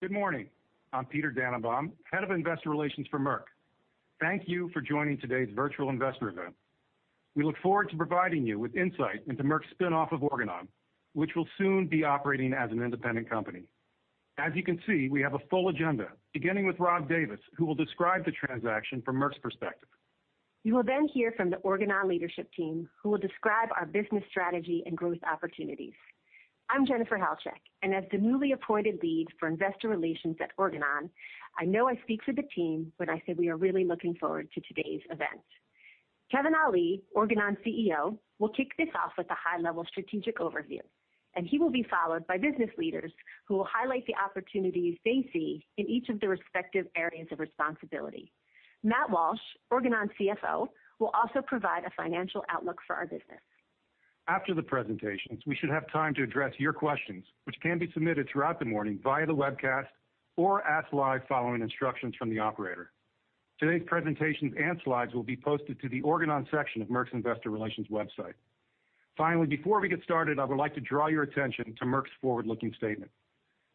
Good morning. I'm Peter Dannenbaum, Head of Investor Relations for Merck. Thank you for joining today's virtual investor event. We look forward to providing you with insight into Merck's spin-off of Organon, which will soon be operating as an independent company. As you can see, we have a full agenda, beginning with Rob Davis, who will describe the transaction from Merck's perspective. You will then hear from the Organon leadership team, who will describe our business strategy and growth opportunities. I'm Jennifer Halchak, and as the newly appointed lead for Investor Relations at Organon, I know I speak for the team when I say we are really looking forward to today's event. Kevin Ali, Organon's CEO, will kick this off with a high-level strategic overview, and he will be followed by business leaders who will highlight the opportunities they see in each of their respective areas of responsibility. Matthew Walsh, Organon's CFO, will also provide a financial outlook for our business. After the presentations, we should have time to address your questions, which can be submitted throughout the morning via the webcast or asked live following instructions from the operator. Today's presentations and slides will be posted to the Organon section of Merck's Investor Relations website. Finally, before we get started, I would like to draw your attention to Merck's forward-looking statement.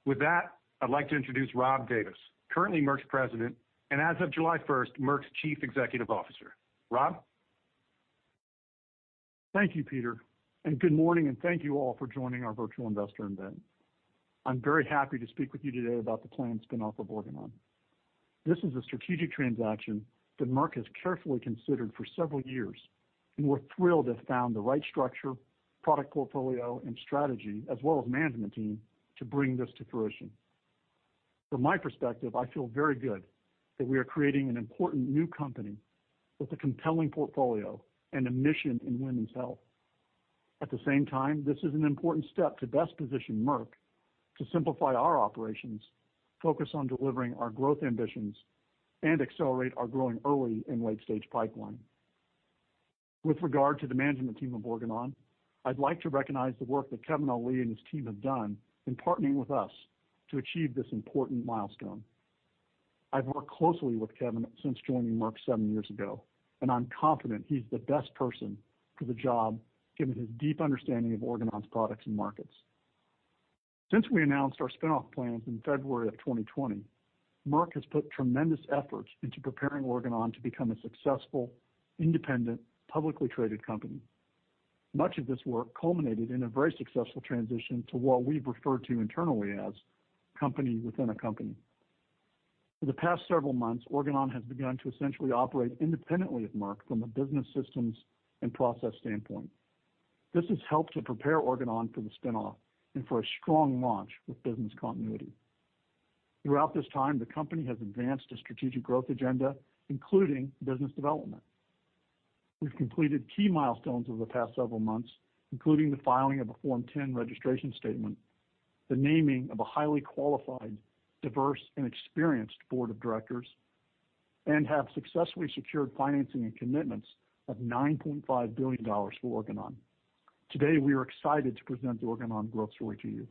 With that, I'd like to introduce Rob Davis, currently Merck's President, and as of July 1st, 2021 Merck's Chief Executive Officer. Rob? Thank you Peter good morning, thank you all for joining our virtual investor event. I'm very happy to speak with you today about the planned spin-off of Organon. This is a strategic transaction that Merck has carefully considered for several years, we're thrilled to have found the right structure, product portfolio, and strategy, as well as management team, to bring this to fruition. From my perspective, I feel very good that we are creating an important new company with a compelling portfolio and a mission in women's health. At the same time, this is an important step to best position Merck to simplify our operations, focus on delivering our growth ambitions, and accelerate our growing early and late-stage pipeline. With regard to the management team of Organon, I'd like to recognize the work that Kevin Ali and his team have done in partnering with us to achieve this important milestone. I've worked closely with Kevin since joining Merck seven years ago, and I'm confident he's the best person for the job, given his deep understanding of Organon's products and markets. Since we announced our spin-off plans in February 2020, Merck has put tremendous efforts into preparing Organon to become a successful, independent, publicly traded company. Much of this work culminated in a very successful transition to what we've referred to internally as company within a company. For the past several months, Organon has begun to essentially operate independently of Merck from a business systems and process standpoint. This has helped to prepare Organon for the spin-off and for a strong launch with business continuity. Throughout this time, the company has advanced a strategic growth agenda, including business development. We've completed key milestones over the past several months, including the filing of a Form 10 registration statement, the naming of a highly qualified, diverse, and experienced Board of Directors, and have successfully secured financing and commitments of $9.5 billion for Organon. Today, we are excited to present the Organon growth story to you.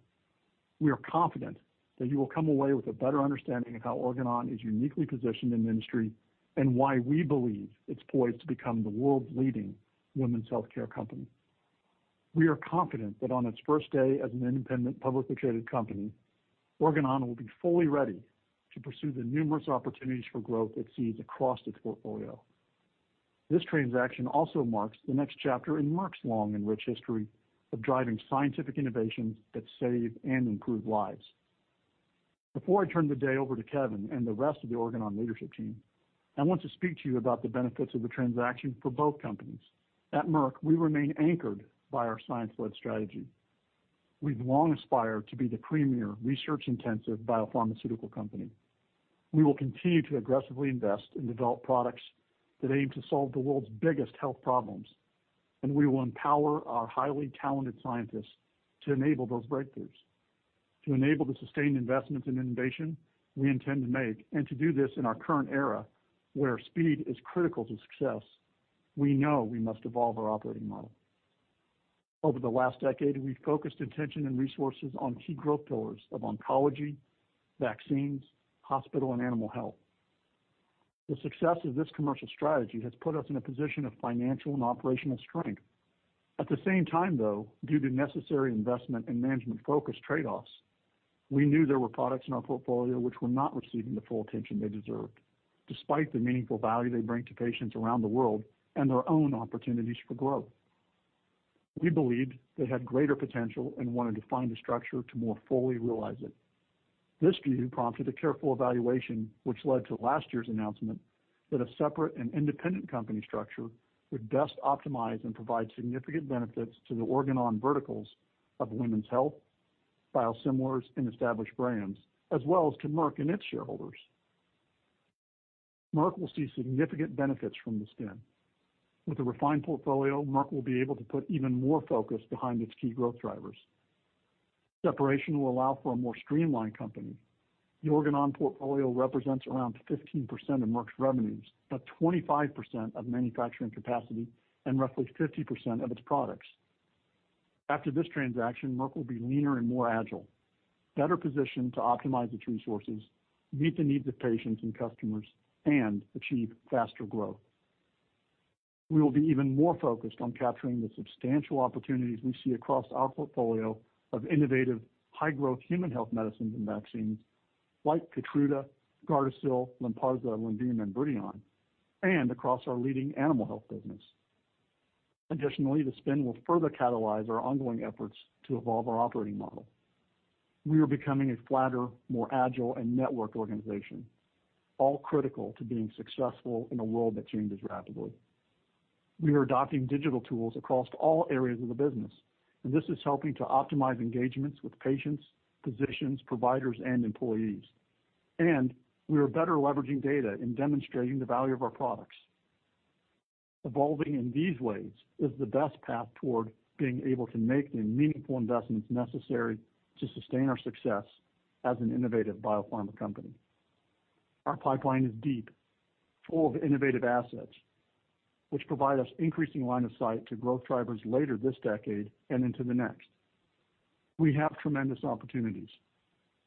We are confident that you will come away with a better understanding of how Organon is uniquely positioned in the industry and why we believe it's poised to become the world's leading women's healthcare company. We are confident that on its first day as an independent, publicly traded company, Organon will be fully ready to pursue the numerous opportunities for growth it sees across its portfolio. This transaction also marks the next chapter in Merck's long and rich history of driving scientific innovations that save and improve lives. Before I turn the day over to Kevin and the rest of the Organon leadership team, I want to speak to you about the benefits of the transaction for both companies. At Merck, we remain anchored by our science-led strategy. We've long aspired to be the premier research-intensive biopharmaceutical company. We will continue to aggressively invest and develop products that aim to solve the world's biggest health problems, and we will empower our highly talented scientists to enable those breakthroughs. To enable the sustained investments in innovation we intend to make and to do this in our current era, where speed is critical to success, we know we must evolve our operating model. Over the last decade, we've focused attention and resources on key growth pillars of oncology, vaccines, hospital, and animal health. The success of this commercial strategy has put us in a position of financial and operational strength. At the same time, though, due to necessary investment and management focus trade-offs, we knew there were products in our portfolio which were not receiving the full attention they deserved, despite the meaningful value they bring to patients around the world and their own opportunities for growth. We believed they had greater potential and wanted to find a structure to more fully realize it. This view prompted a careful evaluation, which led to last year's announcement that a separate and independent company structure would best optimize and provide significant benefits to the Organon verticals of Women's Health, Biosimilars, and Established Brands, as well as to Merck and its shareholders. Merck will see significant benefits from the spin. With a refined portfolio, Merck will be able to put even more focus behind its key growth drivers. Separation will allow for a more streamlined company. The Organon portfolio represents around 15% of Merck's revenues, but 25% of manufacturing capacity and roughly 50% of its products. After this transaction, Merck will be leaner and more agile, better positioned to optimize its resources, meet the needs of patients and customers, and achieve faster growth. We will be even more focused on capturing the substantial opportunities we see across our portfolio of innovative high-growth human health medicines and vaccines like KEYTRUDA, GARDASIL, LYNPARZA, LYNDELLA, and BRIDION, and across our leading animal health business. Additionally, the spin will further catalyze our ongoing efforts to evolve our operating model. We are becoming a flatter, more agile, and networked organization, all critical to being successful in a world that changes rapidly. We are adopting digital tools across all areas of the business, this is helping to optimize engagements with patients, physicians, providers, and employees. We are better leveraging data in demonstrating the value of our products. Evolving in these ways is the best path toward being able to make the meaningful investments necessary to sustain our success as an innovative biopharma company. Our pipeline is deep, full of innovative assets, which provide us increasing line of sight to growth drivers later this decade and into the next. We have tremendous opportunities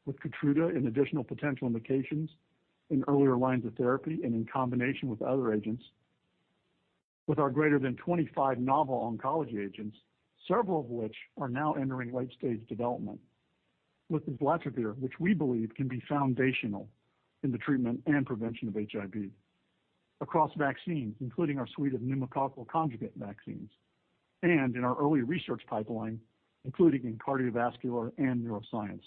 with KEYTRUDA in additional potential indications in earlier lines of therapy and in combination with other agents, with our greater than 25 novel oncology agents, several of which are now entering late-stage development. With dolutegravir, which we believe can be foundational in the treatment and prevention of HIV. Across vaccines, including our suite of pneumococcal conjugate vaccines, and in our early research pipeline, including in cardiovascular and neuroscience.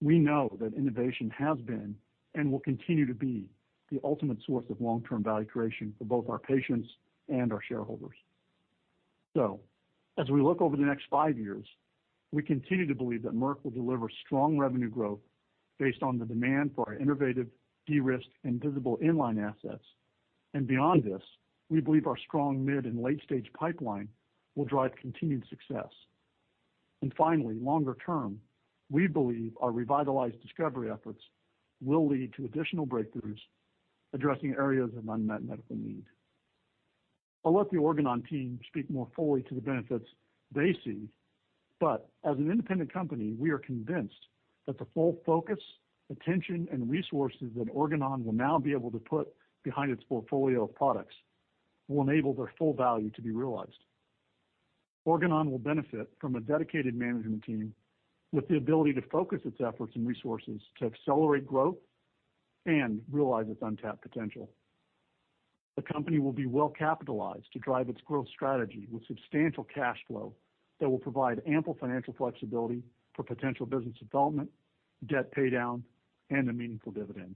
We know that innovation has been and will continue to be the ultimate source of long-term value creation for both our patients and our shareholders. As we look over the next five years, we continue to believe that Merck will deliver strong revenue growth based on the demand for our innovative, de-risked, and visible inline assets. Beyond this, we believe our strong mid and late-stage pipeline will drive continued success. Finally, longer term, we believe our revitalized discovery efforts will lead to additional breakthroughs addressing areas of unmet medical need. I'll let the Organon team speak more fully to the benefits they see. As an independent company, we are convinced that the full focus, attention, and resources that Organon will now be able to put behind its portfolio of products will enable their full value to be realized. Organon will benefit from a dedicated management team with the ability to focus its efforts and resources to accelerate growth and realize its untapped potential. The company will be well-capitalized to drive its growth strategy with substantial cash flow that will provide ample financial flexibility for potential business development, debt paydown, and a meaningful dividend.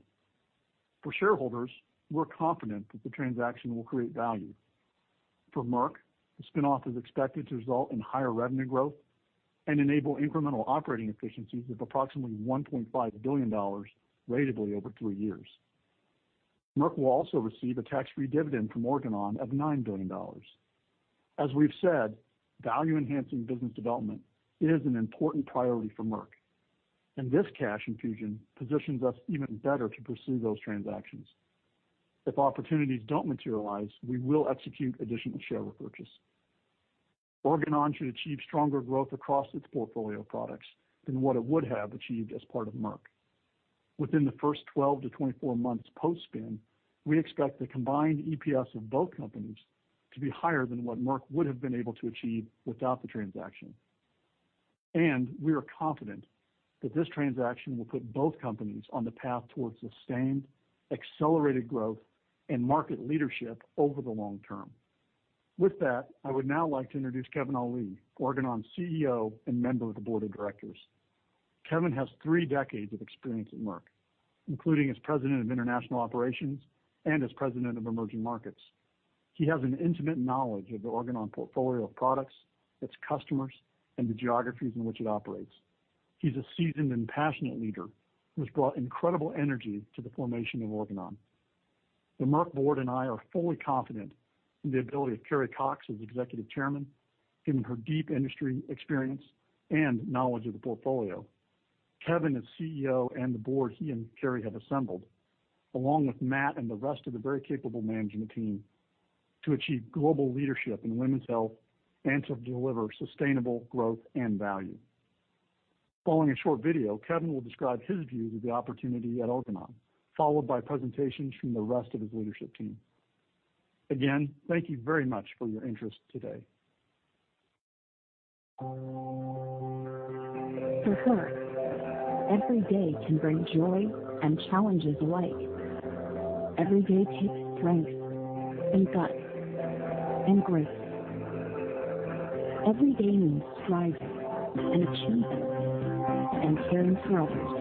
For shareholders, we're confident that the transaction will create value. For Merck, the spin-off is expected to result in higher revenue growth and enable incremental operating efficiencies of approximately $1.5 billion ratably over three years. Merck will also receive a tax-free dividend from Organon of $9 billion. As we've said, value-enhancing business development is an important priority for Merck. This cash infusion positions us even better to pursue those transactions. If opportunities don't materialize, we will execute additional share repurchase. Organon should achieve stronger growth across its portfolio products than what it would have achieved as part of Merck. Within the first 12-24 months post-spin, we expect the combined EPS of both companies to be higher than what Merck would have been able to achieve without the transaction. We are confident that this transaction will put both companies on the path towards sustained, accelerated growth and market leadership over the long term. With that, I would now like to introduce Kevin Ali, Organon CEO, and member of the Board of Directors. Kevin has three decades of experience at Merck, including as President of International Operations and as President of Emerging Markets. He has an intimate knowledge of the Organon portfolio of products, its customers, and the geographies in which it operates. He's a seasoned and passionate leader who has brought incredible energy to the formation of Organon. The Merck board and I are fully confident in the ability of Carrie Cox as Executive Chairman, given her deep industry experience and knowledge of the portfolio. Kevin as CEO and the board he and Carrie have assembled, along with Matt and the rest of the very capable management team to achieve global leadership in women's health and to deliver sustainable growth and value. Following a short video, Kevin will describe his view of the opportunity at Organon, followed by presentations from the rest of his leadership team. Again, thank you very much for your interest today. For her, every day can bring joy and challenges alike. Every day takes strength and guts and grace. Every day means thriving and achieving and caring for others.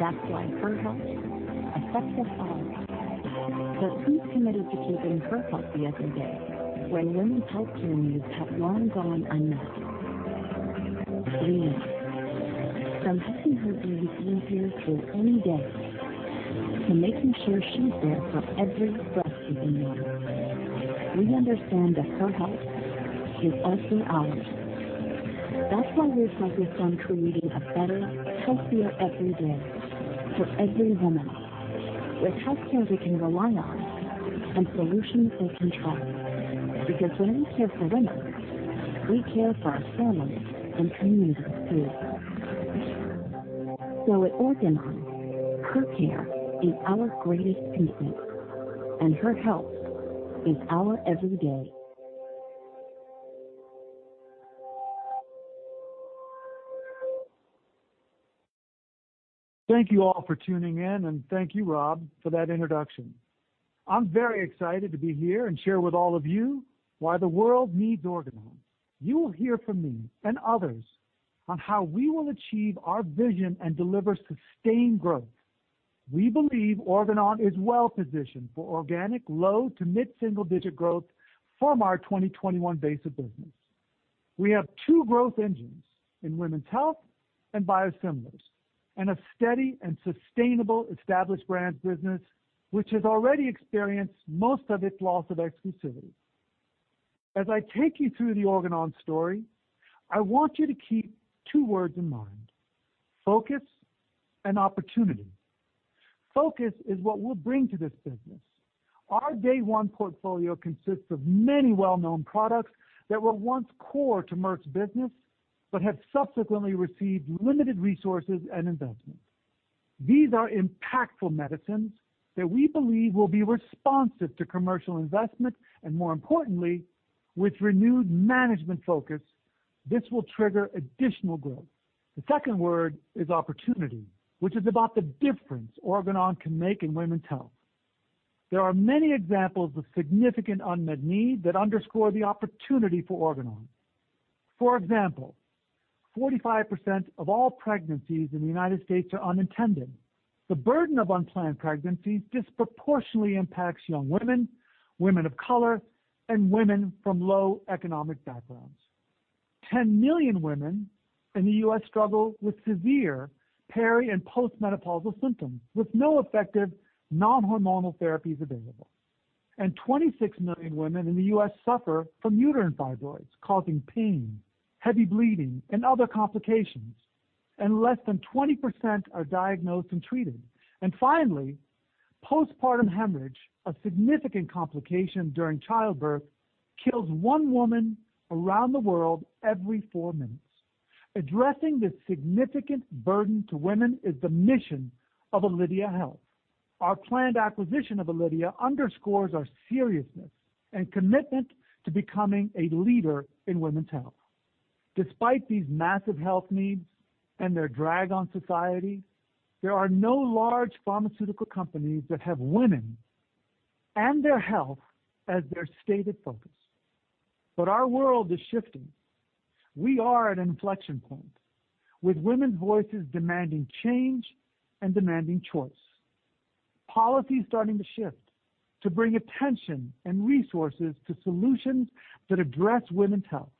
That's why her health affects us all. Who's committed to keeping her healthy every day when women's healthcare needs have long gone unmet? We are. From helping her baby seem here for any day, to making sure she's there for every first in life, we understand that her health is also ours. That's why we focus on creating a better, healthier every day for every woman with healthcare we can rely on and solutions we can trust. When we care for women, we care for our families and communities, too. At Organon, her care is our greatest patient, and her health is our every day. Thank you all for tuning in, and thank you, Rob, for that introduction. I am very excited to be here and share with all of you why the world needs Organon. You will hear from me and others on how we will achieve our vision and deliver sustained growth. We believe Organon is well-positioned for organic low-to mid-single digit growth from our 2021 base of business. We have two growth engines in women's health and biosimilars, and a steady and sustainable established brands business, which has already experienced most of its loss of exclusivity. As I take you through the Organon story, I want you to keep two words in mind, focus and opportunity. Focus is what we will bring to this business. Our day one portfolio consists of many well-known products that were once core to Merck's business, but have subsequently received limited resources and investments. These are impactful medicines that we believe will be responsive to commercial investment. More importantly, with renewed management focus, this will trigger additional growth. The second word is opportunity, which is about the difference Organon can make in women's health. There are many examples of significant unmet need that underscore the opportunity for Organon. For example, 45% of all pregnancies in the U.S. are unintended. The burden of unplanned pregnancies disproportionately impacts young women of color, and women from low economic backgrounds. 10 million women in the U.S. struggle with severe peri and post-menopausal symptoms, with no effective non-hormonal therapies available. 26 million women in the U.S. suffer from uterine fibroids, causing pain, heavy bleeding, and other complications, and less than 20% are diagnosed and treated. Finally, postpartum hemorrhage, a significant complication during childbirth, kills one woman around the world every four minutes. Addressing this significant burden to women is the mission of Alydia Health. Our planned acquisition of Alydia underscores our seriousness and commitment to becoming a leader in women's health. Despite these massive health needs and their drag on society, there are no large pharmaceutical companies that have women and their health as their stated focus. Our world is shifting. We are at an inflection point, with women's voices demanding change and demanding choice. Policy is starting to shift to bring attention and resources to solutions that address women's health.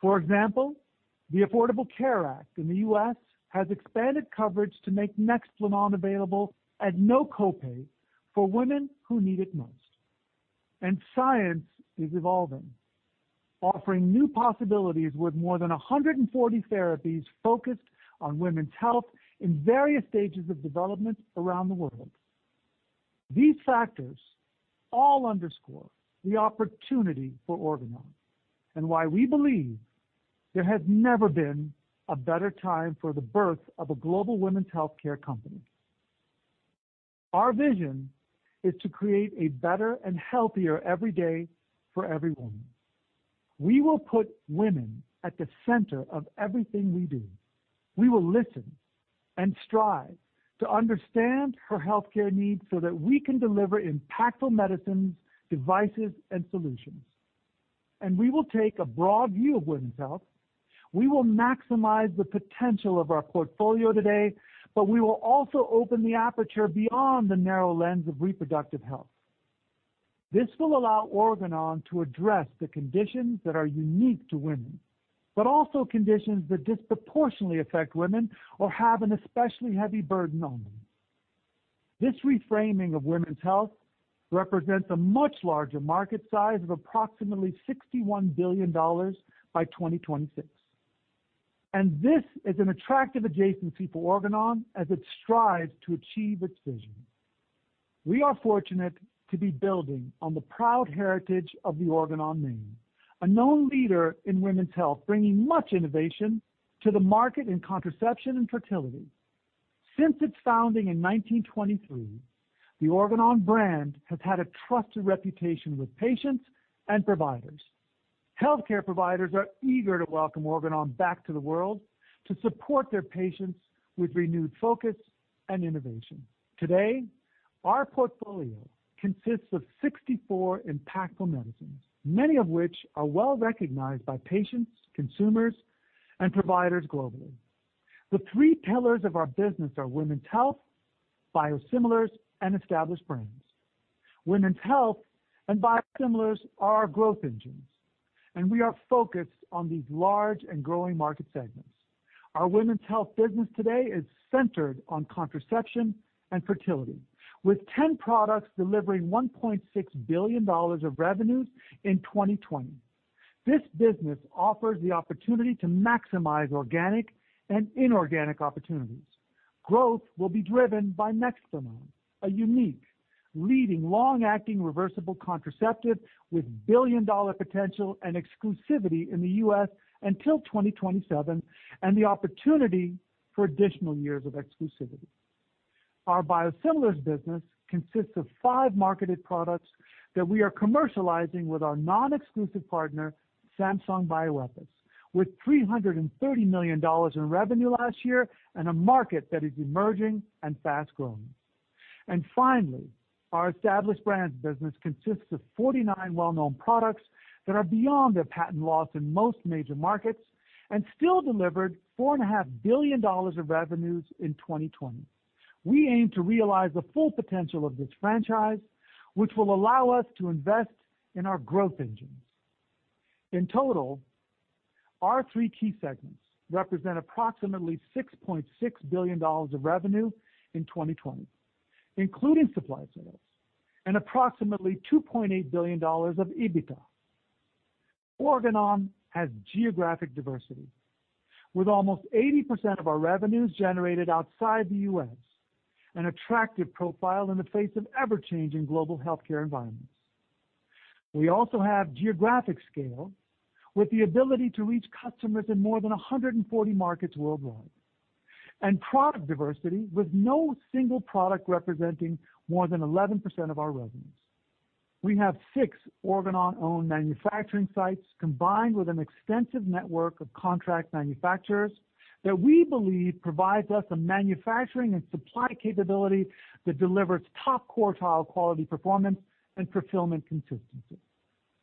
For example, the Affordable Care Act in the U.S. has expanded coverage to make Nexplanon available at no copay for women who need it most. Science is evolving, offering new possibilities with more than 140 therapies focused on women's health in various stages of development around the world. These factors all underscore the opportunity for Organon, and why we believe there has never been a better time for the birth of a global women's healthcare company. Our vision is to create a better and healthier every day for every woman. We will put women at the center of everything we do. We will listen and strive to understand her healthcare needs so that we can deliver impactful medicines, devices, and solutions. We will take a broad view of women's health. We will maximize the potential of our portfolio today, but we will also open the aperture beyond the narrow lens of reproductive health. This will allow Organon to address the conditions that are unique to women, but also conditions that disproportionately affect women or have an especially heavy burden on them. This reframing of women's health represents a much larger market size of approximately $61 billion by 2026. This is an attractive adjacency for Organon as it strives to achieve its vision. We are fortunate to be building on the proud heritage of the Organon name, a known leader in women's health, bringing much innovation to the market in contraception and fertility. Since its founding in 1923, the Organon brand has had a trusted reputation with patients and providers. Healthcare providers are eager to welcome Organon back to the world to support their patients with renewed focus and innovation. Today, our portfolio consists of 64 impactful medicines, many of which are well-recognized by patients, consumers, and providers globally. The three pillars of our business are women's health, biosimilars, and established brands. Women's health and biosimilars are our growth engines, and we are focused on these large and growing market segments. Our women's health business today is centered on contraception and fertility, with 10 products delivering $1.6 billion of revenues in 2020. This business offers the opportunity to maximize organic and inorganic opportunities. Growth will be driven by Nexplanon, a unique leading long-acting reversible contraceptive with billion-dollar potential and exclusivity in the U.S. until 2027, and the opportunity for additional years of exclusivity. Our biosimilars business consists of five marketed products that we are commercializing with our non-exclusive partner, Samsung Bioepis, with $330 million in revenue last year and a market that is emerging and fast-growing. Finally, our established brands business consists of 49 well-known products that are beyond their patent loss in most major markets and still delivered $4.5 billion of revenues in 2020. We aim to realize the full potential of this franchise, which will allow us to invest in our growth engines. In total, our three key segments represent approximately $6.6 billion of revenue in 2020, including supply sales, and approximately $2.8 billion of EBITDA. Organon has geographic diversity, with almost 80% of our revenues generated outside the U.S., an attractive profile in the face of ever-changing global healthcare environments. We also have geographic scale, with the ability to reach customers in more than 140 markets worldwide. Product diversity with no single product representing more than 11% of our revenues. We have six Organon-owned manufacturing sites, combined with an extensive network of contract manufacturers that we believe provides us a manufacturing and supply capability that delivers top-quartile quality performance and fulfillment consistency.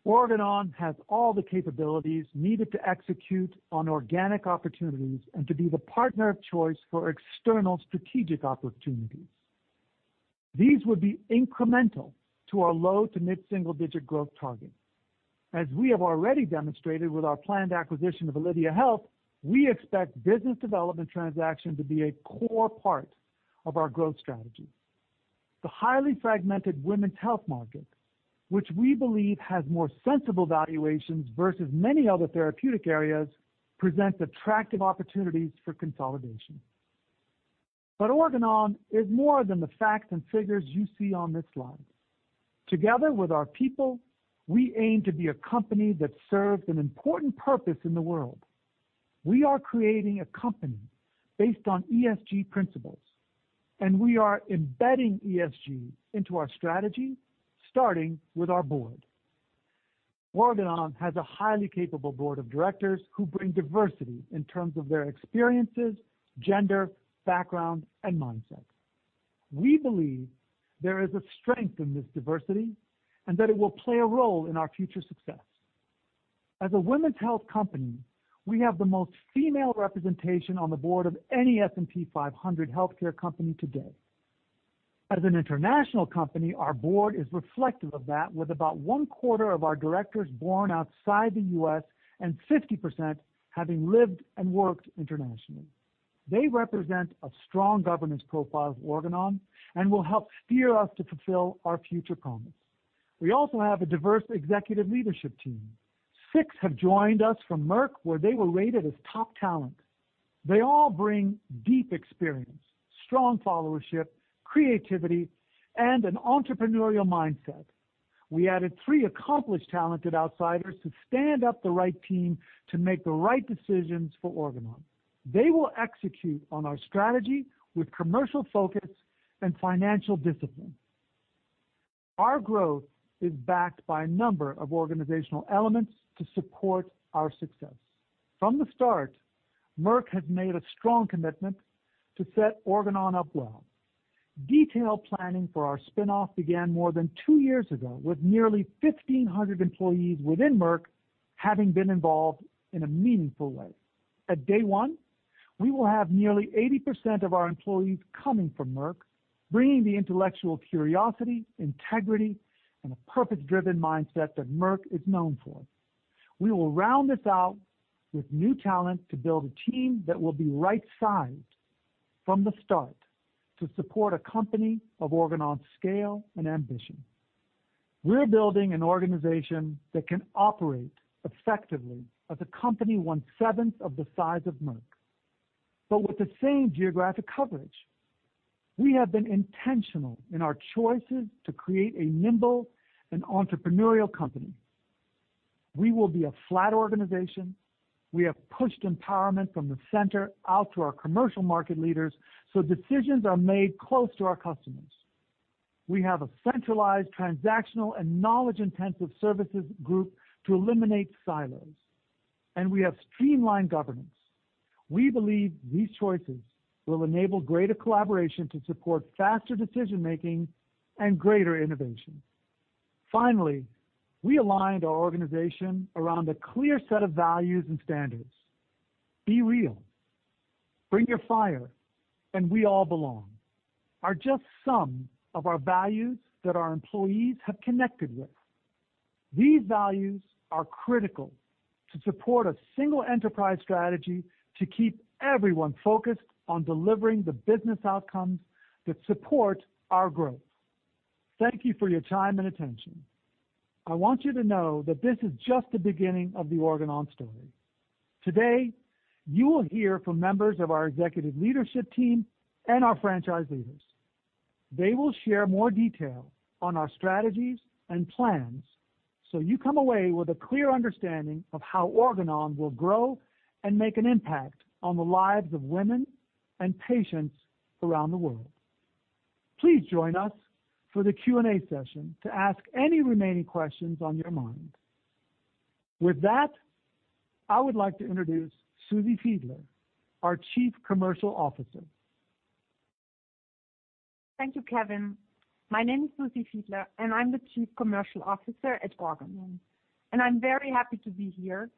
Organon has all the capabilities needed to execute on organic opportunities and to be the partner of choice for external strategic opportunities. These would be incremental to our low to mid-single-digit growth target. As we have already demonstrated with our planned acquisition of Alydia Health, we expect business development transactions to be a core part of our growth strategy. The highly fragmented women's health market, which we believe has more sensible valuations versus many other therapeutic areas, presents attractive opportunities for consolidation. Organon is more than the facts and figures you see on this slide. Together with our people, we aim to be a company that serves an important purpose in the world. We are creating a company based on ESG principles, and we are embedding ESG into our strategy, starting with our board. Organon has a highly capable Board of Directors who bring diversity in terms of their experiences, gender, background, and mindset. We believe there is a strength in this diversity, and that it will play a role in our future success. As a women's health company, we have the most female representation on the board of any S&P 500 healthcare company today. As an international company, our board is reflective of that, with about one-quarter of our directors born outside the U.S. and 50% having lived and worked internationally. They represent a strong governance profile of Organon and will help steer us to fulfill our future promise. We also have a diverse executive leadership team. Six have joined us from Merck, where they were rated as top talent. They all bring deep experience, strong followership, creativity, and an entrepreneurial mindset. We added three accomplished, talented outsiders to stand up the right team to make the right decisions for Organon. They will execute on our strategy with commercial focus and financial discipline. Our growth is backed by a number of organizational elements to support our success. From the start, Merck has made a strong commitment to set Organon up well. Detailed planning for our spin-off began more than two years ago, with nearly 1,500 employees within Merck having been involved in a meaningful way. At day one, we will have nearly 80% of our employees coming from Merck, bringing the intellectual curiosity, integrity, and a purpose-driven mindset that Merck is known for. We will round this out with new talent to build a team that will be right-sized from the start to support a company of Organon's scale and ambition. We're building an organization that can operate effectively as a company 1/7 of the size of Merck, but with the same geographic coverage. We have been intentional in our choices to create a nimble and entrepreneurial company. We will be a flat organization. We have pushed empowerment from the center out to our commercial market leaders. Decisions are made close to our customers. We have a centralized transactional and knowledge-intensive services group to eliminate silos. We have streamlined governance. We believe these choices will enable greater collaboration to support faster decision-making and greater innovation. Finally, we aligned our organization around a clear set of values and standards. "Be real," "bring your fire," and "we all belong" are just some of our values that our employees have connected with. These values are critical to support a single enterprise strategy to keep everyone focused on delivering the business outcomes that support our growth. Thank you for your time and attention. I want you to know that this is just the beginning of the Organon story. Today, you will hear from members of our executive leadership team and our franchise leaders. They will share more detail on our strategies and plans so you come away with a clear understanding of how Organon will grow and make an impact on the lives of women and patients around the world. Please join us for the Q&A session to ask any remaining questions on your mind. With that, I would like to introduce Susanne Fiedler, our Chief Commercial Officer. Thank you, Kevin. My name is Susanne Fiedler, and I'm the Chief Commercial Officer at Organon, and I'm very happy to be here.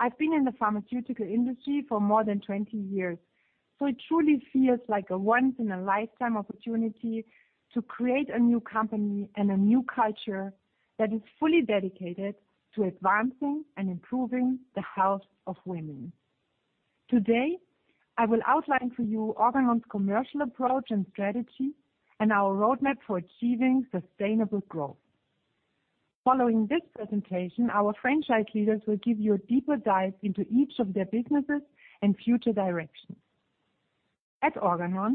I've been in the pharmaceutical industry for more than 20 years, so it truly feels like a once-in-a-lifetime opportunity to create a new company and a new culture that is fully dedicated to advancing and improving the health of women. Today, I will outline for you Organon's commercial approach and strategy, and our roadmap for achieving sustainable growth. Following this presentation, our franchise leaders will give you a deeper dive into each of their businesses and future directions. At Organon,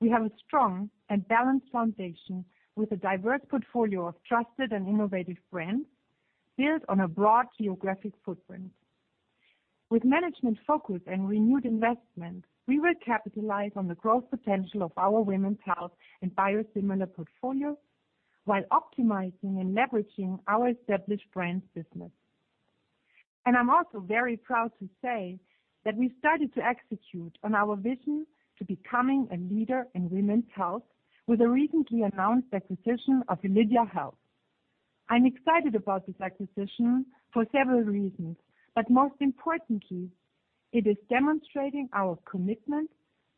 we have a strong and balanced foundation with a diverse portfolio of trusted and innovative brands built on a broad geographic footprint. With management focus and renewed investment, we will capitalize on the growth potential of our women's health and biosimilar portfolio, while optimizing and leveraging our established brands business. I'm also very proud to say that we started to execute on our vision to becoming a leader in women's health with the recently announced acquisition of Alydia Health. I'm excited about this acquisition for several reasons, but most importantly, it is demonstrating our commitment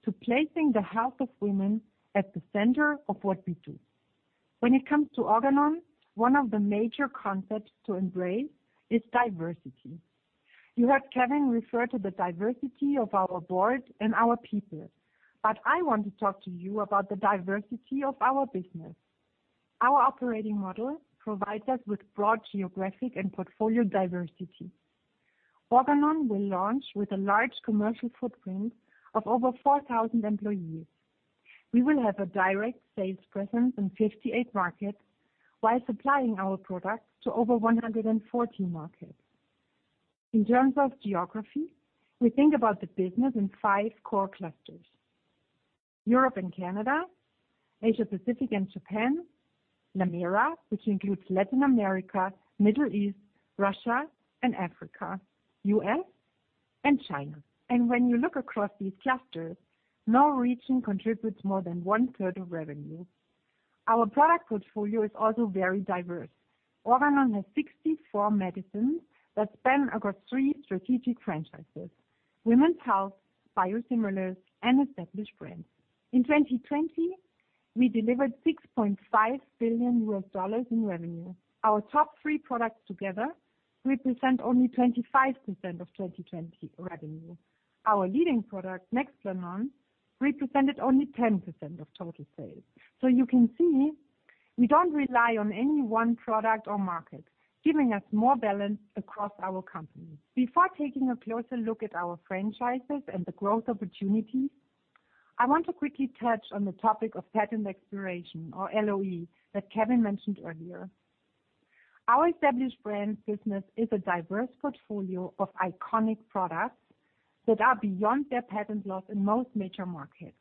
to placing the health of women at the center of what we do. When it comes to Organon, one of the major concepts to embrace is diversity. You heard Kevin refer to the diversity of our board and our people, but I want to talk to you about the diversity of our business. Our operating model provides us with broad geographic and portfolio diversity. Organon will launch with a large commercial footprint of over 4,000 employees. We will have a direct sales presence in 58 markets while supplying our products to over 140 markets. In terms of geography, we think about the business in five core clusters. Europe and Canada, Asia, Pacific and Japan, LATAMERA, which includes Latin America, Middle East, Russia and Africa, U.S., and China. When you look across these clusters, no region contributes more than 1/3 of revenue. Our product portfolio is also very diverse. Organon has 64 medicines that span across three strategic franchises, Women's Health, Biosimilars, and Established Brands. In 2020, we delivered $6.5 billion in revenue. Our top three products together represent only 25% of 2020 revenue. Our leading product, Nexplanon, represented only 10% of total sales. You can see, we don't rely on any one product or market, giving us more balance across our company. Before taking a closer look at our franchises and the growth opportunities, I want to quickly touch on the topic of patent expiration or LOE that Kevin mentioned earlier. Our Established Brands business is a diverse portfolio of iconic products that are beyond their patent loss in most major markets.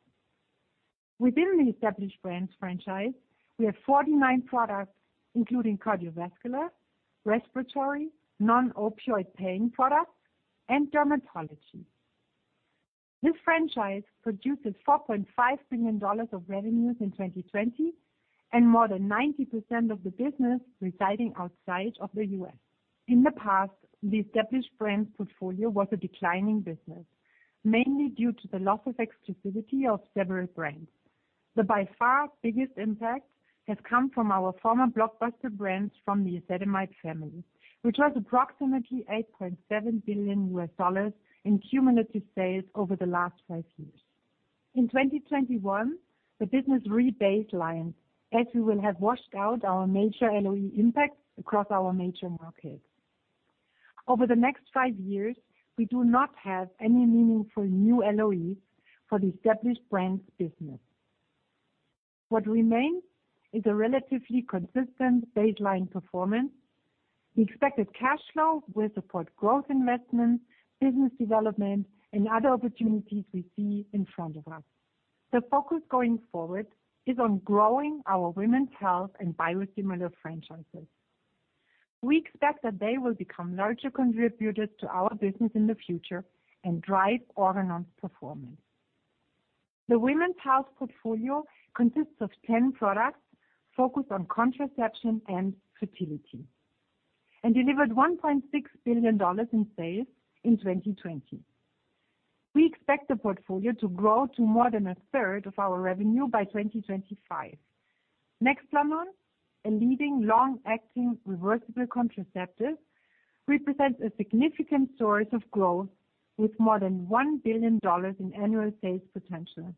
Within the Established Brands franchise, we have 49 products, including cardiovascular, respiratory, non-opioid pain products, and dermatology. This franchise produced $4.5 billion of revenues in 2020, and more than 90% of the business residing outside of the U.S. In the past, the Established Brands portfolio was a declining business, mainly due to the loss of exclusivity of several brands. The by far biggest impact has come from our former blockbuster brands from the ezetimibe family, which was approximately $8.7 billion in cumulative sales over the last five years. In 2021, the business rebaselined, as we will have washed out our major LOE impact across our major markets. Over the next five years, we do not have any meaningful new LOEs for the Established Brands business. What remains is a relatively consistent baseline performance. The expected cash flow will support growth investments, business development, and other opportunities we see in front of us. The focus going forward is on growing our women's health and biosimilar franchises. We expect that they will become larger contributors to our business in the future and drive Organon's performance. The women's health portfolio consists of 10 products focused on contraception and fertility, and delivered $1.6 billion in sales in 2020. We expect the portfolio to grow to more than 1/3 of our revenue by 2025. Nexplanon, a leading long-acting reversible contraceptive, represents a significant source of growth with more than $1 billion in annual sales potential.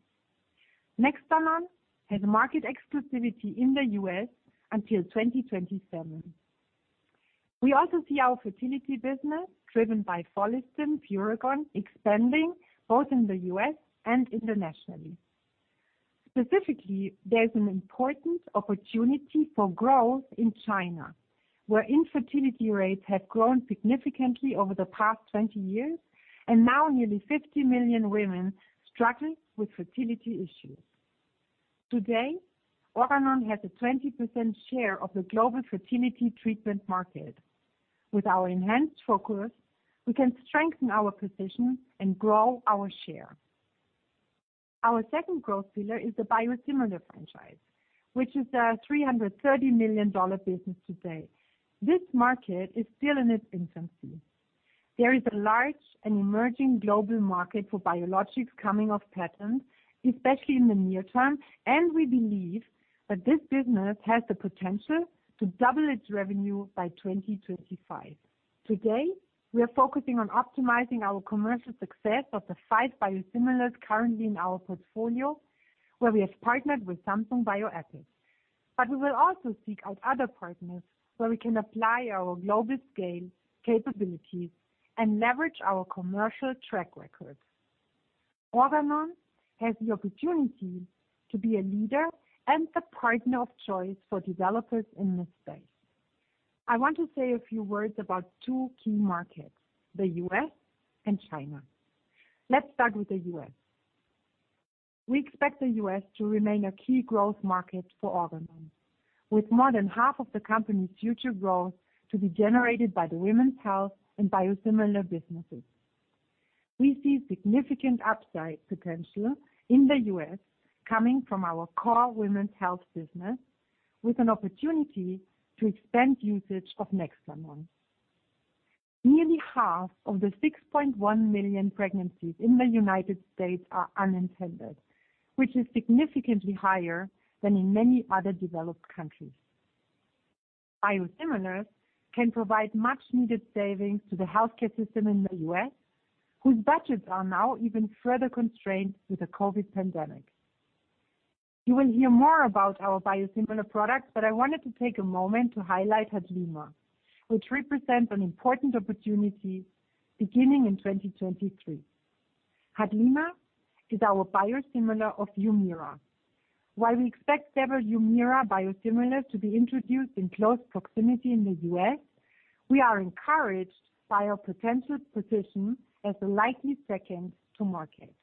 Nexplanon has market exclusivity in the U.S. until 2027. We also see our fertility business driven by Follistim, PUREGON expanding both in the U.S. and internationally. Specifically, there's an important opportunity for growth in China, where infertility rates have grown significantly over the past 20 years, and now nearly 50 million women struggle with fertility issues. Today, Organon has a 20% share of the global fertility treatment market. With our enhanced focus, we can strengthen our position and grow our share. Our second growth pillar is the biosimilar franchise, which is a $330 million business today. This market is still in its infancy. There is a large and emerging global market for biologics coming off patent, especially in the near term. We believe that this business has the potential to double its revenue by 2025. Today, we are focusing on optimizing our commercial success of the five biosimilars currently in our portfolio, where we have partnered with Samsung Bioepis. We will also seek out other partners where we can apply our global scale capabilities and leverage our commercial track record. Organon has the opportunity to be a leader and the partner of choice for developers in this space. I want to say a few words about two key markets, the U.S. and China. Let's start with the U.S. We expect the U.S. to remain a key growth market for Organon, with more than half of the company's future growth to be generated by the women's health and biosimilar businesses. We see significant upside potential in the U.S. coming from our core women's health business with an opportunity to expand usage of Nexplanon. Nearly half of the 6.1 million pregnancies in the United States are unintended, which is significantly higher than in many other developed countries. Biosimilars can provide much needed savings to the healthcare system in the U.S., whose budgets are now even further constrained with the COVID pandemic. You will hear more about our biosimilar products, but I wanted to take a moment to highlight HADLIMA, which represents an important opportunity beginning in 2023. HADLIMA is our biosimilar of HUMIRA. While we expect several HUMIRA biosimilars to be introduced in close proximity in the U.S., we are encouraged by our potential position as the likely second-to-market.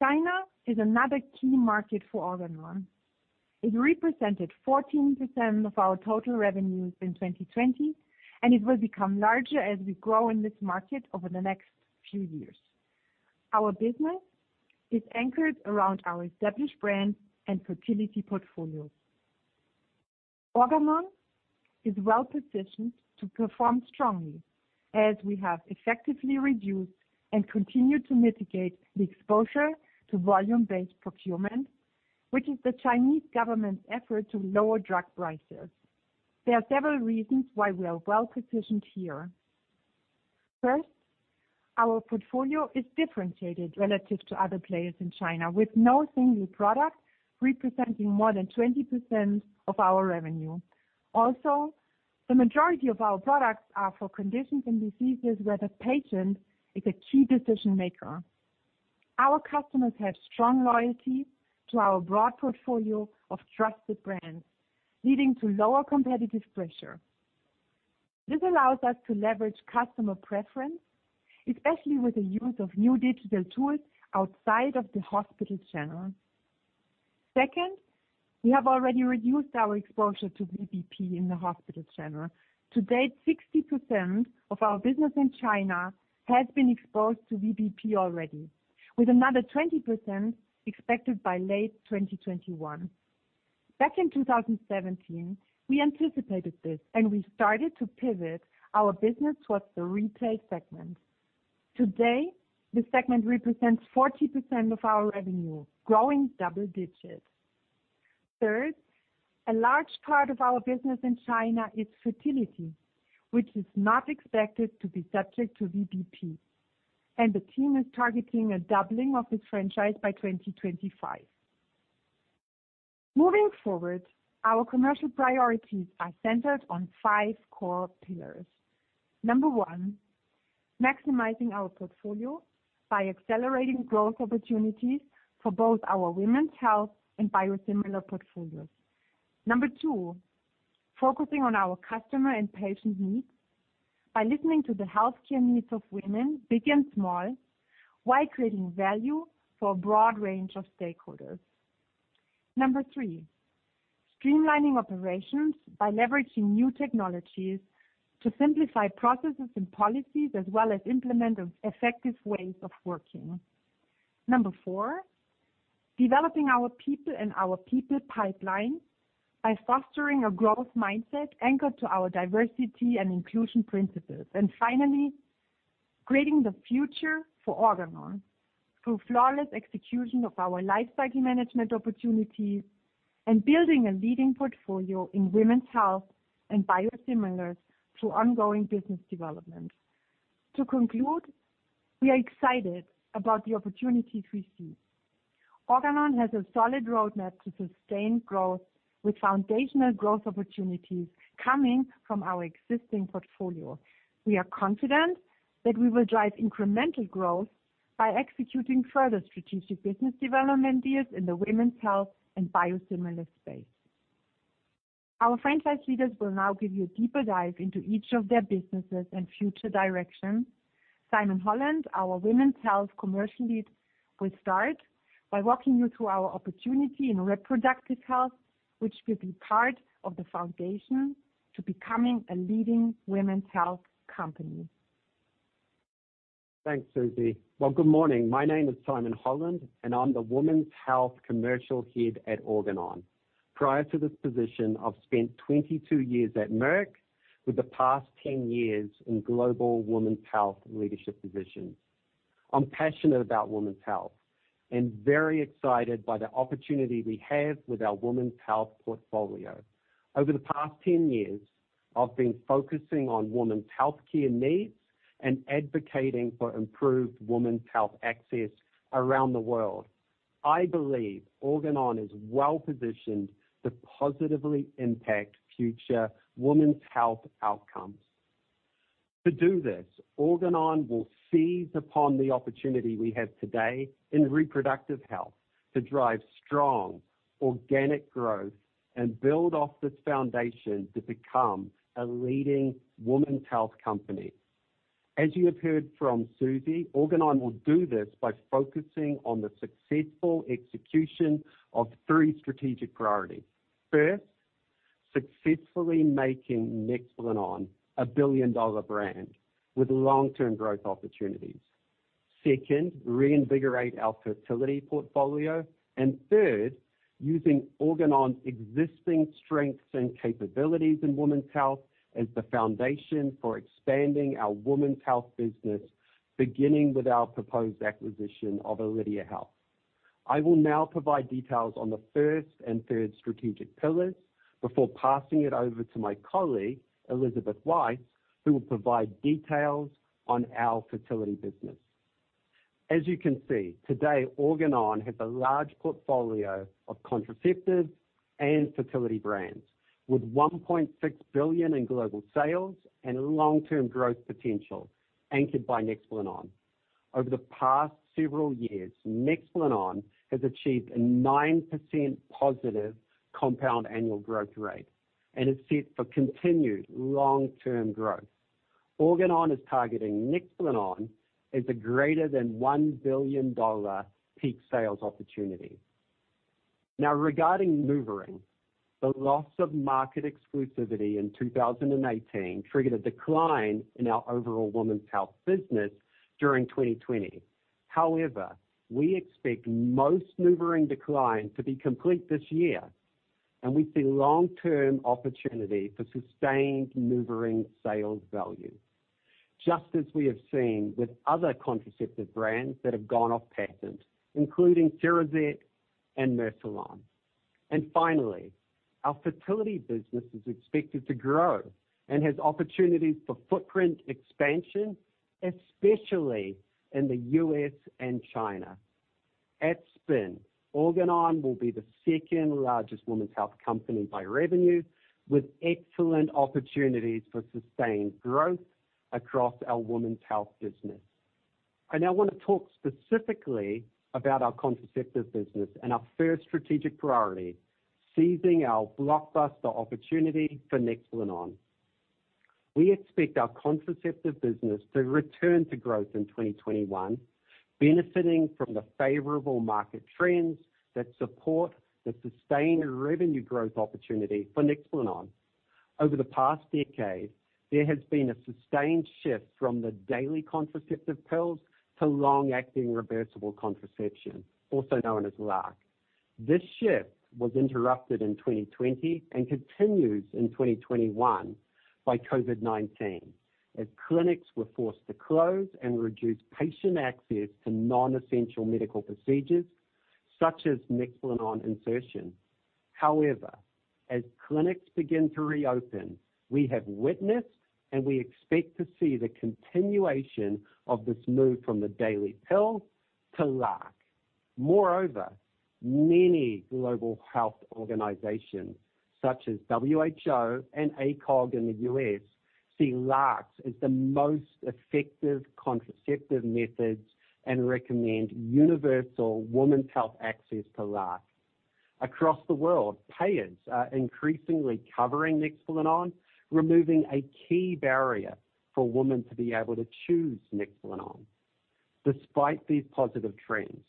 China is another key market for Organon. It represented 14% of our total revenues in 2020, and it will become larger as we grow in this market over the next few years. Our business is anchored around our established brand and fertility portfolios. Organon is well-positioned to perform strongly as we have effectively reduced and continue to mitigate the exposure to volume-based procurement, which is the Chinese government's effort to lower drug prices. There are several reasons why we are well-positioned here. First, our portfolio is differentiated relative to other players in China, with no single product representing more than 20% of our revenue. Also, the majority of our products are for conditions and diseases where the patient is a key decision maker. Our customers have strong loyalty to our broad portfolio of trusted brands, leading to lower competitive pressure. This allows us to leverage customer preference, especially with the use of new digital tools outside of the hospital channel. Second, we have already reduced our exposure to VBP in the hospital channel. To date, 60% of our business in China has been exposed to VBP already, with another 20% expected by late 2021. Back in 2017, we anticipated this, and we started to pivot our business towards the retail segment. Today, this segment represents 40% of our revenue, growing double digits. Third, a large part of our business in China is fertility, which is not expected to be subject to VBP, and the team is targeting a doubling of this franchise by 2025. Moving forward, our commercial priorities are centered on five core pillars. Number one, maximizing our portfolio by accelerating growth opportunities for both our women's health and biosimilar portfolios. Number 2, focusing on our customer and patient needs by listening to the healthcare needs of women, big and small, while creating value for a broad range of stakeholders. Number 3, streamlining operations by leveraging new technologies to simplify processes and policies, as well as implement effective ways of working. Number 4, developing our people and our people pipeline by fostering a growth mindset anchored to our diversity and inclusion principles. Finally, creating the future for Organon through flawless execution of our lifecycle management opportunities and building a leading portfolio in women's health and biosimilars through ongoing business development. To conclude, we are excited about the opportunities we see. Organon has a solid roadmap to sustain growth with foundational growth opportunities coming from our existing portfolio. We are confident that we will drive incremental growth by executing further strategic business development deals in the women's health and biosimilar space. Our franchise leaders will now give you a deeper dive into each of their businesses and future direction. Simon Holland, our Women's Health Commercial Lead, will start by walking you through our opportunity in reproductive health, which will be part of the foundation to becoming a leading women's health company. Thanks, Susi. Good morning. My name is Simon Holland, and I'm the women's health commercial head at Organon. Prior to this position, I've spent 22 years at Merck, with the past 10 years in global women's health leadership positions. I'm passionate about women's health and very excited by the opportunity we have with our women's health portfolio. Over the past 10 years, I've been focusing on women's healthcare needs and advocating for improved women's health access around the world. I believe Organon is well-positioned to positively impact future women's health outcomes. To do this, Organon will seize upon the opportunity we have today in reproductive health to drive strong organic growth and build off this foundation to become a leading women's health company. As you have heard from Susi, Organon will do this by focusing on the successful execution of three strategic priorities. First, successfully making Nexplanon a billion-dollar brand with long-term growth opportunities. Second, reinvigorate our fertility portfolio. Third, using Organon's existing strengths and capabilities in women's health as the foundation for expanding our women's health business, beginning with our proposed acquisition of Alydia Health. I will now provide details on the first and third strategic pillars before passing it over to my colleague, Elisabeth Weis, who will provide details on our fertility business. As you can see, today Organon has a large portfolio of contraceptives and fertility brands, with $1.6 billion in global sales and long-term growth potential anchored by Nexplanon. Over the past several years, Nexplanon has achieved a 9% positive compound annual growth rate and is set for continued long-term growth. Organon is targeting Nexplanon as a greater than $1 billion peak sales opportunity. Now, regarding NuvaRing, the loss of market exclusivity in 2018 triggered a decline in our overall women's health business during 2020. However, we expect most NuvaRing decline to be complete this year, and we see long-term opportunity for sustained NuvaRing sales value. Just as we have seen with other contraceptive brands that have gone off patent, including Cerazette and Mercilon. Finally, our fertility business is expected to grow and has opportunities for footprint expansion, especially in the U.S. and China. At spin, Organon will be the second-largest women's health company by revenue, with excellent opportunities for sustained growth across our women's health business. I now want to talk specifically about our contraceptive business and our first strategic priority, seizing our blockbuster opportunity for Nexplanon. We expect our contraceptive business to return to growth in 2021, benefiting from the favorable market trends that support the sustained revenue growth opportunity for Nexplanon. Over the past decade, there has been a sustained shift from the daily contraceptive pills to long-acting reversible contraception, also known as LARC. This shift was interrupted in 2020 and continues in 2021 by COVID-19, as clinics were forced to close and reduce patient access to non-essential medical procedures such as Nexplanon insertion. However, as clinics begin to reopen, we have witnessed and we expect to see the continuation of this move from the daily pill to LARC. Moreover, many global health organizations, such as WHO and ACOG in the U.S., see LARCs as the most effective contraceptive methods and recommend universal women's health access to LARC. Across the world, payers are increasingly covering Nexplanon, removing a key barrier for women to be able to choose Nexplanon. Despite these positive trends,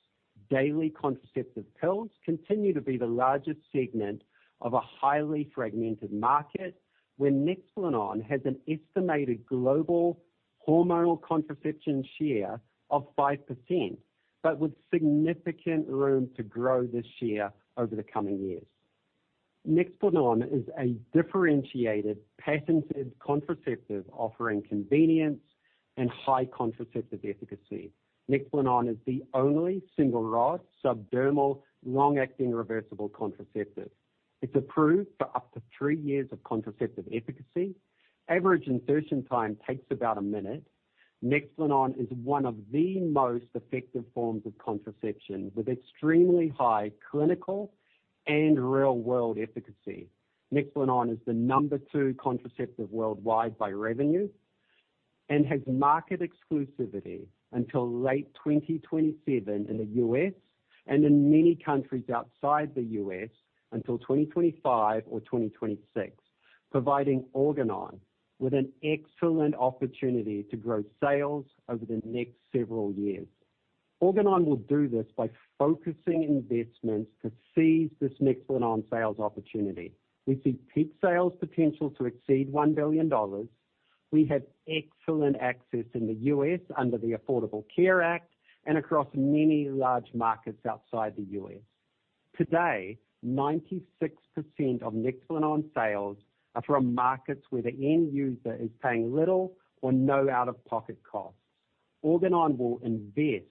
daily contraceptive pills continue to be the largest segment of a highly fragmented market where Nexplanon has an estimated global hormonal contraception share of 5%, but with significant room to grow this share over the coming years. Nexplanon is a differentiated patented contraceptive offering convenience and high contraceptive efficacy. Nexplanon is the only single-rod, subdermal, long-acting, reversible contraceptive. It's approved for up to three years of contraceptive efficacy. Average insertion time takes about a minute. Nexplanon is one of the most effective forms of contraception, with extremely high clinical and real-world efficacy. Nexplanon is the number two contraceptive worldwide by revenue, and has market exclusivity until late 2027 in the U.S., and in many countries outside the U.S. until 2025 or 2026, providing Organon with an excellent opportunity to grow sales over the next several years. Organon will do this by focusing investments to seize this Nexplanon sales opportunity. We see peak sales potential to exceed $1 billion. We have excellent access in the U.S. under the Affordable Care Act and across many large markets outside the U.S. Today, 96% of Nexplanon sales are from markets where the end user is paying little or no out-of-pocket costs. Organon will invest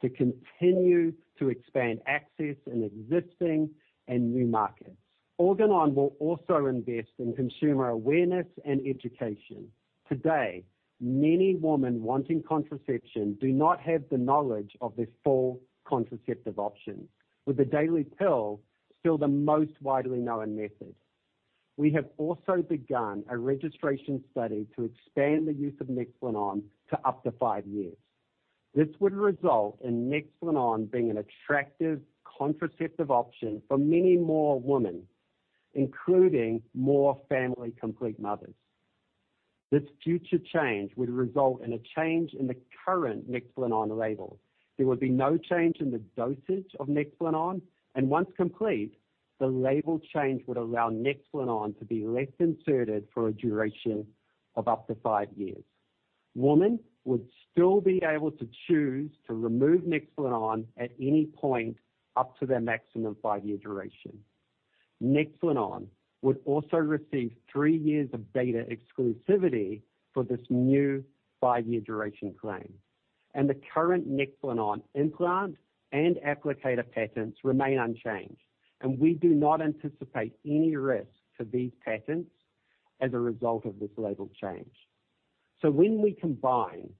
to continue to expand access in existing and new markets. Organon will also invest in consumer awareness and education. Today, many women wanting contraception do not have the knowledge of this full contraceptive option, with the daily pill still the most widely known method. We have also begun a registration study to expand the use of Nexplanon to up to five years. This would result in Nexplanon being an attractive contraceptive option for many more women, including more family-complete mothers. This future change would result in a change in the current Nexplanon label. There would be no change in the dosage of Nexplanon, and once complete, the label change would allow Nexplanon to be less inserted for a duration of up to five years. Women would still be able to choose to remove Nexplanon at any point up to their maximum five-year duration. Nexplanon would also receive three years of data exclusivity for this new five-year duration claim, and the current Nexplanon implant and applicator patents remain unchanged, and we do not anticipate any risk to these patents as a result of this label change. When we combine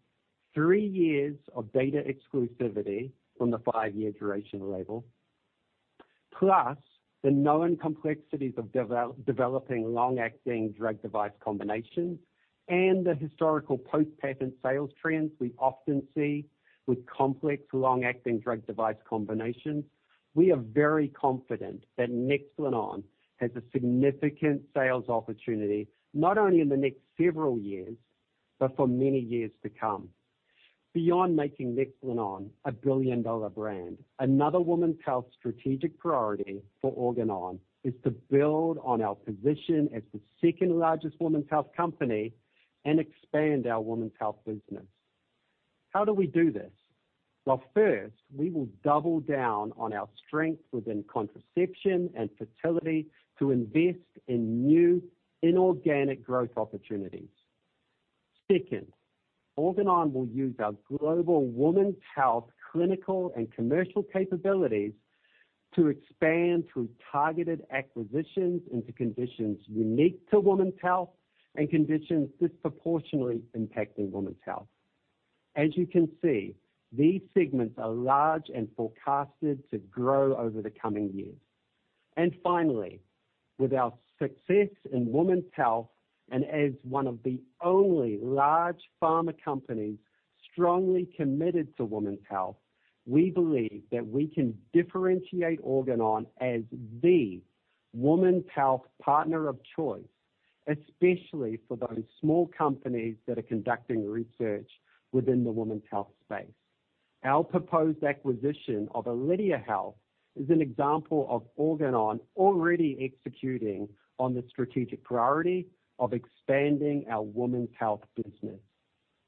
three years of data exclusivity from the five-year duration label, plus the known complexities of developing long-acting drug device combinations and the historical post-patent sales trends we often see with complex long-acting drug device combinations, we are very confident that Nexplanon has a significant sales opportunity, not only in the next several years, but for many years to come. Beyond making Nexplanon a billion-dollar brand, another women's health strategic priority for Organon is to build on our position as the second-largest women's health company and expand our women's health business. How do we do this? Well, first, we will double down on our strength within contraception and fertility to invest in new inorganic growth opportunities. Second, Organon will use our global women's health clinical and commercial capabilities to expand through targeted acquisitions into conditions unique to women's health and conditions disproportionately impacting women's health. As you can see, these segments are large and forecasted to grow over the coming years. Finally, with our success in women's health and as one of the only large pharma companies strongly committed to women's health, we believe that we can differentiate Organon as the women's health partner of choice, especially for those small companies that are conducting research within the women's health space. Our proposed acquisition of Alydia Health is an example of Organon already executing on the strategic priority of expanding our women's health business.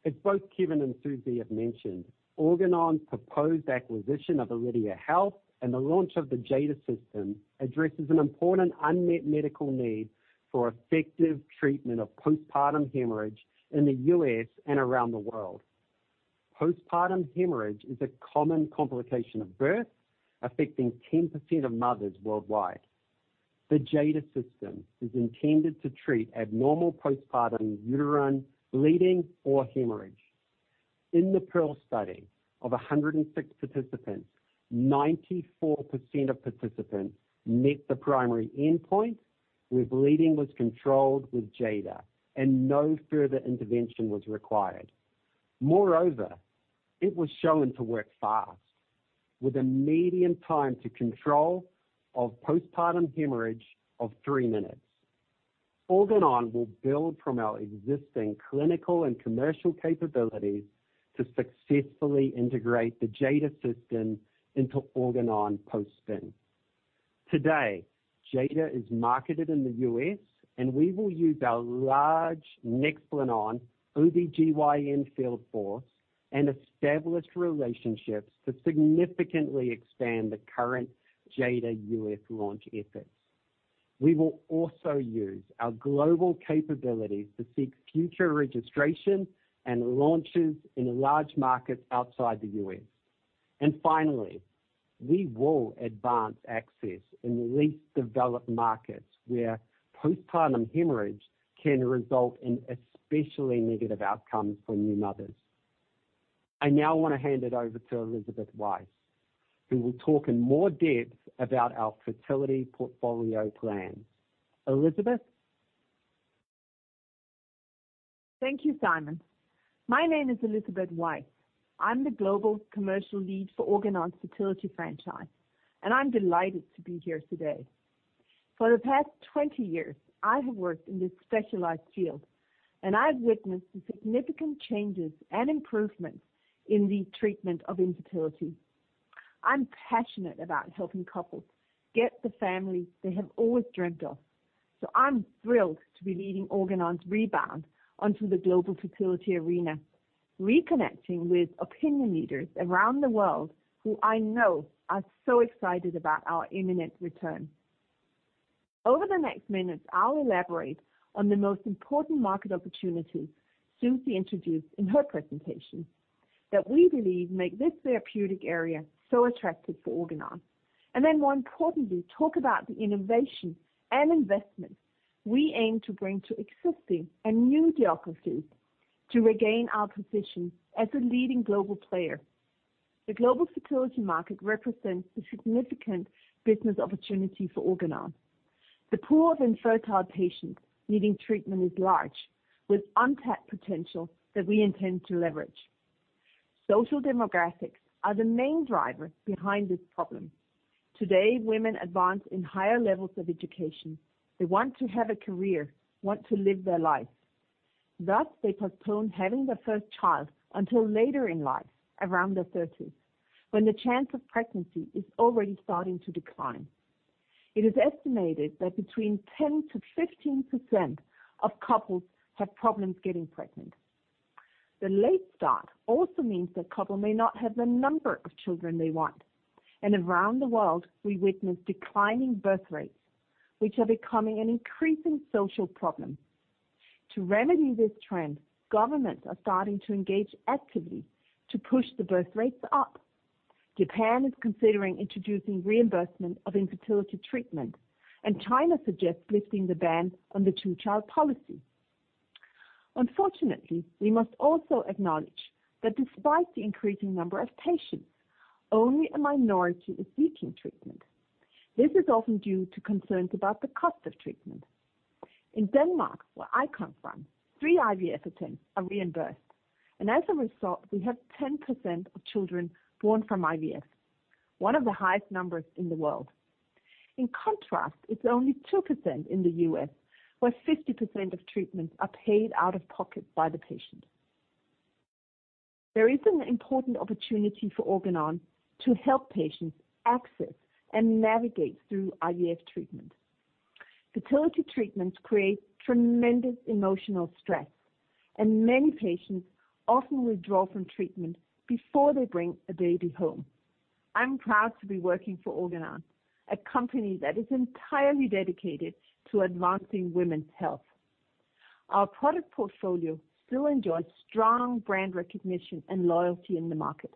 As both Kevin and Susi have mentioned, Organon's proposed acquisition of Alydia Health and the launch of the JADA System addresses an important unmet medical need for effective treatment of postpartum hemorrhage in the U.S. and around the world. Postpartum hemorrhage is a common complication of birth, affecting 10% of mothers worldwide. The JADA System is intended to treat abnormal postpartum uterine bleeding or hemorrhage. In the PEARL study of 106 participants, 94% of participants met the primary endpoint, where bleeding was controlled with JADA and no further intervention was required. It was shown to work fast, with a median time to control of postpartum hemorrhage of three minutes. Organon will build from our existing clinical and commercial capabilities to successfully integrate the JADA System into Organon post-spin. Today, JADA is marketed in the U.S., and we will use our large Nexplanon OBGYN field force and established relationships to significantly expand the current JADA U.S. launch efforts. We will also use our global capabilities to seek future registration and launches in large markets outside the U.S. Finally, we will advance access in the least developed markets where postpartum hemorrhage can result in especially negative outcomes for new mothers. I now want to hand it over to Elisabeth Weis, who will talk in more depth about our fertility portfolio plan. Elisabeth? Thank you, Simon. My name is Elisabeth Weis. I'm the Global Commercial Lead for Organon's Fertility Franchise, and I'm delighted to be here today. For the past 20 years, I have worked in this specialized field, and I've witnessed the significant changes and improvements in the treatment of infertility. I'm passionate about helping couples get the family they have always dreamt of, so I'm thrilled to be leading Organon's rebound onto the global fertility arena, reconnecting with opinion leaders around the world who I know are so excited about our imminent return. Over the next minutes, I'll elaborate on the most important market opportunities Susi introduced in her presentation that we believe make this therapeutic area so attractive for Organon, and then more importantly, talk about the innovation and investment we aim to bring to existing and new geographies to regain our position as a leading global player. The global fertility market represents a significant business opportunity for Organon. The pool of infertile patients needing treatment is large, with untapped potential that we intend to leverage. Social demographics are the main driver behind this problem. Today, women advance in higher levels of education. They want to have a career, want to live their life. Thus, they postpone having their first child until later in life, around their 30s, when the chance of pregnancy is already starting to decline. It is estimated that between 10%-15% of couples have problems getting pregnant. The late start also means that couples may not have the number of children they want, and around the world, we witness declining birth rates, which are becoming an increasing social problem. To remedy this trend, governments are starting to engage actively to push the birth rates up. Japan is considering introducing reimbursement of infertility treatment, and China suggests lifting the ban on the two-child policy. Unfortunately, we must also acknowledge that despite the increasing number of patients, only a minority is seeking treatment. This is often due to concerns about the cost of treatment. In Denmark, where I come from, three IVF attempts are reimbursed, and as a result, we have 10% of children born from IVF, one of the highest numbers in the world. In contrast, it's only 2% in the U.S., where 50% of treatments are paid out of pocket by the patient. There is an important opportunity for Organon to help patients access and navigate through IVF treatment. Fertility treatments create tremendous emotional stress, and many patients often withdraw from treatment before they bring a baby home. I'm proud to be working for Organon, a company that is entirely dedicated to advancing women's health. Our product portfolio still enjoys strong brand recognition and loyalty in the market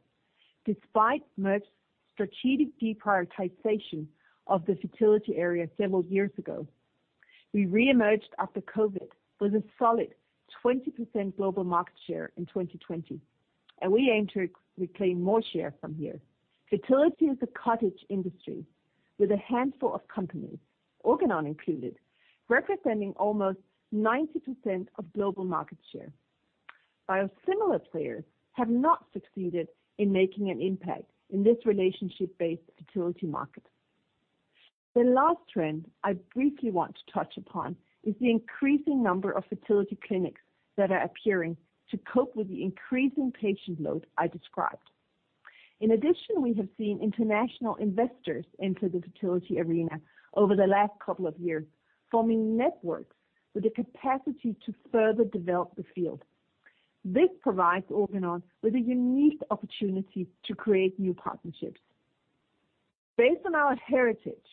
despite Merck's strategic deprioritization of the fertility area several years ago. We reemerged after COVID with a solid 20% global market share in 2020, and we aim to reclaim more share from here. Fertility is a cottage industry with a handful of companies, Organon included, representing almost 90% of global market share. Biosimilar players have not succeeded in making an impact in this relationship-based fertility market. The last trend I briefly want to touch upon is the increasing number of fertility clinics that are appearing to cope with the increasing patient load I described. In addition, we have seen international investors enter the fertility arena over the last couple of years, forming networks with the capacity to further develop the field. This provides Organon with a unique opportunity to create new partnerships. Based on our heritage,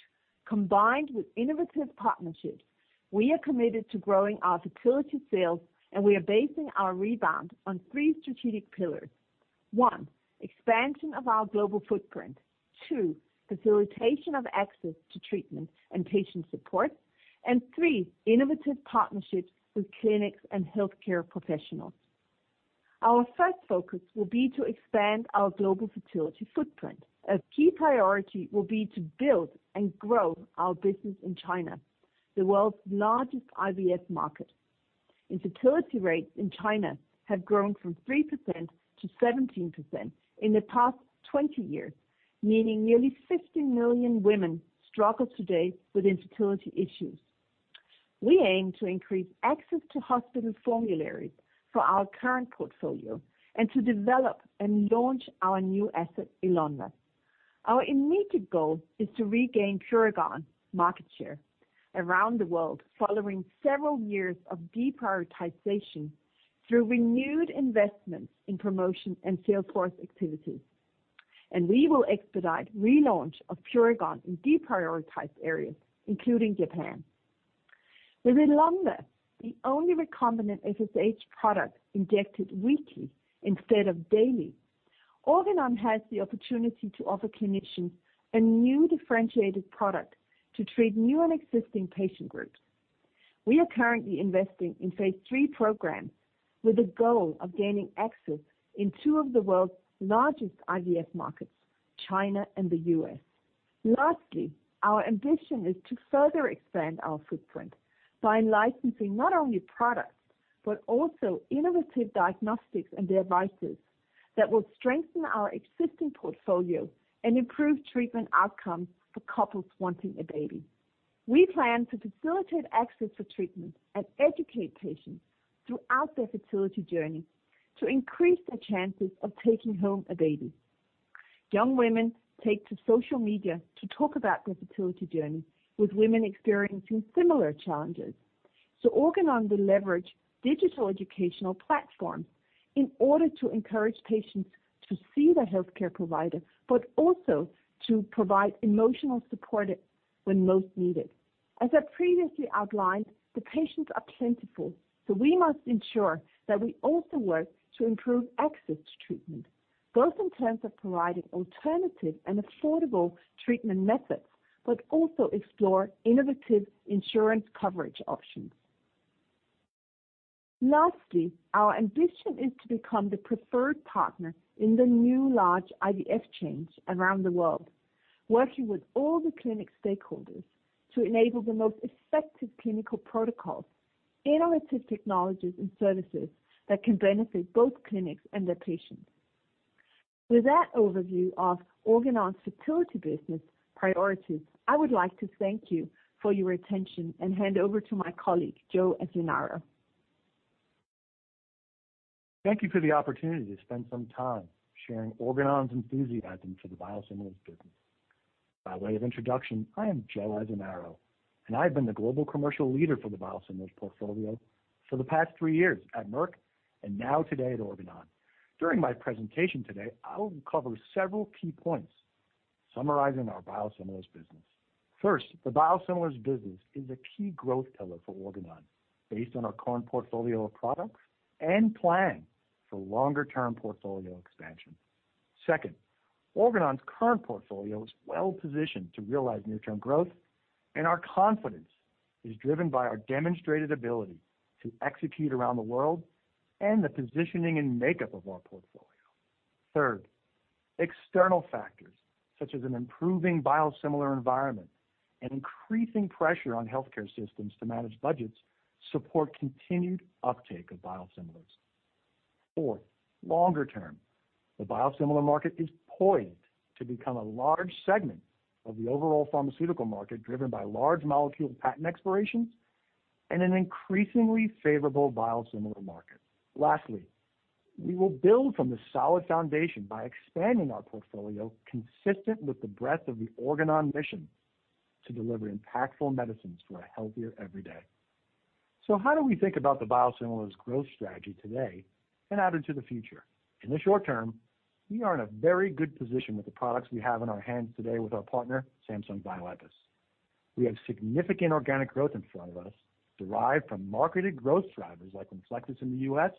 combined with innovative partnerships, we are committed to growing our fertility sales, and we are basing our rebound on three strategic pillars. One, expansion of our global footprint. Two, facilitation of access to treatment and patient support. Three, innovative partnerships with clinics and healthcare professionals. Our first focus will be to expand our global fertility footprint. A key priority will be to build and grow our business in China, the world's largest IVF market. Infertility rates in China have grown from 3%-17% in the past 20 years, meaning nearly 50 million women struggle today with infertility issues. We aim to increase access to hospital formularies for our current portfolio and to develop and launch our new asset, ELONVA. Our immediate goal is to regain PUREGON market share around the world following several years of deprioritization through renewed investments in promotion and sales force activities. We will expedite relaunch of PUREGON in deprioritized areas, including Japan. With ROLONDA, the only recombinant FSH product injected weekly instead of daily, Organon has the opportunity to offer clinicians a new differentiated product to treat new and existing patient groups. We are currently investing in phase III programs with the goal of gaining access in two of the world's largest IVF markets, China and the U.S. Lastly, our ambition is to further expand our footprint by licensing not only products, but also innovative diagnostics and devices that will strengthen our existing portfolio and improve treatment outcomes for couples wanting a baby. We plan to facilitate access to treatment and educate patients throughout their fertility journey to increase their chances of taking home a baby. Young women take to social media to talk about their fertility journey with women experiencing similar challenges. Organon will leverage digital educational platforms in order to encourage patients to see their healthcare provider, but also to provide emotional support when most needed. As I previously outlined, the patients are plentiful, we must ensure that we also work to improve access to treatment, both in terms of providing alternative and affordable treatment methods, but also explore innovative insurance coverage options. Lastly, our ambition is to become the preferred partner in the new large IVF chains around the world, working with all the clinic stakeholders to enable the most effective clinical protocols, innovative technologies, and services that can benefit both clinics and their patients. With that overview of Organon's fertility business priorities, I would like to thank you for your attention and hand over to my colleague, Joe Azzinaro. Thank you for the opportunity to spend some time sharing Organon's enthusiasm for the biosimilars business. By way of introduction, I am Joe Azzinaro, and I've been the global commercial leader for the biosimilars portfolio for the past three years at Merck, and now today at Organon. During my presentation today, I will cover several key points summarizing our biosimilars business. First, the biosimilars business is a key growth pillar for Organon based on our current portfolio of products and plan for longer-term portfolio expansion. Second, Organon's current portfolio is well-positioned to realize near-term growth, and our confidence is driven by our demonstrated ability to execute around the world and the positioning and makeup of our portfolio. Third, external factors such as an improving biosimilar environment and increasing pressure on healthcare systems to manage budgets support continued uptake of biosimilars. Longer term, the biosimilar market is poised to become a large segment of the overall pharmaceutical market, driven by large molecule patent expirations and an increasingly favorable biosimilar market. We will build from this solid foundation by expanding our portfolio consistent with the breadth of the Organon mission to deliver impactful medicines for a healthier every day. How do we think about the biosimilars growth strategy today and out into the future? In the short term, we are in a very good position with the products we have in our hands today with our partner, Samsung Bioepis. We have significant organic growth in front of us, derived from marketed growth drivers like RENFLEXIS in the U.S.,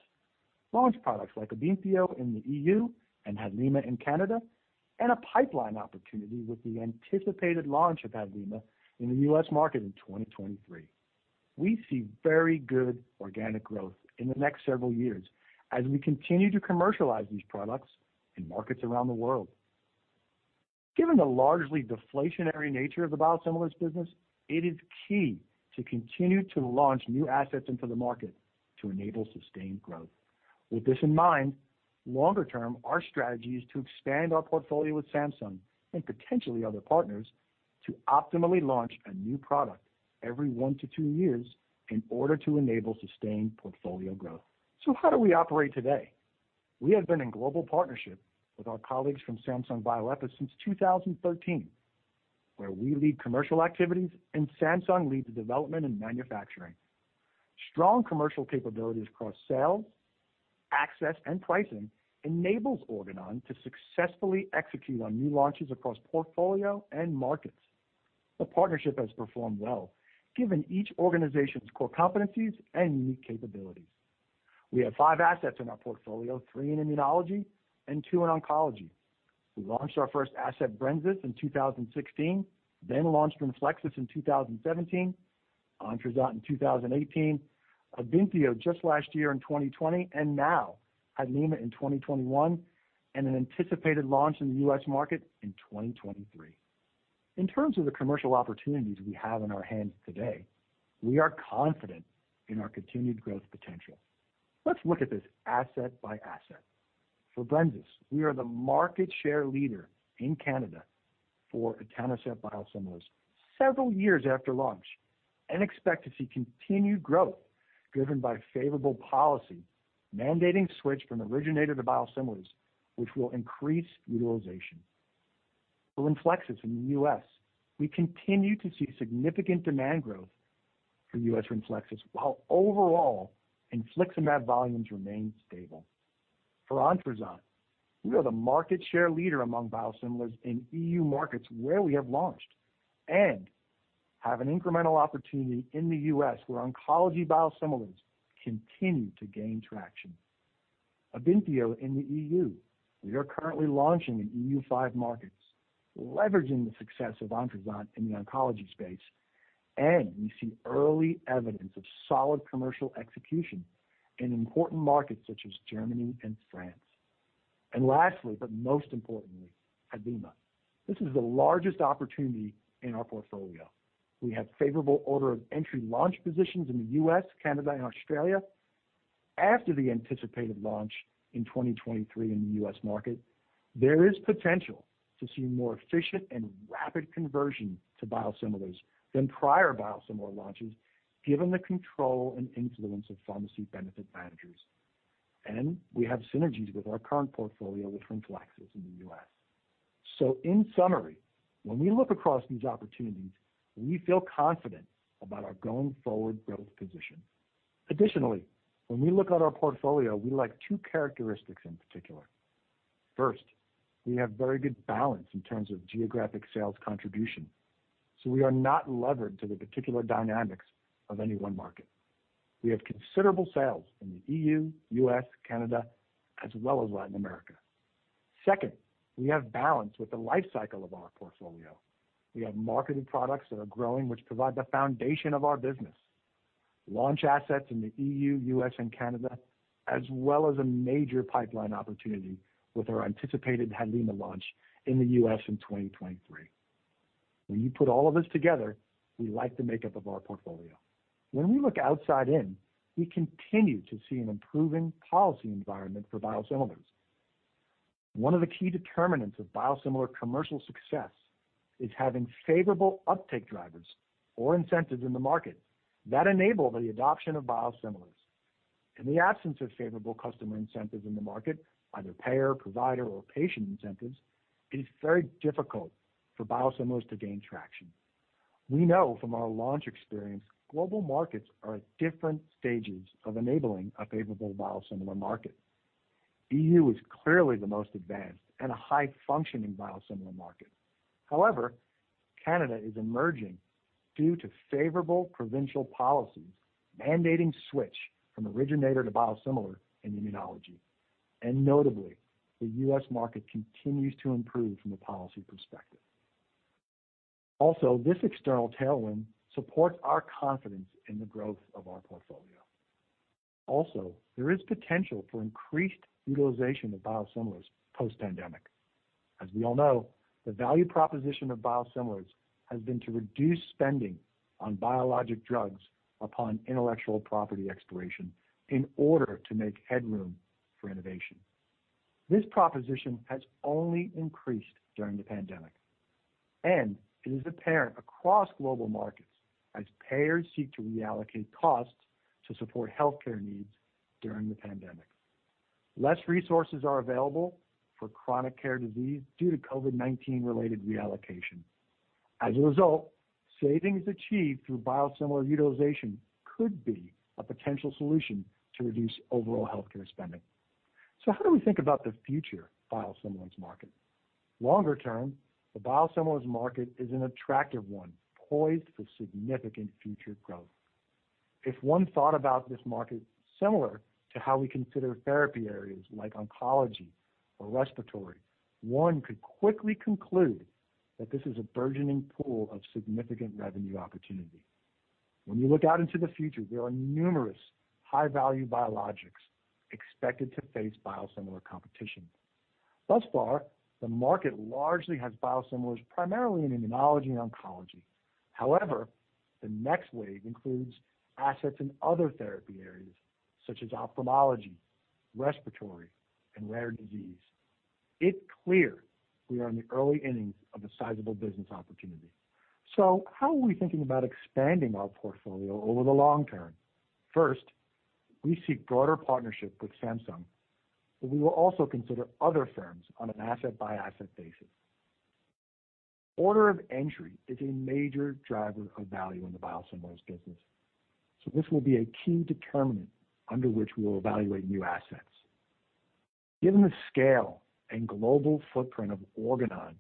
launch products like Aybintio in the EU and HADLIMA in Canada, and a pipeline opportunity with the anticipated launch of HADLIMA in the U.S. market in 2023. We see very good organic growth in the next several years as we continue to commercialize these products in markets around the world. Given the largely deflationary nature of the biosimilars business, it is key to continue to launch new assets into the market to enable sustained growth. With this in mind, longer term, our strategy is to expand our portfolio with Samsung and potentially other partners to optimally launch a new product every one to two years in order to enable sustained portfolio growth. How do we operate today? We have been in global partnership with our colleagues from Samsung Bioepis since 2013, where we lead commercial activities and Samsung leads the development and manufacturing. Strong commercial capabilities across sales, access, and pricing enables Organon to successfully execute on new launches across portfolio and markets. The partnership has performed well, given each organization's core competencies and unique capabilities. We have five assets in our portfolio, three in immunology and two in oncology. We launched our first asset, BRENZYS, in 2016, then launched RENFLEXIS in 2017, ONTRUZANT in 2018, AYBINTIO just last year in 2020, and now HADLIMA in 2021, and an anticipated launch in the U.S. market in 2023. In terms of the commercial opportunities we have on our hands today, we are confident in our continued growth potential. Let's look at this asset by asset. For BRENZYS, we are the market share leader in Canada for etanercept biosimilars several years after launch and expect to see continued growth driven by favorable policy mandating switch from originator to biosimilars, which will increase utilization. For RENFLEXIS in the U.S., we continue to see significant demand growth for U.S. RENFLEXIS, while overall infliximab volumes remain stable. For ONTRUZANT, we are the market share leader among biosimilars in E.U. markets where we have launched and have an incremental opportunity in the U.S., where oncology biosimilars continue to gain traction. Aybintio in the E.U., we are currently launching in E.U.5 markets, leveraging the success of ONTRUZANT in the oncology space. We see early evidence of solid commercial execution in important markets such as Germany and France. Lastly, but most importantly, HADLIMA. This is the largest opportunity in our portfolio. We have favorable order of entry launch positions in the U.S., Canada, and Australia. After the anticipated launch in 2023 in the U.S. market, there is potential to see more efficient and rapid conversion to biosimilars than prior biosimilar launches, given the control and influence of pharmacy benefit managers. We have synergies with our current portfolio with Renflexis in the U.S. In summary, when we look across these opportunities, we feel confident about our going forward growth position. Additionally, when we look at our portfolio, we like two characteristics in particular. First, we have very good balance in terms of geographic sales contribution. We are not levered to the particular dynamics of any one market. We have considerable sales in the EU, U.S., Canada, as well as Latin America. Second, we have balance with the life cycle of our portfolio. We have marketed products that are growing, which provide the foundation of our business, launch assets in the EU, U.S., and Canada, as well as a major pipeline opportunity with our anticipated HADLIMA launch in the U.S. in 2023. You put all of this together, we like the makeup of our portfolio. We look outside in, we continue to see an improving policy environment for biosimilars. One of the key determinants of biosimilar commercial success is having favorable uptake drivers or incentives in the market that enable the adoption of biosimilars. In the absence of favorable customer incentives in the market, either payer, provider, or patient incentives, it is very difficult for biosimilars to gain traction. We know from our launch experience, global markets are at different stages of enabling a favorable biosimilar market. EU is clearly the most advanced and a high-functioning biosimilar market. Canada is emerging due to favorable provincial policies mandating switch from originator to biosimilar in immunology. Notably, the U.S. market continues to improve from the policy perspective. This external tailwind supports our confidence in the growth of our portfolio. There is potential for increased utilization of biosimilars post-pandemic. As we all know, the value proposition of biosimilars has been to reduce spending on biologic drugs upon intellectual property expiration in order to make headroom for innovation. This proposition has only increased during the pandemic, and it is apparent across global markets as payers seek to reallocate costs to support healthcare needs during the pandemic. Less resources are available for chronic care disease due to COVID-19 related reallocation. As a result, savings achieved through biosimilar utilization could be a potential solution to reduce overall healthcare spending. How do we think about the future biosimilars market? Longer term, the biosimilars market is an attractive one, poised for significant future growth. If one thought about this market similar to how we consider therapy areas like oncology or respiratory, one could quickly conclude that this is a burgeoning pool of significant revenue opportunity. When you look out into the future, there are numerous high-value biologics expected to face biosimilar competition. Thus far, the market largely has biosimilars primarily in immunology and oncology. However, the next wave includes assets in other therapy areas such as ophthalmology, respiratory, and rare disease. It's clear we are in the early innings of a sizable business opportunity. How are we thinking about expanding our portfolio over the long term? First, we seek broader partnership with Samsung, but we will also consider other firms on an asset-by-asset basis. Order of entry is a major driver of value in the biosimilars business. This will be a key determinant under which we will evaluate new assets. Given the scale and global footprint of Organon,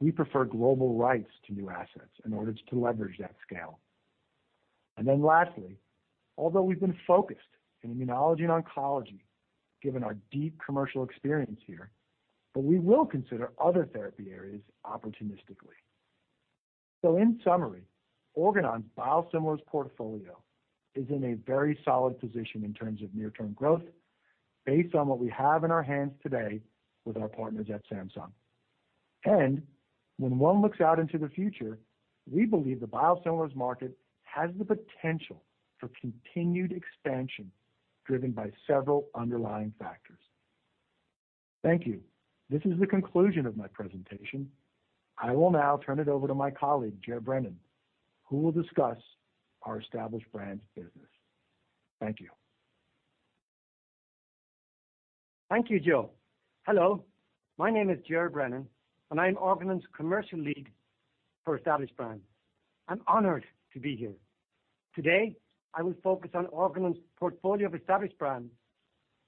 we prefer global rights to new assets in order to leverage that scale. Lastly, although we've been focused in immunology and oncology, given our deep commercial experience here, but we will consider other therapy areas opportunistically. In summary, Organon's biosimilars portfolio is in a very solid position in terms of near-term growth based on what we have in our hands today with our partners at Samsung. When one looks out into the future, we believe the biosimilars market has the potential for continued expansion, driven by several underlying factors. Thank you. This is the conclusion of my presentation. I will now turn it over to my colleague, Ger Brennan, who will discuss our established brands business. Thank you. Thank you, Joe. Hello, my name is Ger Brennan, and I'm Organon's Commercial Lead for Established Brands. I'm honored to be here. Today, I will focus on Organon's portfolio of Established Brands.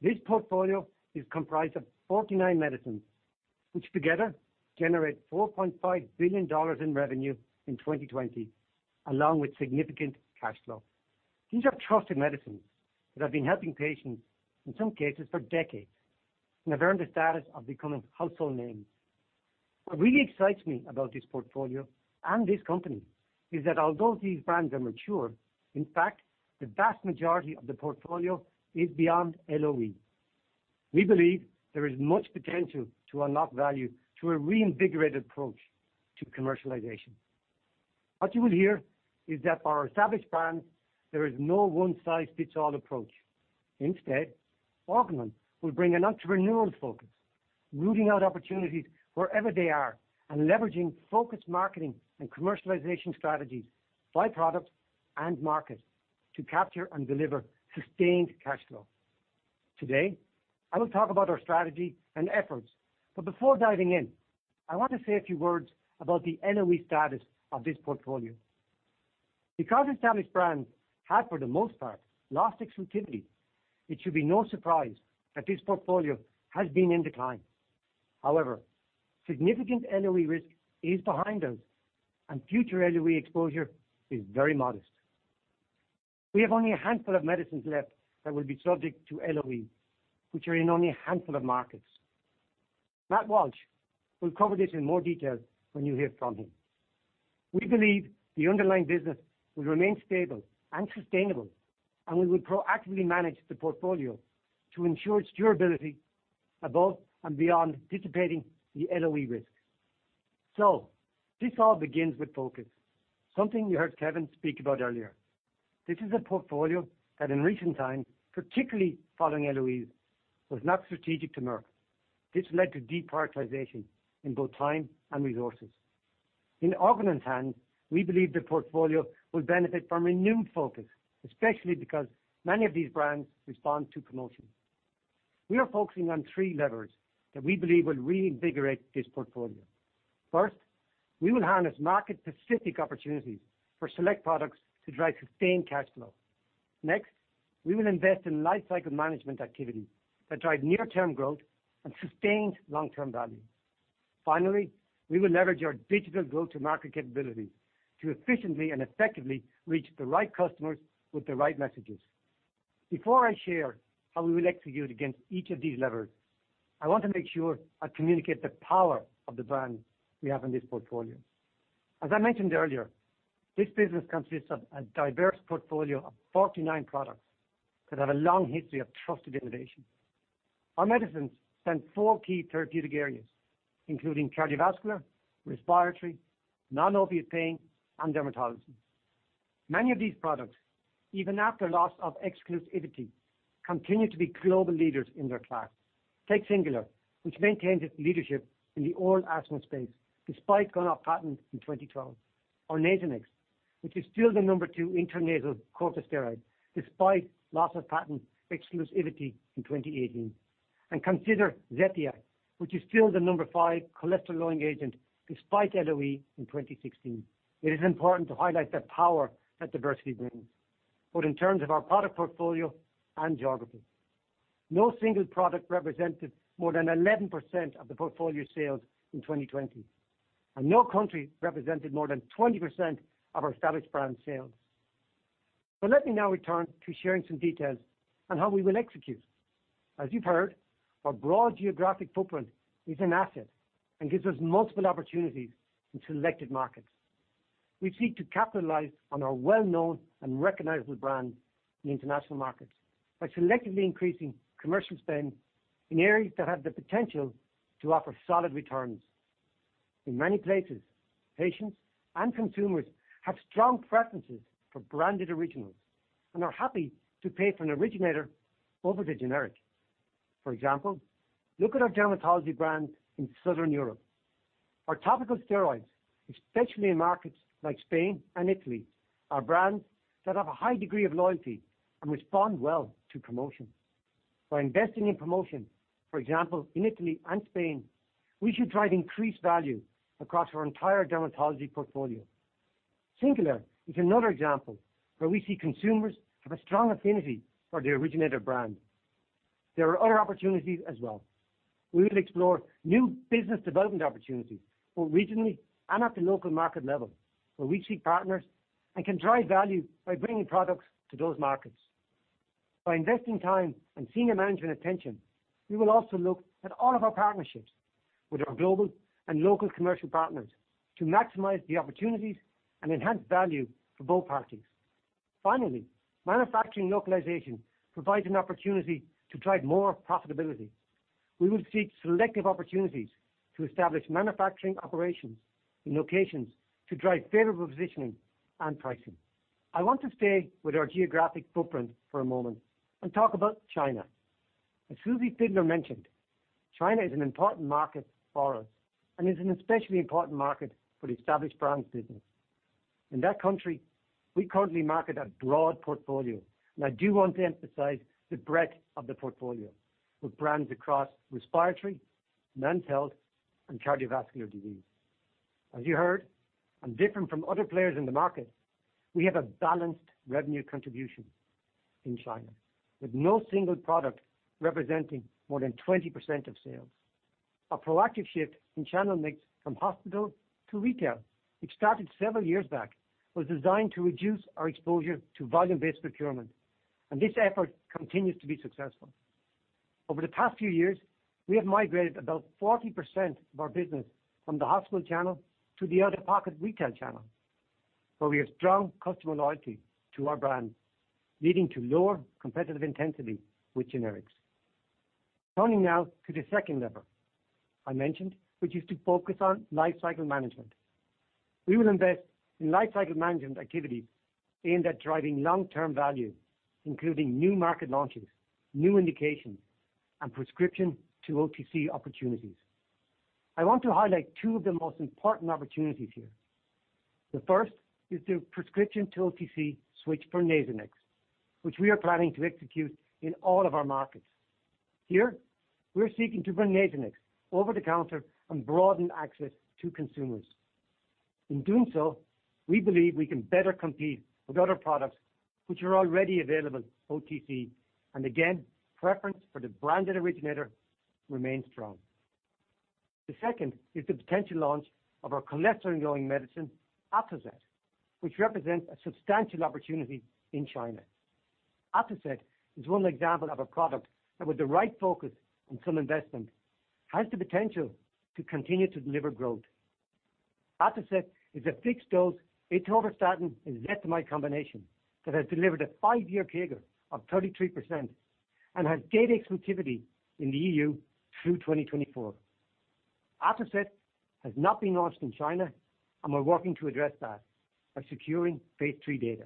This portfolio is comprised of 49 medicines, which together generate $4.5 billion in revenue in 2020, along with significant cash flow. These are trusted medicines that have been helping patients, in some cases, for decades, and have earned the status of becoming household names. What really excites me about this portfolio and this company is that although these brands are mature, in fact, the vast majority of the portfolio is beyond LOE. We believe there is much potential to unlock value through a reinvigorated approach to commercialization. What you will hear is that for our Established Brands, there is no one-size-fits-all approach. Instead, Organon will bring an entrepreneurial focus, rooting out opportunities wherever they are, and leveraging focused marketing and commercialization strategies by product and market to capture and deliver sustained cash flow. Today, I will talk about our strategy and efforts, but before diving in, I want to say a few words about the LOE status of this portfolio. Because established brands have, for the most part, lost exclusivity, it should be no surprise that this portfolio has been in decline. However, significant LOE risk is behind us and future LOE exposure is very modest. We have only a handful of medicines left that will be subject to LOE, which are in only a handful of markets. Matt Walsh will cover this in more detail when you hear from him. We believe the underlying business will remain stable and sustainable, and we will proactively manage the portfolio to ensure its durability above and beyond dissipating the LOE risk. This all begins with focus, something you heard Kevin speak about earlier. This is a portfolio that in recent times, particularly following LOEs, was not strategic to Merck. This led to deprioritization in both time and resources. In Organon's hands, we believe the portfolio will benefit from renewed focus, especially because many of these brands respond to promotion. We are focusing on three levers that we believe will reinvigorate this portfolio. First, we will harness market-specific opportunities for select products to drive sustained cash flow. Next, we will invest in lifecycle management activity that drive near-term growth and sustained long-term value. Finally, we will leverage our digital go-to-market capability to efficiently and effectively reach the right customers with the right messages. Before I share how we will execute against each of these levers, I want to make sure I communicate the power of the brands we have in this portfolio. As I mentioned earlier, this business consists of a diverse portfolio of 49 products that have a long history of trusted innovation. Our medicines span four key therapeutic areas, including cardiovascular, respiratory, non-opioid pain, and dermatology. Many of these products, even after loss of exclusivity, continue to be global leaders in their class. Take Singulair, which maintains its leadership in the oral asthma space despite going off patent in 2012, or Nasonex, which is still the number two intranasal corticosteroid despite loss of exclusivity in 2018. Consider Zetia, which is still the number five cholesterol-lowering agent despite LOE in 2016. It is important to highlight the power that diversity brings, both in terms of our product portfolio and geography. No single product represented more than 11% of the portfolio sales in 2020, and no country represented more than 20% of our established brand sales. Let me now return to sharing some details on how we will execute. As you've heard, our broad geographic footprint is an asset and gives us multiple opportunities in selected markets. We seek to capitalize on our well-known and recognizable brands in the international markets by selectively increasing commercial spend in areas that have the potential to offer solid returns. In many places, patients and consumers have strong preferences for branded originals and are happy to pay for an originator over the generic. For example, look at our dermatology brands in Southern Europe. Our topical steroids, especially in markets like Spain and Italy, are brands that have a high degree of loyalty and respond well to promotion. By investing in promotion, for example, in Italy and Spain, we should drive increased value across our entire dermatology portfolio. SINGULAIR is another example where we see consumers have a strong affinity for the originator brand. There are other opportunities as well. We will explore new business development opportunities, both regionally and at the local market level, where we seek partners and can drive value by bringing products to those markets. By investing time and senior management attention, we will also look at all of our partnerships with our global and local commercial partners to maximize the opportunities and enhance value for both parties. Finally, manufacturing localization provides an opportunity to drive more profitability. We will seek selective opportunities to establish manufacturing operations in locations to drive favorable positioning and pricing. I want to stay with our geographic footprint for a moment and talk about China. As Susanne Fiedler mentioned, China is an important market for us and is an especially important market for the Established Brands business. In that country, we currently market a broad portfolio. I do want to emphasize the breadth of the portfolio, with brands across respiratory, men's health, and cardiovascular disease. As you heard, and different from other players in the market, we have a balanced revenue contribution in China, with no single product representing more than 20% of sales. A proactive shift in channel mix from hospital to retail, which started several years back, was designed to reduce our exposure to volume-based procurement, and this effort continues to be successful. Over the past few years, we have migrated about 40% of our business from the hospital channel to the out-of-pocket retail channel, where we have strong customer loyalty to our brand, leading to lower competitive intensity with generics. Turning now to the second lever I mentioned, which is to focus on lifecycle management. We will invest in lifecycle management activities aimed at driving long-term value, including new market launches, new indications, and prescription to OTC opportunities. I want to highlight two of the most important opportunities here. The first is the prescription-to-OTC switch for Nasonex, which we are planning to execute in all of our markets. Here, we're seeking to bring Nasonex over the counter and broaden access to consumers. In doing so, we believe we can better compete with other products which are already available OTC, and again, preference for the branded originator remains strong. The second is the potential launch of our cholesterol-lowering medicine, Atozet, which represents a substantial opportunity in China. Atozet is one example of a product that with the right focus and some investment, has the potential to continue to deliver growth. Atozet is a fixed-dose atorvastatin and ezetimibe combination that has delivered a five-year compound annual growth rate of 33% and has data exclusivity in the EU through 2024. Atozet has not been launched in China, we're working to address that by securing phase III data.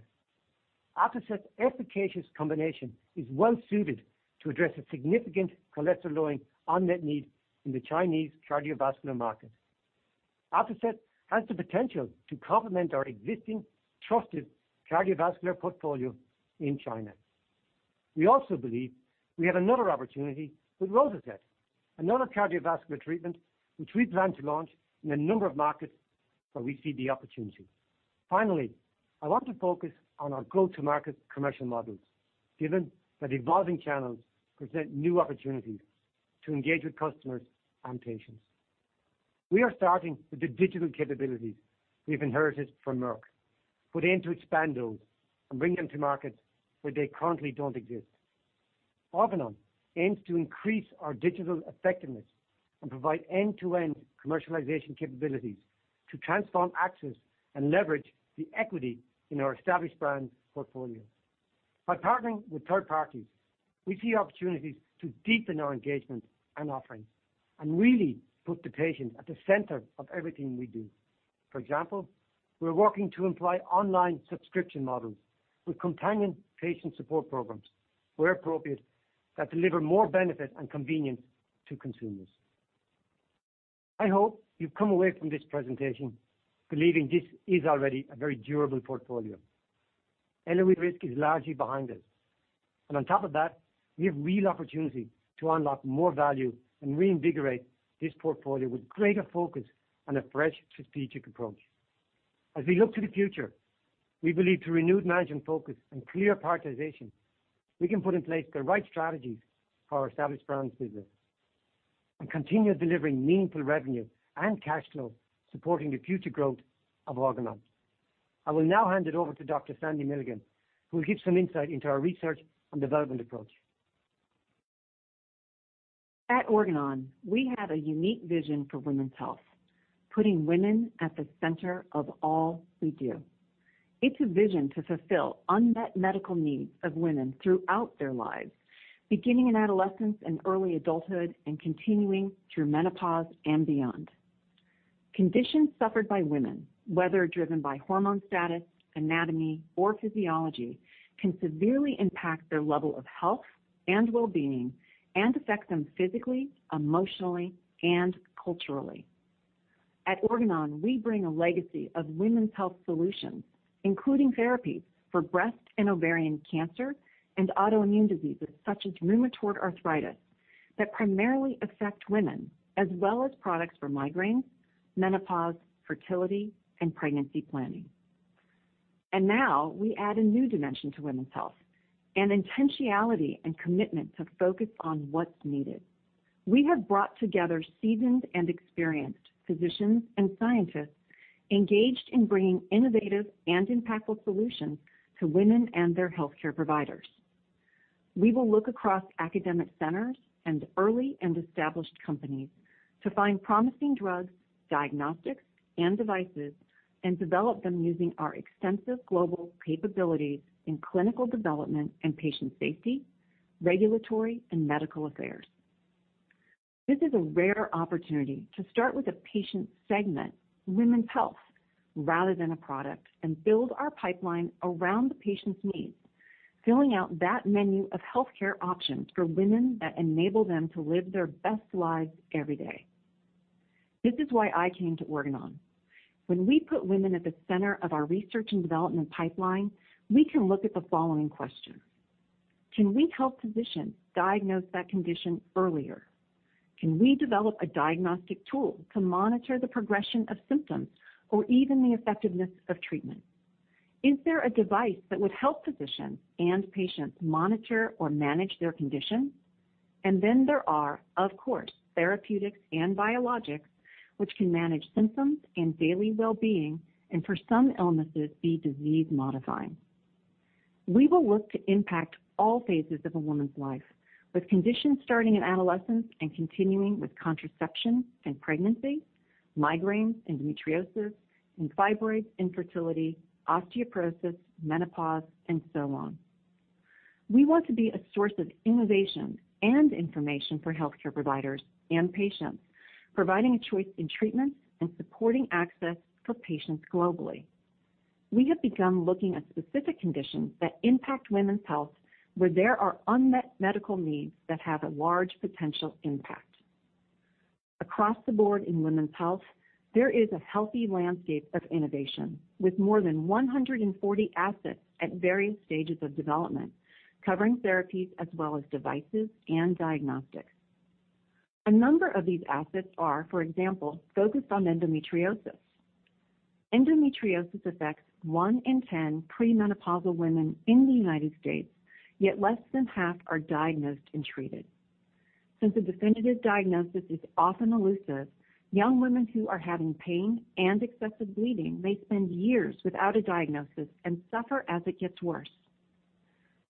Atozet's efficacious combination is well-suited to address a significant cholesterol-lowering unmet need in the Chinese cardiovascular market. Atozet has the potential to complement our existing trusted cardiovascular portfolio in China. We also believe we have another opportunity with Rosuzet, another cardiovascular treatment, which we plan to launch in a number of markets where we see the opportunity. Finally, I want to focus on our go-to-market commercial models, given that evolving channels present new opportunities to engage with customers and patients. We are starting with the digital capabilities we've inherited from Merck, aim to expand those and bring them to markets where they currently don't exist. Organon aims to increase our digital effectiveness and provide end-to-end commercialization capabilities to transform access and leverage the equity in our established brand portfolio. By partnering with third parties, we see opportunities to deepen our engagement and offerings and really put the patient at the center of everything we do. For example, we're working to employ online subscription models with companion patient support programs where appropriate that deliver more benefit and convenience to consumers. I hope you've come away from this presentation believing this is already a very durable portfolio. LRE risk is largely behind us. On top of that, we have real opportunity to unlock more value and reinvigorate this portfolio with greater focus and a fresh strategic approach. As we look to the future, we believe through renewed management focus and clear prioritization, we can put in place the right strategies for our Established Brands business and continue delivering meaningful revenue and cash flow supporting the future growth of Organon. I will now hand it over to Dr. Sandy Milligan, who will give some insight into our research and development approach. At Organon, we have a unique vision for women's health, putting women at the center of all we do. It's a vision to fulfill unmet medical needs of women throughout their lives, beginning in adolescence and early adulthood and continuing through menopause and beyond. Conditions suffered by women, whether driven by hormone status, anatomy, or physiology, can severely impact their level of health and well-being and affect them physically, emotionally, and culturally. At Organon, we bring a legacy of women's health solutions, including therapies for breast and ovarian cancer and autoimmune diseases such as rheumatoid arthritis that primarily affect women, as well as products for migraines, menopause, fertility, and pregnancy planning. Now we add a new dimension to women's health and intentionality and commitment to focus on what's needed. We have brought together seasoned and experienced physicians and scientists engaged in bringing innovative and impactful solutions to women and their healthcare providers. We will look across academic centers and early and established companies to find promising drugs, diagnostics, and devices and develop them using our extensive global capabilities in clinical development and patient safety, regulatory, and medical affairs. This is a rare opportunity to start with a patient segment, women's health, rather than a product, and build our pipeline around the patient's needs, filling out that menu of healthcare options for women that enable them to live their best lives every day. This is why I came to Organon. When we put women at the center of our research and development pipeline, we can look at the following question. Can we help physicians diagnose that condition earlier? Can we develop a diagnostic tool to monitor the progression of symptoms or even the effectiveness of treatment? Is there a device that would help physicians and patients monitor or manage their condition? There are, of course, therapeutics and biologics, which can manage symptoms and daily well-being, and for some illnesses, be disease-modifying. We will look to impact all phases of a woman's life, with conditions starting in adolescence and continuing with contraception and pregnancy, migraines and endometriosis, and fibroids, infertility, osteoporosis, menopause, and so on. We want to be a source of innovation and information for healthcare providers and patients, providing a choice in treatments and supporting access for patients globally. We have begun looking at specific conditions that impact women's health, where there are unmet medical needs that have a large potential impact. Across the board in women's health, there is a healthy landscape of innovation with more than 140 assets at various stages of development, covering therapies as well as devices and diagnostics. A number of these assets are, for example, focused on endometriosis. Endometriosis affects 1 in 10 premenopausal women in the U.S., yet less than half are diagnosed and treated. Since a definitive diagnosis is often elusive, young women who are having pain and excessive bleeding may spend years without a diagnosis and suffer as it gets worse.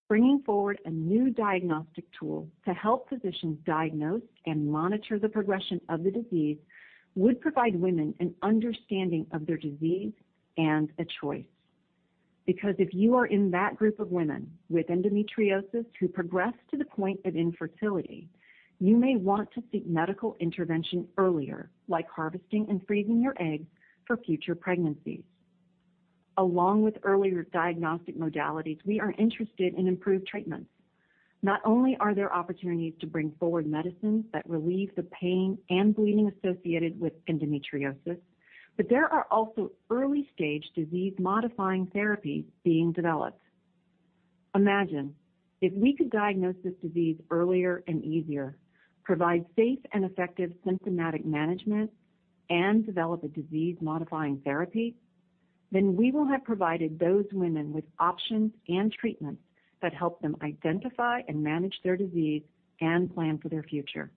Bringing forward a new diagnostic tool to help physicians diagnose and monitor the progression of the disease would provide women an understanding of their disease and a choice. Because if you are in that group of women with endometriosis who progress to the point of infertility, you may want to seek medical intervention earlier, like harvesting and freezing your eggs for future pregnancies. Along with earlier diagnostic modalities, we are interested in improved treatments. Not only are there opportunities to bring forward medicines that relieve the pain and bleeding associated with endometriosis, but there are also early-stage disease-modifying therapies being developed. Imagine if we could diagnose this disease earlier and easier, provide safe and effective symptomatic management, and develop a disease-modifying therapy, then we will have provided those women with options and treatments that help them identify and manage their disease and plan for their future.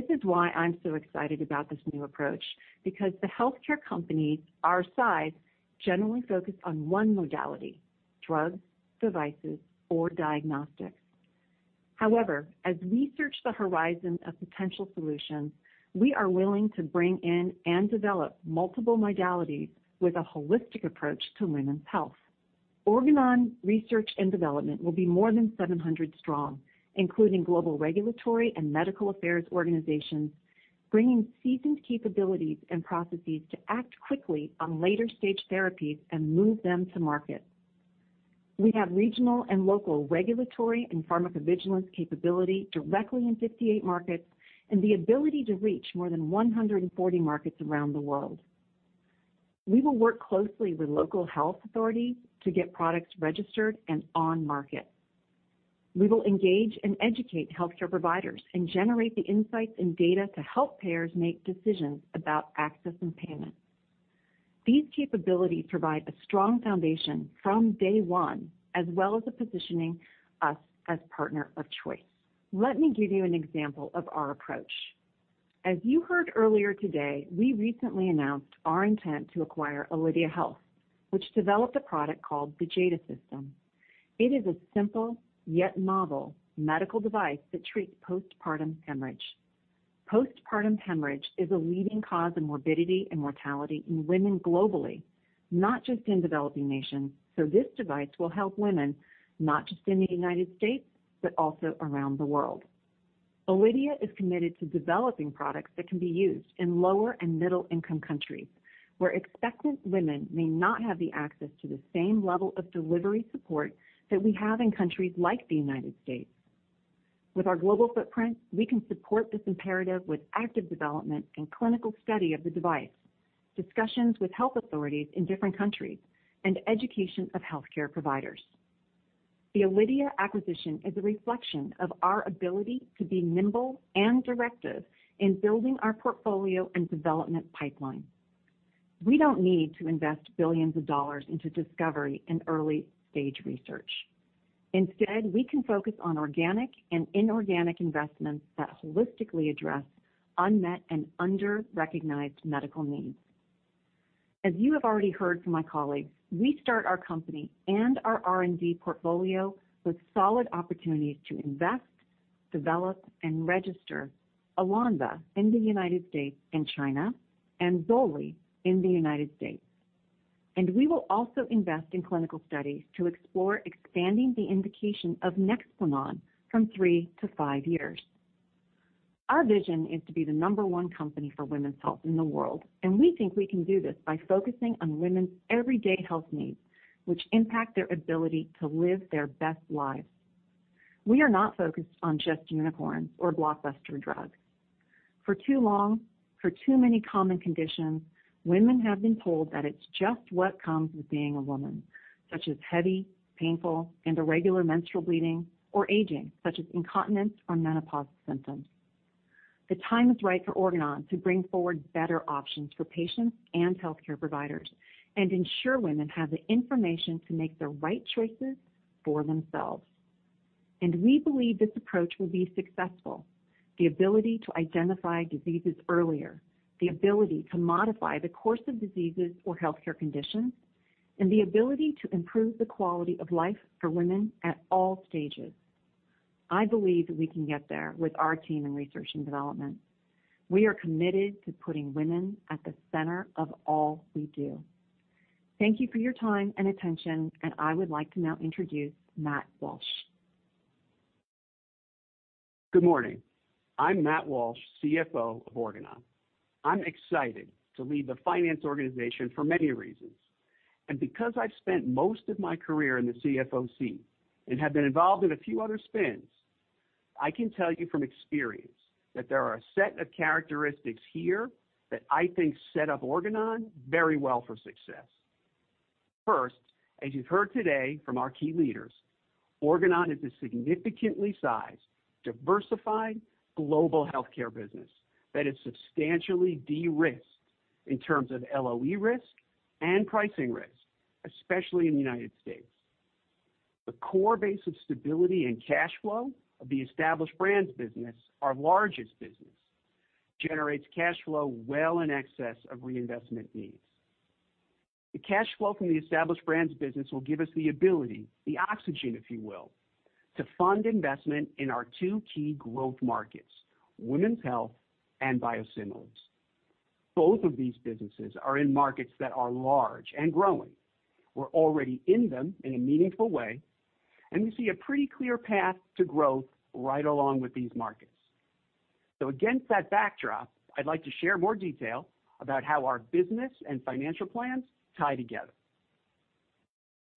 This is why I'm so excited about this new approach because the healthcare companies our size generally focus on one modality, drugs, devices, or diagnostics. However, as we search the horizon of potential solutions, we are willing to bring in and develop multiple modalities with a holistic approach to women's health. Organon research and development will be more than 700 strong, including global regulatory and medical affairs organizations, bringing seasoned capabilities and processes to act quickly on later-stage therapies and move them to market. We have regional and local regulatory and pharmacovigilance capability directly in 58 markets and the ability to reach more than 140 markets around the world. We will work closely with local health authorities to get products registered and on market. We will engage and educate healthcare providers and generate the insights and data to help payers make decisions about access and payment. These capabilities provide a strong foundation from day one, as well as positioning us as partner of choice. Let me give you an example of our approach. As you heard earlier today, we recently announced our intent to acquire Alydia Health, which developed a product called the JADA System. It is a simple yet novel medical device that treats postpartum hemorrhage. Postpartum hemorrhage is a leading cause of morbidity and mortality in women globally, not just in developing nations. This device will help women not just in the U.S., but also around the world. Alydia is committed to developing products that can be used in lower-and middle-income countries where expectant women may not have the access to the same level of delivery support that we have in countries like the U.S. With our global footprint, we can support this imperative with active development and clinical study of the device, discussions with health authorities in different countries, and education of healthcare providers. The Alydia acquisition is a reflection of our ability to be nimble and directive in building our portfolio and development pipeline. We don't need to invest billions of dollars into discovery and early-stage research. We can focus on organic and inorganic investments that holistically address unmet and under-recognized medical needs. As you have already heard from my colleagues, we start our company and our R&D portfolio with solid opportunities to invest, develop, and register ELONVA in the United States and China and ZOLDI in the United States. We will also invest in clinical studies to explore expanding the indication of Nexplanon from three to five years. Our vision is to be the number one company for women's health in the world. We think we can do this by focusing on women's everyday health needs, which impact their ability to live their best lives. We are not focused on just unicorns or blockbuster drugs. For too long, for too many common conditions, women have been told that it's just what comes with being a woman, such as heavy, painful, and irregular menstrual bleeding or aging, such as incontinence or menopausal symptoms. The time is right for Organon to bring forward better options for patients and healthcare providers and ensure women have the information to make the right choices for themselves. We believe this approach will be successful. The ability to identify diseases earlier, the ability to modify the course of diseases or healthcare conditions, and the ability to improve the quality of life for women at all stages. I believe that we can get there with our team in research and development. We are committed to putting women at the center of all we do. Thank you for your time and attention, and I would like to now introduce Matthew Walsh. Good morning. I'm Matthew Walsh, CFO of Organon. I'm excited to lead the finance organization for many reasons, and because I've spent most of my career in the CFO and have been involved in a few other spins, I can tell you from experience that there are a set of characteristics here that I think set up Organon very well for success. First, as you've heard today from our key leaders, Organon is a significantly sized, diversified global healthcare business that is substantially de-risked in terms of LOE risk and pricing risk, especially in the U.S. The core base of stability and cash flow of the Established Brands business, our largest business, generates cash flow well in excess of reinvestment needs. The cash flow from the Established Brands business will give us the ability, the oxygen, if you will, to fund investment in our two key growth markets, women's health and biosimilars. Both of these businesses are in markets that are large and growing. We're already in them in a meaningful way, and we see a pretty clear path to growth right along with these markets. Against that backdrop, I'd like to share more detail about how our business and financial plans tie together.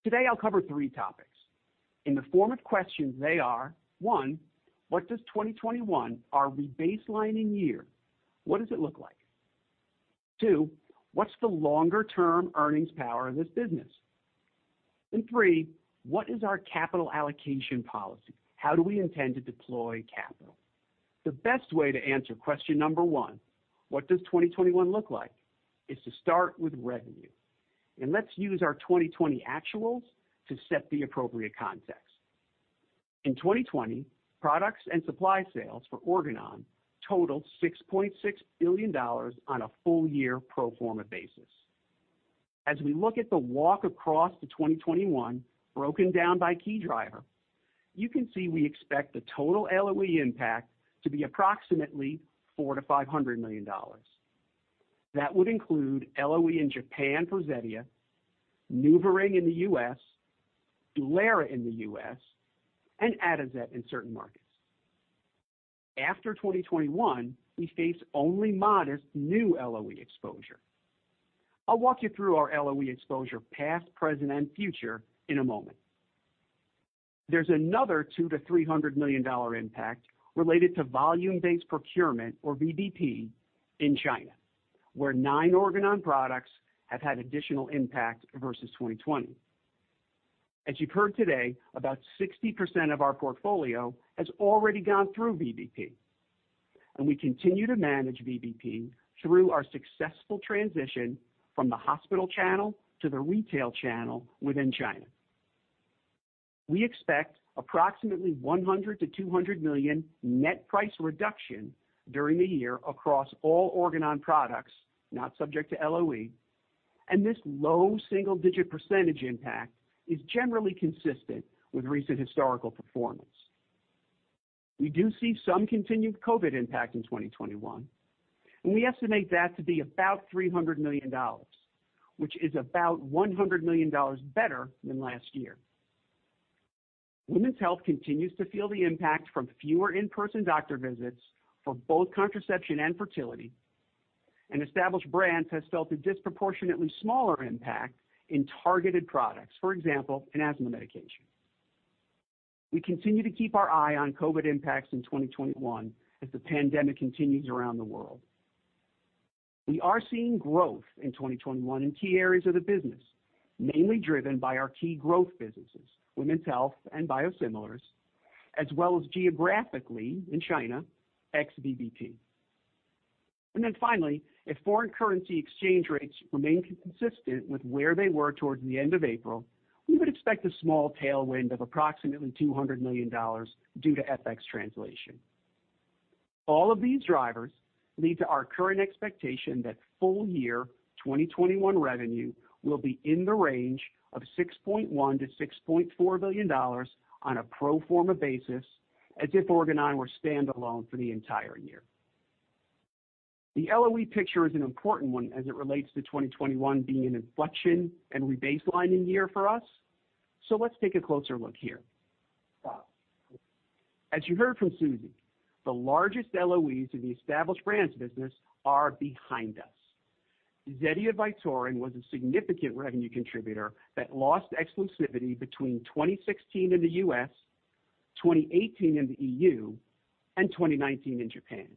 Today, I'll cover three topics. In the form of questions, they are, one, what does 2021, our re-baselining year, look like? Two, what's the longer-term earnings power of this business? Three, what is our capital allocation policy? How do we intend to deploy capital? The best way to answer question number one, what does 2021 look like, is to start with revenue. Let's use our 2020 actuals to set the appropriate context. In 2020, products and supply sales for Organon totaled $6.6 billion on a full-year pro forma basis. As we look at the walk across to 2021 broken down by key driver, you can see we expect the total LOE impact to be approximately $400 million-$500 million. That would include LOE in Japan for Zetia, NuvaRing in the U.S., Dulera in the U.S., and Atozet in certain markets. After 2021, we face only modest new LOE exposure. I'll walk you through our LOE exposure, past, present, and future in a moment. There's another $200 million-$300 million impact related to volume-based procurement, or VBP, in China, where nine Organon products have had additional impact versus 2020. As you've heard today, about 60% of our portfolio has already gone through VBP, and we continue to manage VBP through our successful transition from the hospital channel to the retail channel within China. We expect approximately $100 million-$200 million net price reduction during the year across all Organon products, not subject to LOE, and this low-single-digit percentage impact is generally consistent with recent historical performance. We do see some continued COVID impact in 2021, and we estimate that to be about $300 million, which is about $100 million better than last year. Women's health continues to feel the impact from fewer in-person doctor visits for both contraception and fertility, and Established Brands has felt a disproportionately smaller impact in targeted products, for example, an asthma medication. We continue to keep our eye on COVID impacts in 2021 as the pandemic continues around the world. We are seeing growth in 2021 in key areas of the business, mainly driven by our key growth businesses, women's health and biosimilars, as well as geographically in China, ex-VBP. Finally, if foreign currency exchange rates remain consistent with where they were towards the end of April, we would expect a small tailwind of approximately $200 million due to FX translation. All of these drivers lead to our current expectation that full year 2021 revenue will be in the range of $6.1 billion-$6.4 billion on a pro forma basis as if Organon were standalone for the entire year. The LOE picture is an important one as it relates to 2021 being an inflection and re-baselining year for us. Let's take a closer look here. As you heard from Susi, the largest LOEs in the Established Brands business are behind us. Zetia Vytorin was a significant revenue contributor that lost exclusivity between 2016 in the U.S., 2018 in the EU, and 2019 in Japan.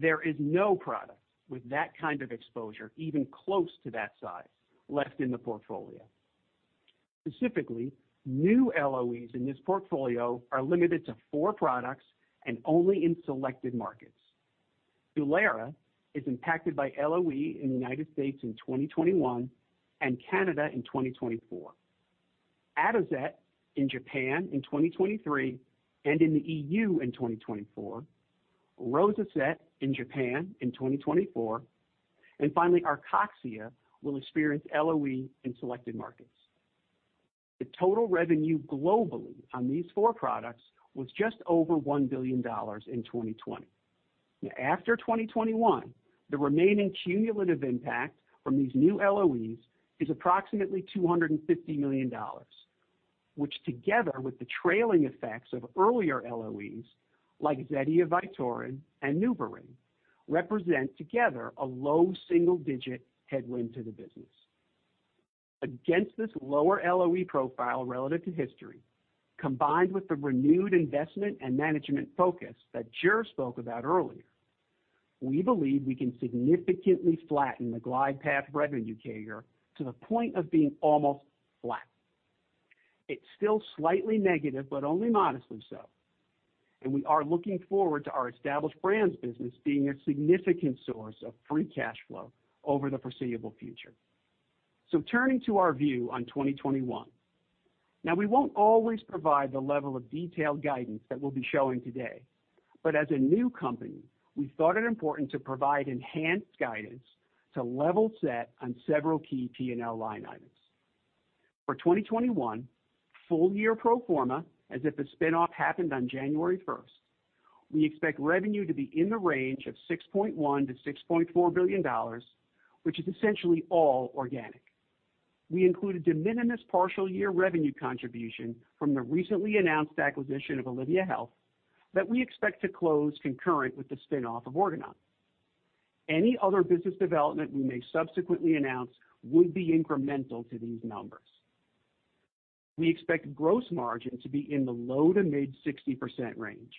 There is no product with that kind of exposure, even close to that size, left in the portfolio. Specifically, new LOEs in this portfolio are limited to four products and only in selected markets. DULERA is impacted by LOE in the U.S. in 2021 and Canada in 2024, Atozet in Japan in 2023 and in the EU in 2024, Rosuzet in Japan in 2024. Finally, ARCOXIA will experience LOE in selected markets. The total revenue globally on these four products was just over $1 billion in 2020. After 2021, the remaining cumulative impact from these new LOEs is approximately $250 million, which, together with the trailing effects of earlier LOEs like ZETIA, Vytorin, and NuvaRing, represent together a low-single-digit headwind to the business. Against this lower LOE profile relative to history, combined with the renewed investment and management focus that Ger spoke about earlier, we believe we can significantly flatten the glide path revenue CAGR to the point of being almost flat. It's still slightly negative, but only modestly so, and we are looking forward to our established brands business being a significant source of free cash flow over the foreseeable future. Turning to our view on 2021. Now, we won't always provide the level of detailed guidance that we'll be showing today, but as a new company, we thought it important to provide enhanced guidance to level set on several key P&L line items. For 2021, full-year pro forma, as if the spin-off happened on January 1st, we expect revenue to be in the range of $6.1 billion-$6.4 billion, which is essentially all organic. We include a de minimis partial year revenue contribution from the recently announced acquisition of Alydia Health that we expect to close concurrent with the spin-off of Organon. Any other business development we may subsequently announce would be incremental to these numbers. We expect gross margin to be in the low-to mid 60% range.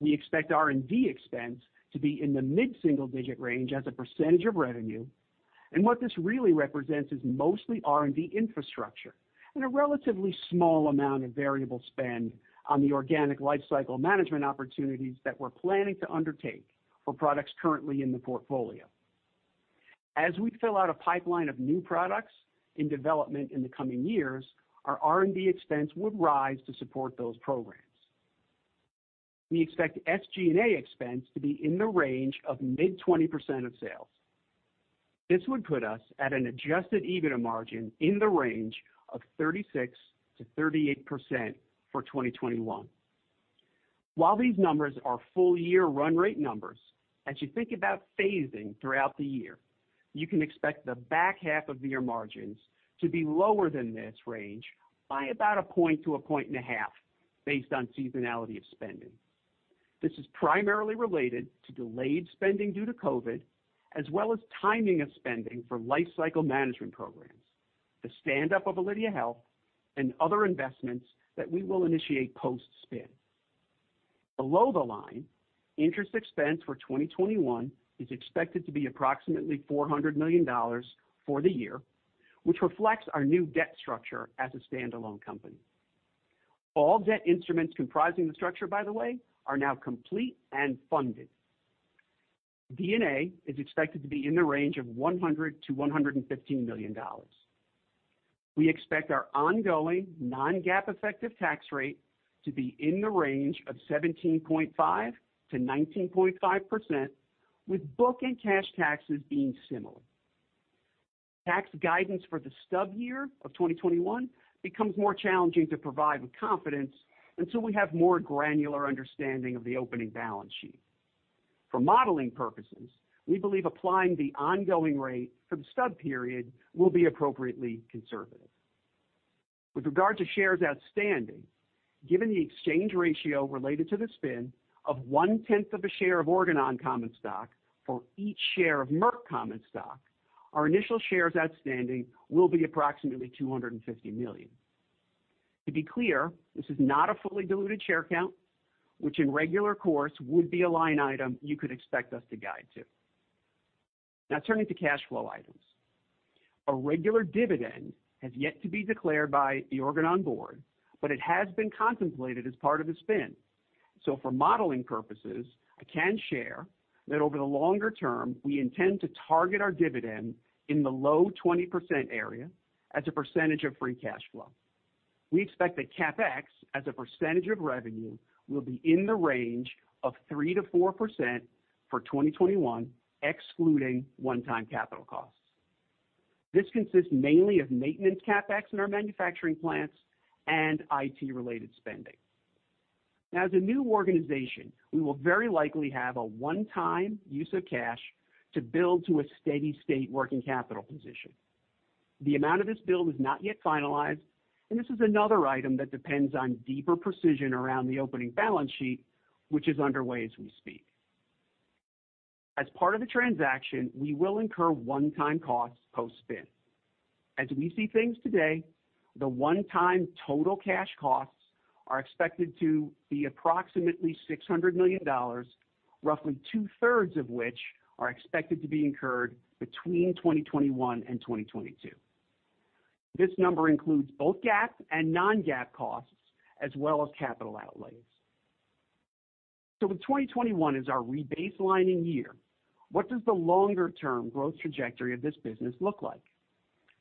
We expect R&D expense to be in the mid-single digit range as a percentage of revenue, and what this really represents is mostly R&D infrastructure and a relatively small amount of variable spend on the organic life cycle management opportunities that we're planning to undertake for products currently in the portfolio. As we fill out a pipeline of new products in development in the coming years, our R&D expense would rise to support those programs. We expect SG&A expense to be in the range of mid 20% of sales. This would put us at an adjusted EBITDA margin in the range of 36%-38% for 2021. While these numbers are full-year run rate numbers, as you think about phasing throughout the year, you can expect the back half of the year margins to be lower than this range by about a 1 to 1.5 Based on seasonality of spending. This is primarily related to delayed spending due to COVID, as well as timing of spending for life cycle management programs, the stand-up of Alydia Health, and other investments that we will initiate post-spin. Below the line, interest expense for 2021 is expected to be approximately $400 million for the year, which reflects our new debt structure as a standalone company. All debt instruments comprising the structure, by the way, are now complete and funded. D&A is expected to be in the range of $100 million-$115 million. We expect our ongoing non-GAAP effective tax rate to be in the range of 17.5%-19.5%, with book and cash taxes being similar. Tax guidance for the stub year of 2021 becomes more challenging to provide with confidence until we have more granular understanding of the opening balance sheet. For modeling purposes, we believe applying the ongoing rate for the stub period will be appropriately conservative. With regard to shares outstanding, given the exchange ratio related to the spin of 1/10 of a share of Organon common stock for each share of Merck common stock, our initial shares outstanding will be approximately 250 million. To be clear, this is not a fully diluted share count, which in regular course would be a line item you could expect us to guide to. Turning to cash flow items. A regular dividend has yet to be declared by the Organon board, but it has been contemplated as part of the spin. For modeling purposes, I can share that over the longer term, we intend to target our dividend in the low-20% area as a percentage of free cash flow. We expect that CapEx, as a percentage of revenue, will be in the range of 3%-4% for 2021, excluding one-time capital costs. This consists mainly of maintenance CapEx in our manufacturing plants and IT-related spending. As a new organization, we will very likely have a one-time use of cash to build to a steady state working capital position. The amount of this build is not yet finalized, and this is another item that depends on deeper precision around the opening balance sheet, which is underway as we speak. Part of the transaction, we will incur one-time costs post-spin. We see things today, the one-time total cash costs are expected to be approximately $600 million, roughly 2/3 of which are expected to be incurred between 2021 and 2022. This number includes both GAAP and non-GAAP costs, as well as capital outlays. With 2021 as our re-baselining year, what does the longer-term growth trajectory of this business look like?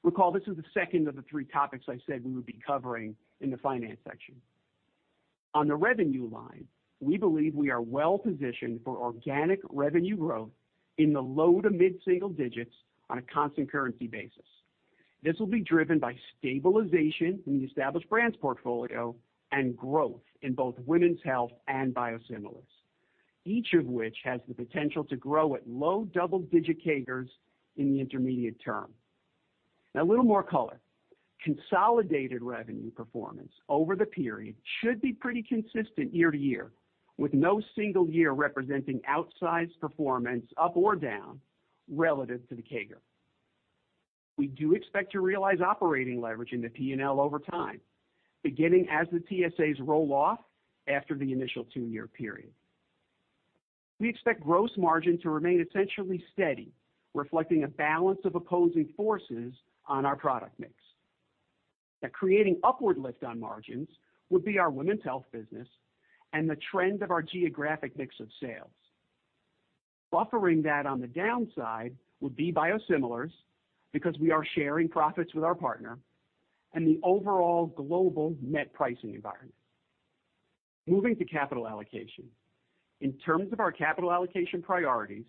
Recall, this is the second of the three topics I said we would be covering in the finance section. On the revenue line, we believe we are well-positioned for organic revenue growth in the low-to mid-single digits on a constant currency basis. This will be driven by stabilization in the Established Brands portfolio and growth in both Women's Health and Biosimilars, each of which has the potential to grow at low-double-digit CAGRs in the intermediate term. A little more color. Consolidated revenue performance over the period should be pretty consistent year-over-year, with no single year representing outsized performance, up or down, relative to the CAGR. We do expect to realize operating leverage in the P&L over time, beginning as the TSAs roll off after the initial two-year period. We expect gross margin to remain essentially steady, reflecting a balance of opposing forces on our product mix. That creating upward lift on margins would be our Women's Health business and the trend of our geographic mix of sales. Buffering that on the downside would be Biosimilars, because we are sharing profits with our partner, and the overall global net pricing environment. Moving to capital allocation. In terms of our capital allocation priorities,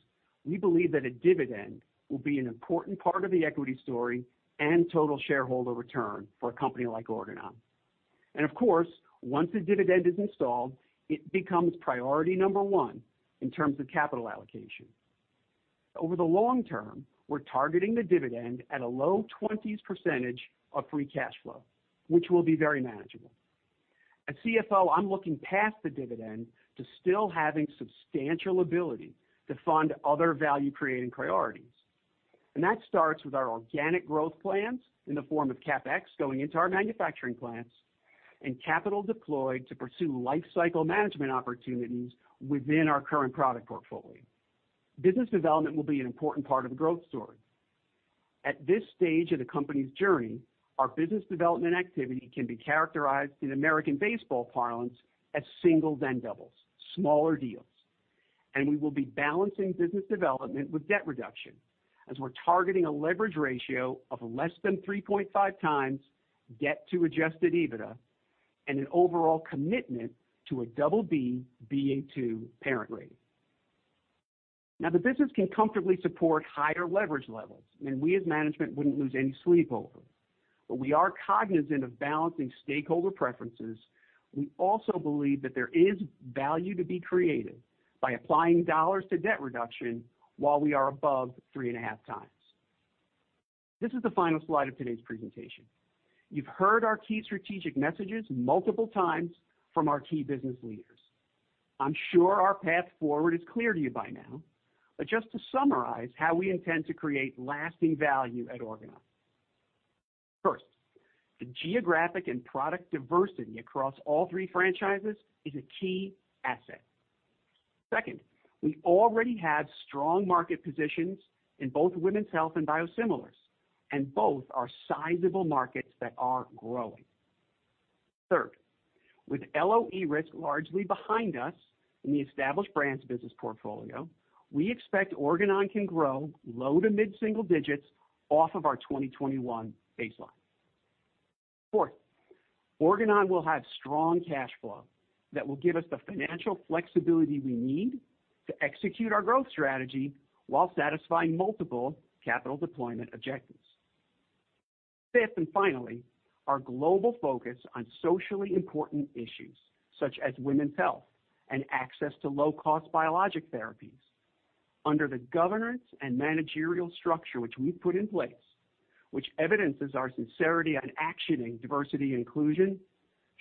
we believe that a dividend will be an important part of the equity story and total shareholder return for a company like Organon. Of course, once a dividend is installed, it becomes priority number one in terms of capital allocation. Over the long term, we're targeting the dividend at a low 20s % of free cash flow, which will be very manageable. As CFO, I'm looking past the dividend to still having substantial ability to fund other value-creating priorities. That starts with our organic growth plans in the form of CapEx going into our manufacturing plants and capital deployed to pursue life cycle management opportunities within our current product portfolio. Business development will be an important part of the growth story. At this stage of the company's journey, our business development activity can be characterized in American baseball parlance as singles and doubles, smaller deals, and we will be balancing business development with debt reduction as we're targeting a leverage ratio of less than 3.5x debt to adjusted EBITDA and an overall commitment to a BB/Ba2 parent rating. Now, the business can comfortably support higher leverage levels, and we as management wouldn't lose any sleep over it. We are cognizant of balancing stakeholder preferences. We also believe that there is value to be created by applying dollars to debt reduction while we are above 3.5x. This is the final slide of today's presentation. You've heard our key strategic messages multiple times from our key business leaders. I'm sure our path forward is clear to you by now, just to summarize how we intend to create lasting value at Organon. First, the geographic and product diversity across all three franchises is a key asset. Second, we already have strong market positions in both Women's Health and Biosimilars, both are sizable markets that are growing. Third, with LOE risk largely behind us in the Established Brands business portfolio, we expect Organon can grow low to mid-single digits off of our 2021 baseline. Fourth, Organon will have strong cash flow that will give us the financial flexibility we need to execute our growth strategy while satisfying multiple capital deployment objectives. Fifth and finally, our global focus on socially important issues such as women's health and access to low-cost biologic therapies under the governance and managerial structure which we've put in place, which evidences our sincerity on actioning diversity and inclusion,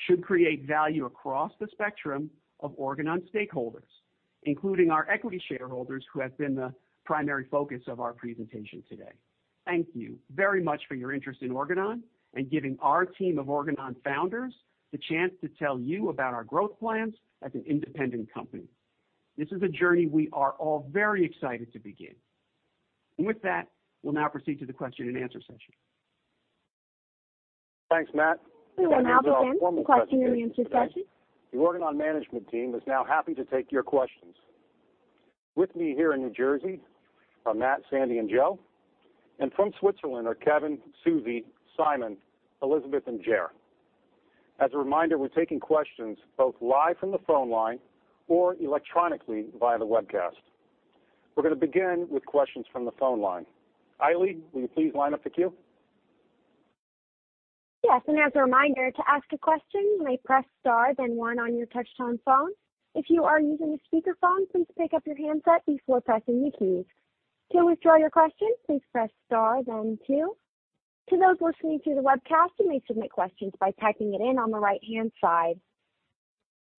should create value across the spectrum of Organon stakeholders, including our equity shareholders who have been the primary focus of our presentation today. Thank you very much for your interest in Organon and giving our team of Organon founders the chance to tell you about our growth plans as an independent company. This is a journey we are all very excited to begin. With that, we'll now proceed to the question and answer session. Thanks Matt. We will now begin the question and answer session. The Organon management team is now happy to take your questions. With me here in New Jersey are Matt, Sandy, and Joe. From Switzerland are Kevin, Susi, Simon, Elisabeth, and Ger. As a reminder, we're taking questions both live from the phone line or electronically via the webcast. We're going to begin with questions from the phone line. Ailey, will you please line up the queue? Yes, as a reminder, to ask a question, you may press star then one on your touch-tone phone. If you are using a speakerphone, please pick up your handset before pressing the keys. To withdraw your question, please press star then two. To those listening to the webcast, you may submit questions by typing it in on the right-hand side.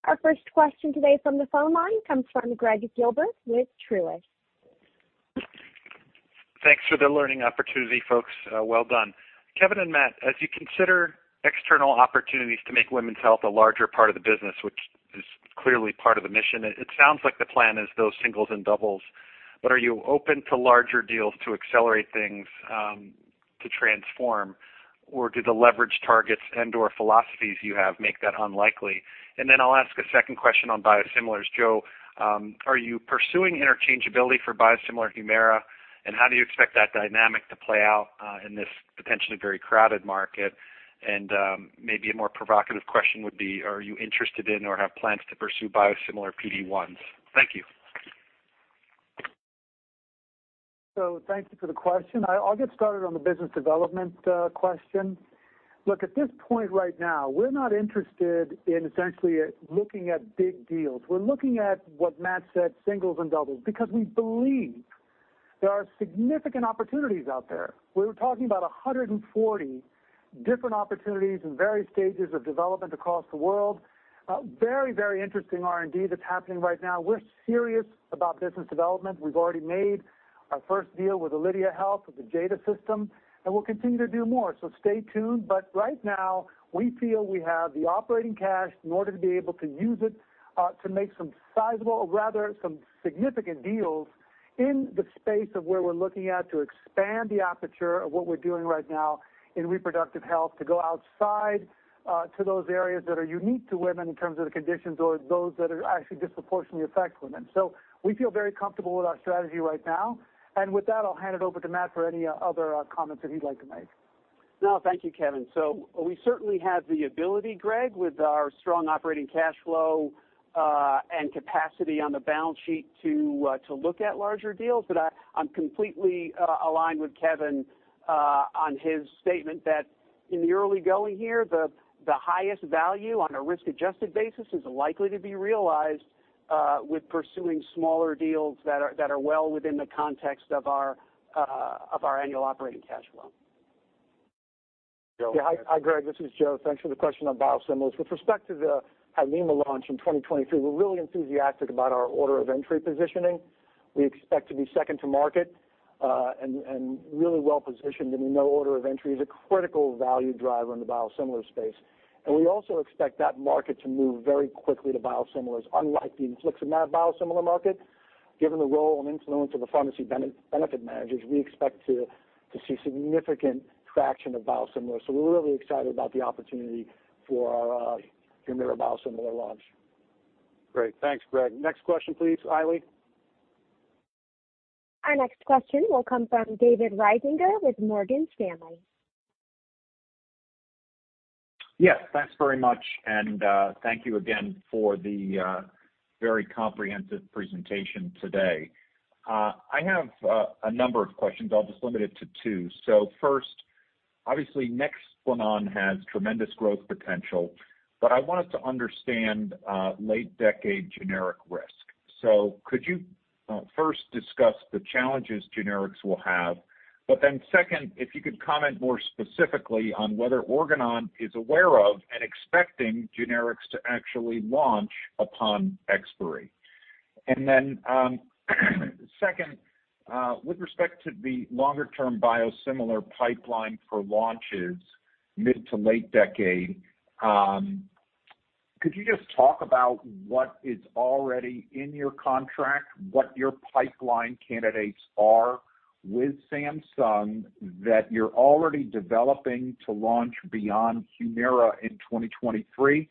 Our first question today from the phone line comes from Gregg Gilbert with Truist. Thanks for the learning opportunity, folks. Well done. Kevin and Matt, as you consider external opportunities to make women's health a larger part of the business, which is clearly part of the mission, it sounds like the plan is those singles and doubles. Are you open to larger deals to accelerate things, to transform, or do the leverage targets and/or philosophies you have make that unlikely? I'll ask a second question on biosimilars. Joe, are you pursuing interchangeability for biosimilar HUMIRA? How do you expect that dynamic to play out in this potentially very crowded market? Maybe a more provocative question would be, are you interested in or have plans to pursue biosimilar PD-1s? Thank you. Thank you for the question. I'll get started on the business development question. Look, at this point right now, we're not interested in essentially looking at big deals. We're looking at what Matt said, singles and doubles, because we believe there are significant opportunities out there. We're talking about 140 different opportunities in various stages of development across the world. Very interesting R&D that's happening right now. We're serious about business development. We've already made our first deal with Alydia Health with the JADA System, and we'll continue to do more, so stay tuned. Right now, we feel we have the operating cash in order to be able to use it to make some sizable, or rather, some significant deals in the space of where we're looking at to expand the aperture of what we're doing right now in reproductive health to go outside to those areas that are unique to women in terms of the conditions or those that are actually disproportionately affect women. We feel very comfortable with our strategy right now. With that, I'll hand it over to Matt for any other comments that he'd like to make. No, thank you, Kevin. We certainly have the ability, Gregg, with our strong operating cash flow, and capacity on the balance sheet to look at larger deals. I'm completely aligned with Kevin on his statement that in the early going here, the highest value on a risk-adjusted basis is likely to be realized with pursuing smaller deals that are well within the context of our annual operating cash flow. Joe. Yeah. Hi, Gregg, this is Joe. Thanks for the question on biosimilars. With respect to the HADLIMA launch in 2023, we're really enthusiastic about our order of entry positioning. We expect to be second-to-market, and really well-positioned, and we know order of entry is a critical value driver in the biosimilar space. We also expect that market to move very quickly to biosimilars. Unlike the infliximab biosimilar market, given the role and influence of the pharmacy benefit managers, we expect to see significant traction of biosimilars. We're really excited about the opportunity for our HUMIRA biosimilar launch. Great. Thanks, Gregg. Next question, please, Ailey. Our next question will come from David Risinger with Morgan Stanley. Thanks very much, and thank you again for the very comprehensive presentation today. I have a number of questions. I'll just limit it to two. First, obviously Nexplanon has tremendous growth potential, but I wanted to understand late-decade generic risk. Could you first discuss the challenges generics will have? Second, if you could comment more specifically on whether Organon is aware of and expecting generics to actually launch upon expiry. Second, with respect to the longer-term biosimilar pipeline for launches mid to late decade, could you just talk about what is already in your contract, what your pipeline candidates are with Samsung that you're already developing to launch beyond Humira in 2023.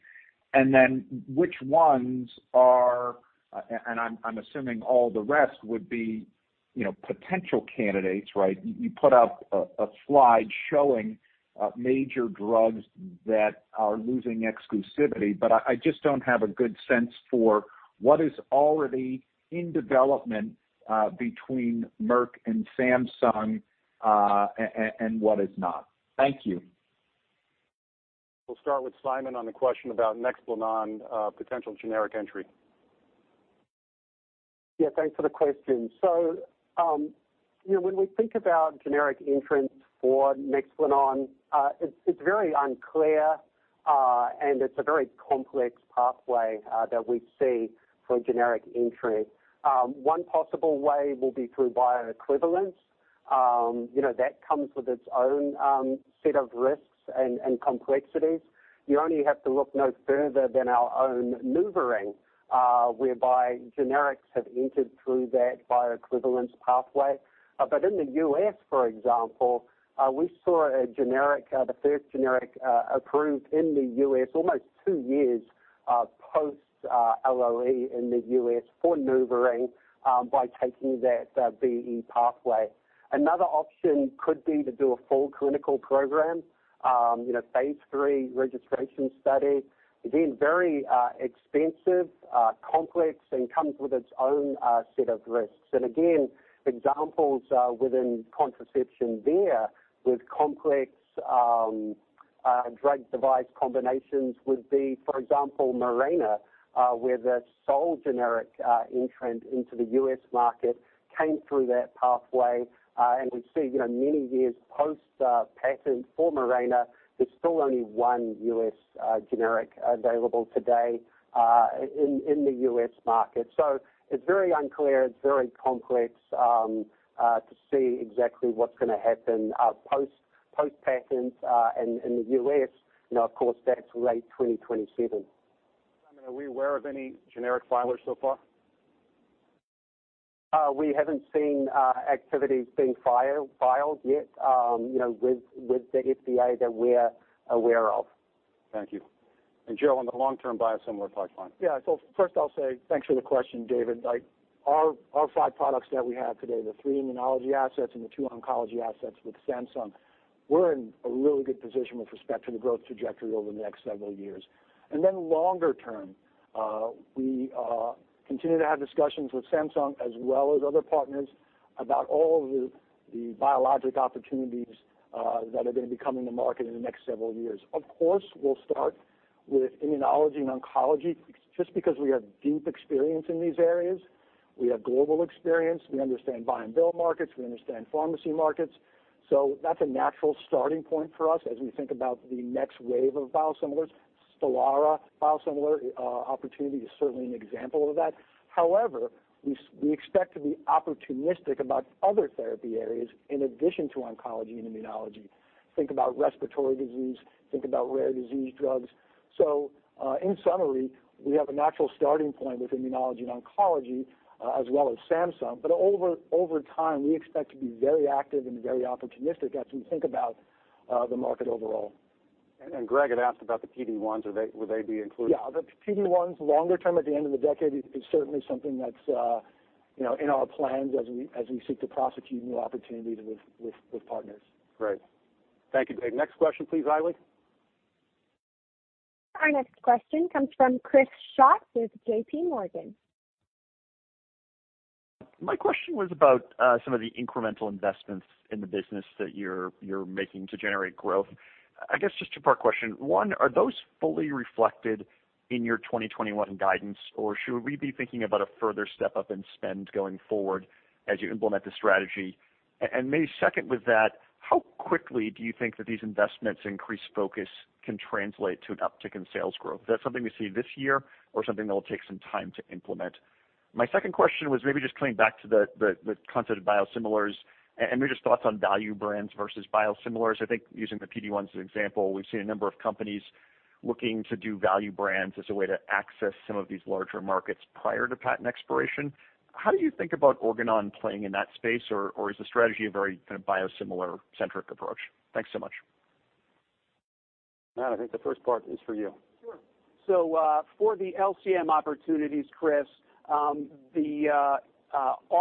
I'm assuming all the rest would be potential candidates, right? You put up a slide showing major drugs that are losing exclusivity, I just don't have a good sense for what is already in development between Merck and Samsung, and what is not. Thank you. We'll start with Simon on the question about Nexplanon potential generic entry. Yeah, thanks for the question. When we think about generic entrants for Nexplanon, it's very unclear, and it's a very complex pathway that we see for generic entry. One possible way will be through bioequivalence. That comes with its own set of risks and complexities. You only have to look no further than our own NuvaRing, whereby generics have entered through that bioequivalence pathway. In the U.S., for example, we saw the first generic approved in the U.S. almost two years post LOE in the U.S. for NuvaRing by taking that BE pathway. Another option could be to do a full clinical program, phase III registration study. Again, very expensive, complex, and comes with its own set of risks. Again, examples within contraception there with complex drug device combinations would be, for example, Mirena, where the sole generic entrant into the U.S. market came through that pathway. We see many years post-patent for Mirena, there's still only one U.S. generic available today in the U.S. market. It's very unclear, it's very complex to see exactly what's going to happen post-patent in the U.S. Of course, that's late 2027. Simon, are we aware of any generic filers so far? We haven't seen activities being filed yet with the FDA that we're aware of. Thank you. Joe, on the long-term biosimilar pipeline. First I'll say, thanks for the question, David. Our five products that we have today, the three immunology assets and the two oncology assets with Samsung, we're in a really good position with respect to the growth trajectory over the next several years. Longer term, we continue to have discussions with Samsung as well as other partners about all of the biologic opportunities that are going to be coming to market in the next several years. Of course, we'll start with immunology and oncology, just because we have deep experience in these areas. We have global experience. We understand buy and bill markets. We understand pharmacy markets. That's a natural starting point for us as we think about the next wave of biosimilars. STELARA biosimilar opportunity is certainly an example of that. We expect to be opportunistic about other therapy areas in addition to oncology and immunology. Think about respiratory disease, think about rare disease drugs. In summary, we have a natural starting point with immunology and oncology, as well as Samsung, but over time, we expect to be very active and very opportunistic as we think about the market overall. Greg had asked about the PD-1s. Will they be included? The PD-1s longer term at the end of the decade is certainly something that's in our plans as we seek to prosecute new opportunities with partners. Great. Thank you, Dave. Next question please, Eileen. Our next question comes from Chris Schott with JPMorgan. My question was about some of the incremental investments in the business that you're making to generate growth. I guess just two-part question. One, are those fully reflected in your 2021 guidance, or should we be thinking about a further step-up in spend going forward as you implement the strategy? Maybe second with that, how quickly do you think that these investments increased focus can translate to an uptick in sales growth? Is that something we see this year or something that'll take some time to implement? My second question was maybe just coming back to the concept of biosimilars, and maybe just thoughts on value brands versus biosimilars. I think using the PD-1s as an example, we've seen a number of companies looking to do value brands as a way to access some of these larger markets prior to patent expiration. How do you think about Organon playing in that space, or is the strategy a very kind of biosimilar-centric approach? Thanks so much. Matt, I think the first part is for you. Sure. For the LCM opportunities, Chris, all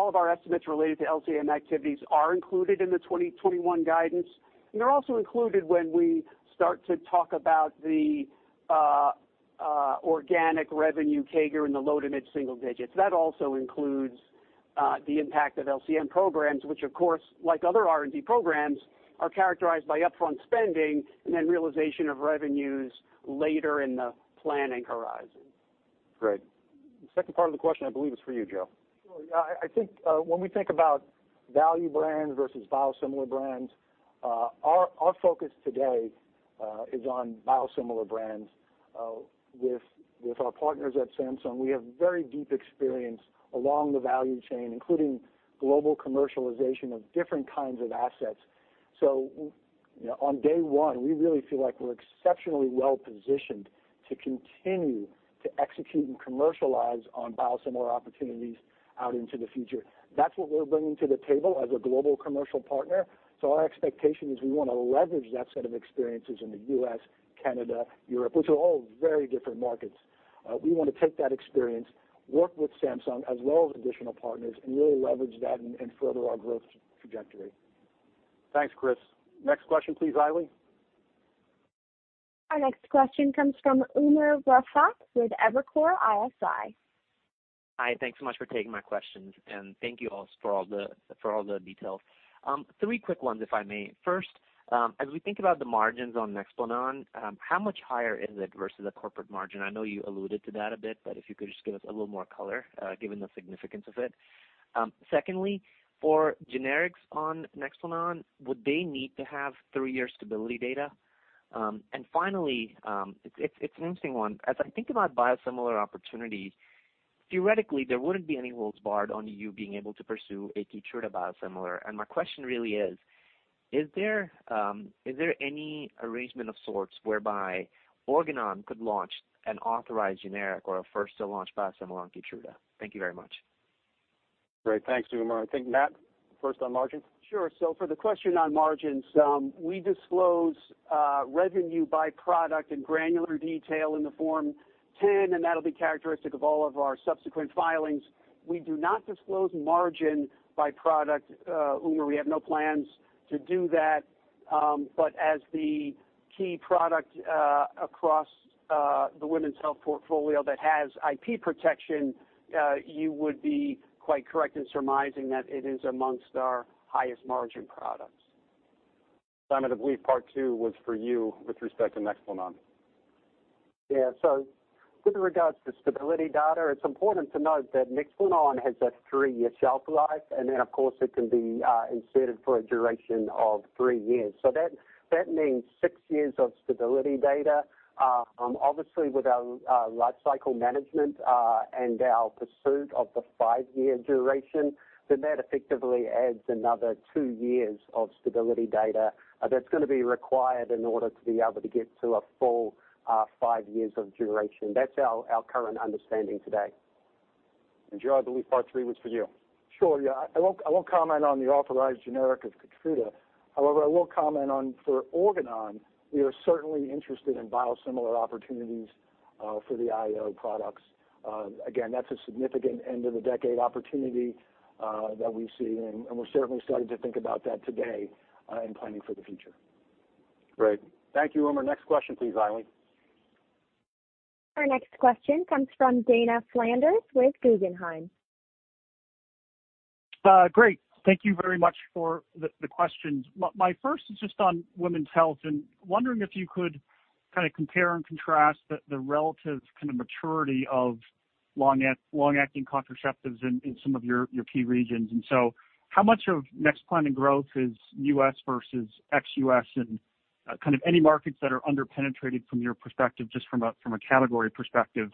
of our estimates related to LCM activities are included in the 2021 guidance, and they're also included when we start to talk about the organic revenue CAGR in the low to mid-single digits. That also includes the impact of LCM programs, which of course, like other R&D programs, are characterized by upfront spending and then realization of revenues later in the planning horizon. Great. The second part of the question, I believe, is for you, Joe. Sure. Yeah, I think when we think about value brands versus biosimilar brands, our focus today is on biosimilar brands. With our partners at Samsung, we have very deep experience along the value chain, including global commercialization of different kinds of assets. On day one, we really feel like we're exceptionally well-positioned to continue to execute and commercialize on biosimilar opportunities out into the future. That's what we're bringing to the table as a global commercial partner. Our expectation is we want to leverage that set of experiences in the U.S., Canada, Europe, which are all very different markets. We want to take that experience, work with Samsung as well as additional partners, and really leverage that and further our growth trajectory. Thanks, Chris. Next question please, Eileen. Our next question comes from Umer Raffat with Evercore ISI. Hi, thanks so much for taking my questions, and thank you all for all the details. Three quick ones, if I may. First, as we think about the margins on Nexplanon, how much higher is it versus the corporate margin? I know you alluded to that a bit, but if you could just give us a little more color, given the significance of it. Secondly, for generics on Nexplanon, would they need to have three-year stability data? Finally, it's an interesting one. As I think about biosimilar opportunities, theoretically, there wouldn't be any holds barred on you being able to pursue a KEYTRUDA biosimilar, and my question really is there any arrangement of sorts whereby Organon could launch an authorized generic or a first-to-launch biosimilar on KEYTRUDA? Thank you very much. Great. Thanks, Umer. I think Matt, first on margins. Sure. For the question on margins, we disclose revenue by product in granular detail in the Form 10, and that'll be characteristic of all of our subsequent filings. We do not disclose margin by product, Umer. We have no plans to do that. As the key product across the women's health portfolio that has IP protection, you would be quite correct in surmising that it is amongst our highest margin products. Simon, I believe part two was for you with respect to Nexplanon. Yeah. With regards to stability data, it's important to note that Nexplanon has a three-year shelf life, and then of course it can be inserted for a duration of three years. That means six years of stability data. Obviously with our life cycle management, and our pursuit of the five-year duration, then that effectively adds another two years of stability data that's going to be required in order to be able to get to a full five years of duration. That's our current understanding today. Joe, I believe part three was for you. Sure, yeah. I won't comment on the authorized generic of KEYTRUDA. I will comment on for Organon, we are certainly interested in biosimilar opportunities for the IO products. That's a significant end of the decade opportunity that we see, and we're certainly starting to think about that today in planning for the future. Great. Thank you. Next question please, Eileen. Our next question comes from Dana Flanders with Guggenheim. Great. Thank you very much for the questions. My first is just on women's health, and wondering if you could kind of compare and contrast the relative kind of maturity of long-acting contraceptives in some of your key regions. How much of Nexplanon growth is U.S. versus ex-U.S., and kind of any markets that are under-penetrated from your perspective, just from a category perspective.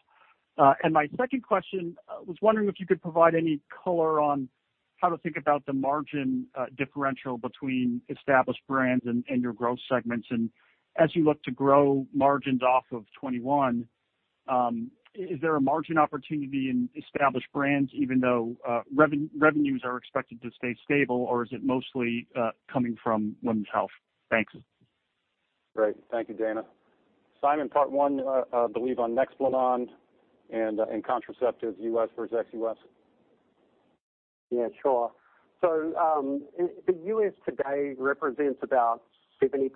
My second question, I was wondering if you could provide any color on how to think about the margin differential between established brands and your growth segments. As you look to grow margins off of 2021, is there a margin opportunity in established brands, even though revenues are expected to stay stable, or is it mostly coming from women's health? Thanks. Great. Thank you, Dana. Simon, part one, I believe on Nexplanon and contraceptives U.S. versus ex-U.S. Yeah, sure. The U.S. today represents about 70%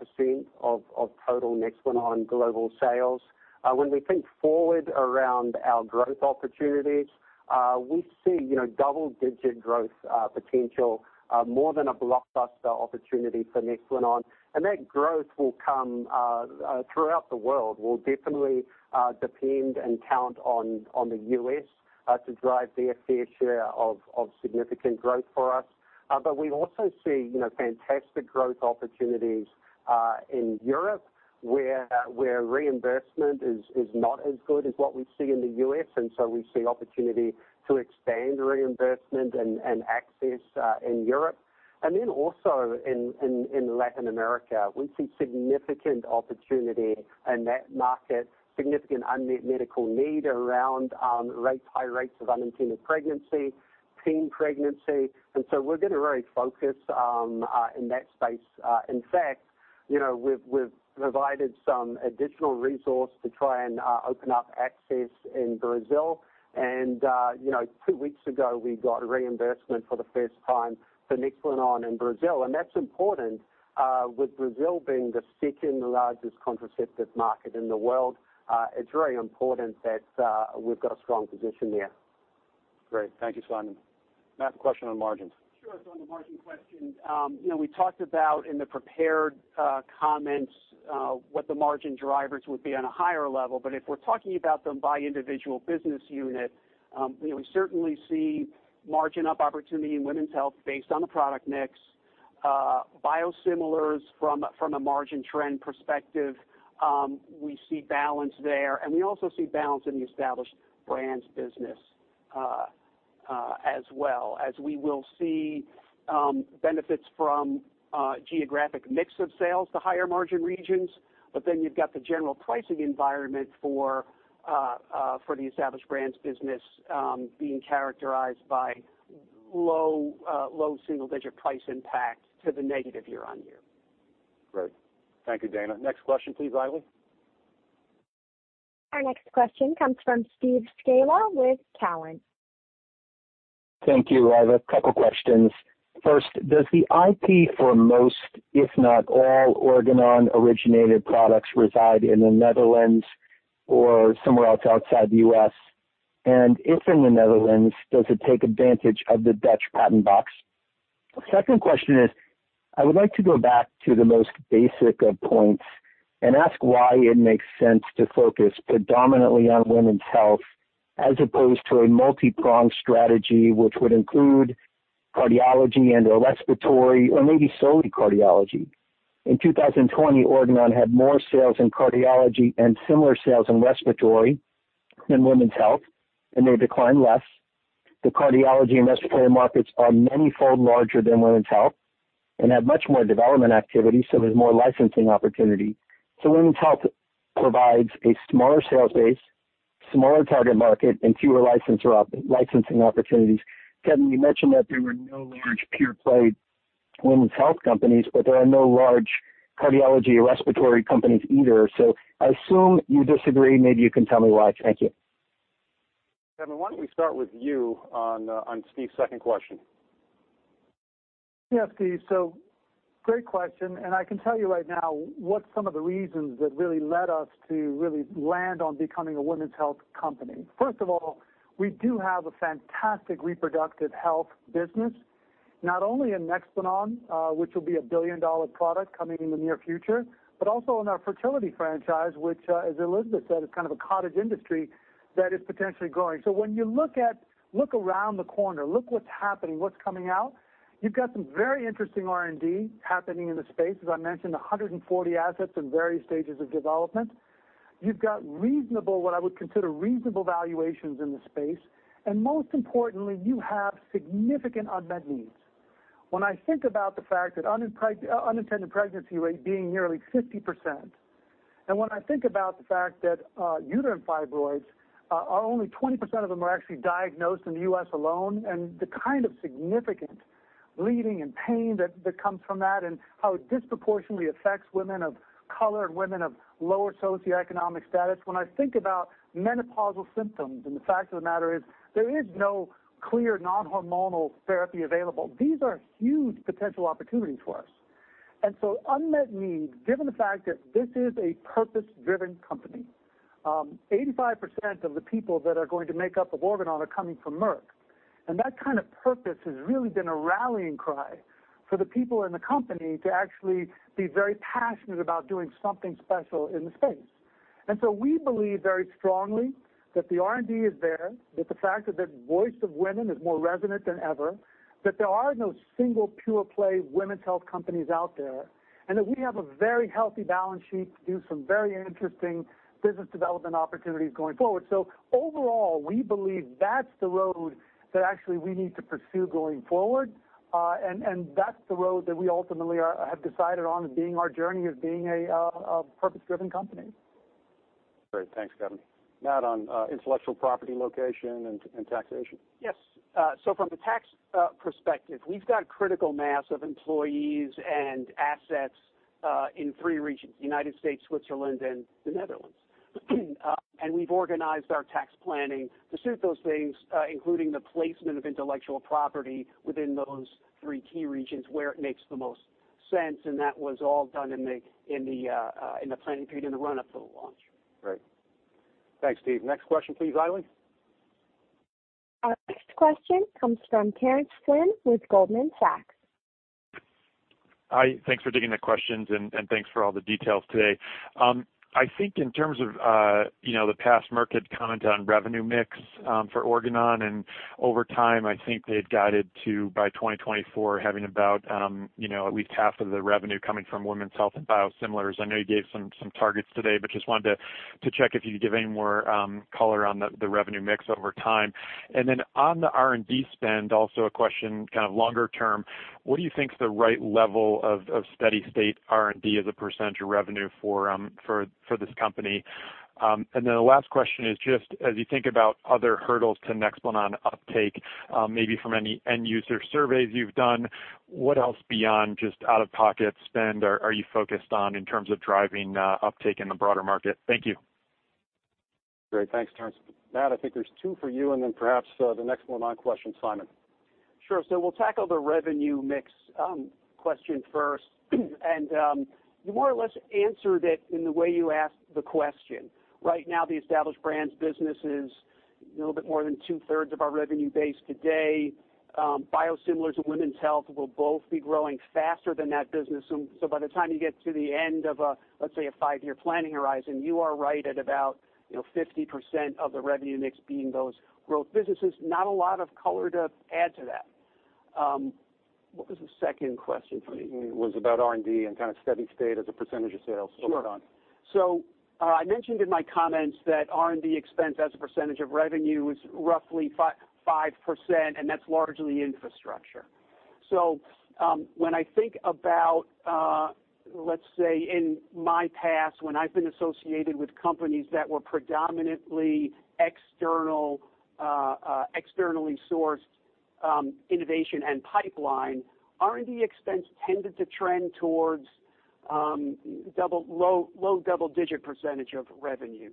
of total Nexplanon global sales. When we think forward around our growth opportunities, we see double-digit growth potential, more than a blockbuster opportunity for Nexplanon. That growth will come throughout the world. We'll definitely depend and count on the U.S. to drive their fair share of significant growth for us. We also see fantastic growth opportunities in Europe, where reimbursement is not as good as what we see in the U.S. We see opportunity to expand reimbursement and access in Europe. Then also in Latin America, we see significant opportunity in that market, significant unmet medical need around high rates of unintended pregnancy, teen pregnancy. We're going to really focus in that space. In fact, we've provided some additional resource to try and open up access in Brazil. Two weeks ago, we got reimbursement for the first time for Nexplanon in Brazil, and that's important. With Brazil being the second-largest contraceptive market in the world, it's very important that we've got a strong position there. Great. Thank you, Simon. Matt, the question on margins. Sure. On the margin question, we talked about in the prepared comments what the margin drivers would be on a higher level. If we're talking about them by individual business unit, we certainly see margin up opportunity in women's health based on the product mix. Biosimilars from a margin trend perspective, we see balance there, and we also see balance in the established brands business as well, as we will see benefits from geographic mix of sales to higher margin regions. You've got the general pricing environment for the established brands business being characterized by low-single-digit price impact to the negative year-on-year. Great. Thank you, Dana. Next question please, Eileen. Our next question comes from Steve Scala with Cowen. Thank you, Eileen. A couple of questions. First, does the IP for most, if not all, Organon-originated products reside in the Netherlands or somewhere else outside the U.S.? If in the Netherlands, does it take advantage of the Dutch patent box? Second question is, I would like to go back to the most basic of points and ask why it makes sense to focus predominantly on women's health as opposed to a multi-pronged strategy which would include cardiology and respiratory or maybe solely cardiology. In 2020, Organon had more sales in cardiology and similar sales in respiratory than women's health, and they declined less. The cardiology and respiratory markets are many-fold larger than women's health and have much more development activity, so there's more licensing opportunity. Women's health provides a smaller sales base, smaller target market, and fewer licensing opportunities. Kevin, you mentioned that there were no large pure-play women's health companies, but there are no large cardiology or respiratory companies either. I assume you disagree. Maybe you can tell me why. Thank you. Kevin, why don't we start with you on Steve's second question? Yeah, Steve, great question. I can tell you right now what some of the reasons that really led us to really land on becoming a women's health company. First of all, we do have a fantastic reproductive health business, not only in Nexplanon, which will be a billion-dollar product coming in the near future, but also in our fertility franchise, which, as Elisabeth said, is kind of a cottage industry that is potentially growing. When you look around the corner, look what's happening, what's coming out, you've got some very interesting R&D happening in the space. As I mentioned, 140 assets in various stages of development. You've got reasonable, what I would consider reasonable valuations in the space. Most importantly, you have significant unmet needs. When I think about the fact that unintended pregnancy rate being nearly 50%. When I think about the fact that uterine fibroids, only 20% of them are actually diagnosed in the U.S. alone, and the kind of significant bleeding and pain that comes from that, and how it disproportionately affects women of color and women of lower socioeconomic status. When I think about menopausal symptoms, and the fact of the matter is, there is no clear non-hormonal therapy available. These are huge potential opportunities for us. Unmet needs, given the fact that this is a purpose-driven company, 85% of the people that are going to make up of Organon are coming from Merck. That kind of purpose has really been a rallying cry for the people in the company to actually be very passionate about doing something special in the space. We believe very strongly that the R&D is there, that the fact that the voice of women is more resonant than ever, that there are no single pure-play women's health companies out there, and that we have a very healthy balance sheet to do some very interesting business development opportunities going forward. Overall, we believe that's the road that actually we need to pursue going forward. That's the road that we ultimately have decided on as being our journey as being a purpose-driven company. Great. Thanks, Kevin. Matt, on intellectual property location and taxation. Yes. From the tax perspective, we've got critical mass of employees and assets in three regions, the U.S., Switzerland, and the Netherlands. We've organized our tax planning to suit those things including the placement of intellectual property within those three key regions where it makes the most sense, and that was all done in the planning period in the run-up to the launch. Great. Thanks, Steve. Next question, please, Eileen. Our next question comes from Terence Flynn with Goldman Sachs. Hi. Thanks for taking the questions, and thanks for all the details today. I think in terms of the past Merck & Co. had comment on revenue mix for Organon & Co., over time, I think they had guided to by 2024 having about at least half of the revenue coming from women's health and biosimilars. I know you gave some targets today, just wanted to check if you could give any more color on the revenue mix over time. On the R&D spend, also a question kind of longer term, what do you think is the right level of steady state R&D as a percentage of revenue for this company? The last question is just as you think about other hurdles to Nexplanon uptake, maybe from any end-user surveys you've done, what else beyond just out-of-pocket spend are you focused on in terms of driving uptake in the broader market? Thank you. Great. Thanks, Terence. Matt, I think there's two for you, and then perhaps the Nexplanon question, Simon. Sure. We'll tackle the revenue mix question first. You more or less answered it in the way you asked the question. Right now, the Established Brands business is a little bit more than 2/3 of our revenue base today. Biosimilars and Women's Health will both be growing faster than that business. By the time you get to the end of, let's say, a five-year planning horizon, you are right at about 50% of the revenue mix being those growth businesses. Not a lot of color to add to that. What was the second question for me? It was about R&D and kind of steady state as a percentage of sales for Organon. Sure. I mentioned in my comments that R&D expense as a percentage of revenue is roughly 5%, and that's largely infrastructure. When I think about, let's say, in my past when I've been associated with companies that were predominantly externally sourced innovation and pipeline, R&D expense tended to trend towards low double-digit percentage of revenues.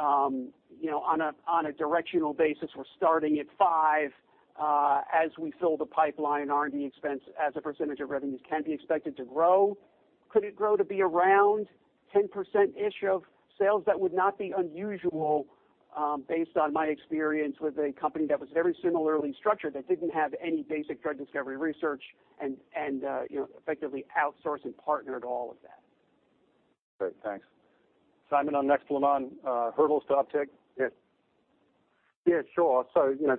On a directional basis, we're starting at 5%. As we fill the pipeline, R&D expense as a percentage of revenues can be expected to grow. Could it grow to be around 10%-ish of sales? That would not be unusual based on my experience with a company that was very similarly structured, that didn't have any basic drug discovery research and effectively outsourced and partnered all of that. Great. Thanks. Simon, on Nexplanon hurdles to uptake? Yes. Sure.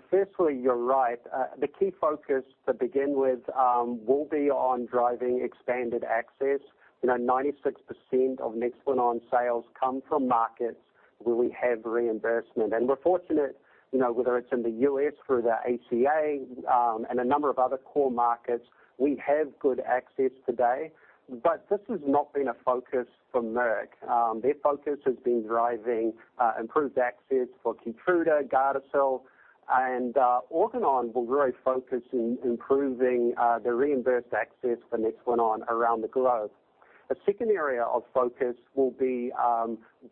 Firstly, you're right. The key focus to begin with will be on driving expanded access. 96% of Nexplanon sales come from markets where we have reimbursement. We're fortunate whether it's in the U.S. through the ACA, and a number of other core markets, we have good access today. This has not been a focus for Merck. Their focus has been driving improved access for KEYTRUDA, GARDASIL, and Organon will really focus in improving the reimbursed access for Nexplanon around the globe. A second area of focus will be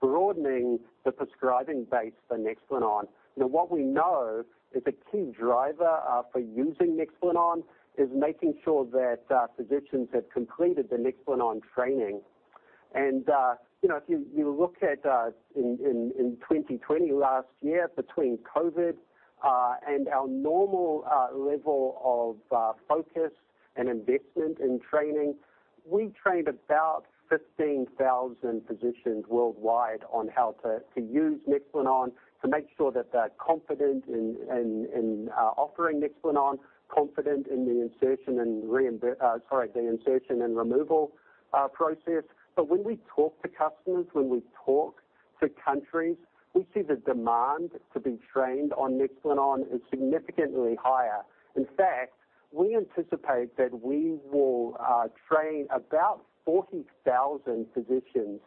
broadening the prescribing base for Nexplanon. What we know is a key driver for using Nexplanon is making sure that physicians have completed the Nexplanon training. If you look at in 2020 last year, between COVID, and our normal level of focus and investment in training, we trained about 15,000 physicians worldwide on how to use Nexplanon to make sure that they're confident in offering Nexplanon, confident in the insertion and removal process. When we talk to customers, for countries, we see the demand to be trained on Nexplanon is significantly higher. In fact, we anticipate that we will train about 40,000 physicians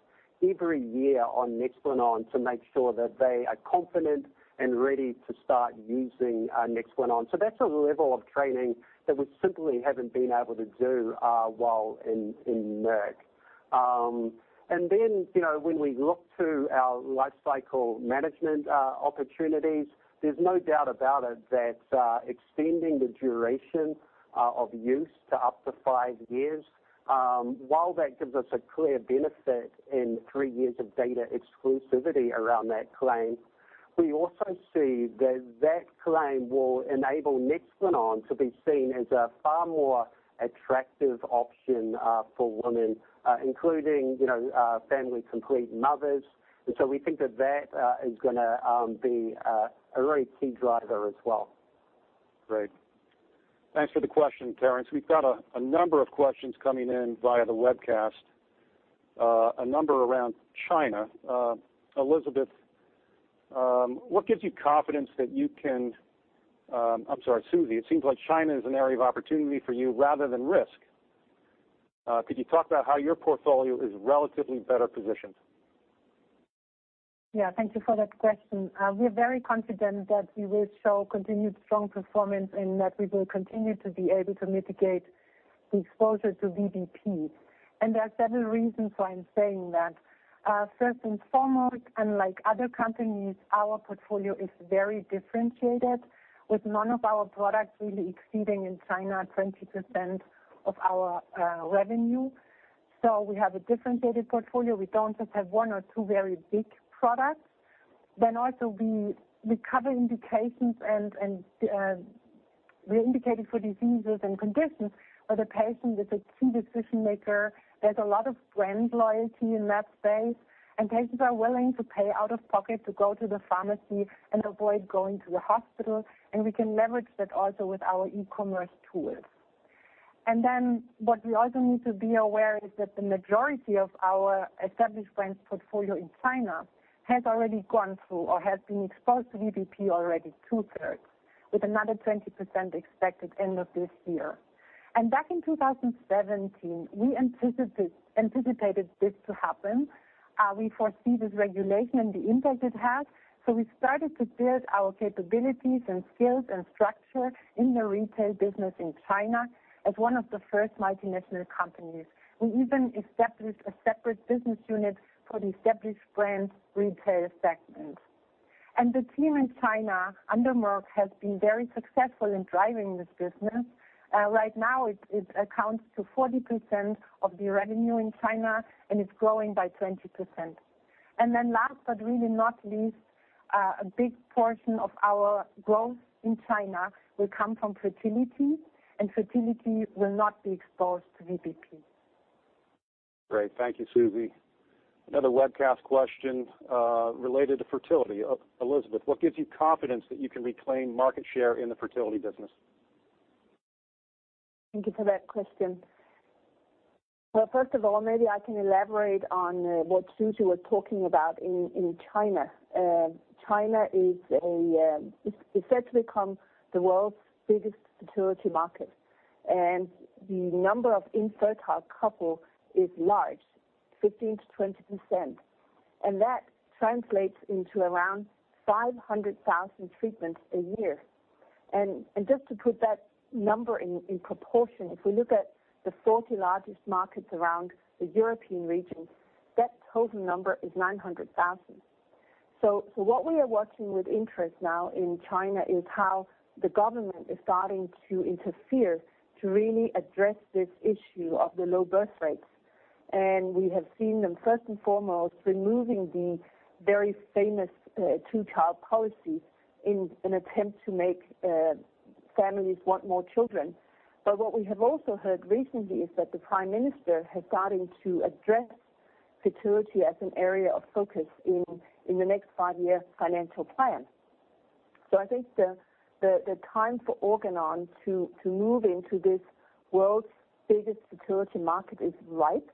every year on Nexplanon to make sure that they are confident and ready to start using Nexplanon. That's a level of training that we simply haven't been able to do while in Merck. When we look to our life cycle management opportunities, there's no doubt about it that extending the duration of use to up to five years, while that gives us a clear benefit in three years of data exclusivity around that claim, we also see that claim will enable Nexplanon to be seen as a far more attractive option for women, including family complete mothers. We think that is going to be a really key driver as well. Great. Thanks for the question, Terence. We've got a number of questions coming in via the webcast, a number around China. Elisabeth, I'm sorry, Susi, it seems like China is an area of opportunity for you rather than risk. Could you talk about how your portfolio is relatively better positioned? Yeah. Thank you for that question. We're very confident that we will show continued strong performance and that we will continue to be able to mitigate the exposure to VBP. There are several reasons why I'm saying that. First and foremost, unlike other companies, our portfolio is very differentiated with none of our products really exceeding in China 20% of our revenue. We have a differentiated portfolio. We don't just have one or two very big products. Also we cover indications and we're indicated for diseases and conditions where the patient is a key decision maker. There's a lot of brand loyalty in that space, and patients are willing to pay out of pocket to go to the pharmacy and avoid going to the hospital, and we can leverage that also with our e-commerce tools. What we also need to be aware is that the majority of our established brands portfolio in China has already gone through or has been exposed to VBP already 2/3, with another 20% expected end of this year. Back in 2017, we anticipated this to happen. We foresee this regulation and the impact it has. We started to build our capabilities and skills and structure in the retail business in China as one of the first multinational companies. We even established a separate business unit for the established brand retail segment. The team in China under Merck has been very successful in driving this business. Right now, it accounts to 40% of the revenue in China, and it's growing by 20%. Last but really not least, a big portion of our growth in China will come from fertility, and fertility will not be exposed to VBP. Great. Thank you, Susi. Another webcast question related to fertility. Elisabeth, what gives you confidence that you can reclaim market share in the fertility business? Thank you for that question. Well, first of all, maybe I can elaborate on what Susanne was talking about in China. China is set to become the world's biggest fertility market, the number of infertile couple is large, 15%-20%, that translates into around 500,000 treatments a year. Just to put that number in proportion, if we look at the 40 largest markets around the European region, that total number is 900,000. What we are watching with interest now in China is how the government is starting to interfere to really address this issue of the low birth rates. We have seen them first and foremost, removing the very famous two-child policy in an attempt to make families want more children. What we have also heard recently is that the Prime Minister is starting to address fertility as an area of focus in the next five-year financial plan. I think the time for Organon to move into this world's biggest fertility market is right, and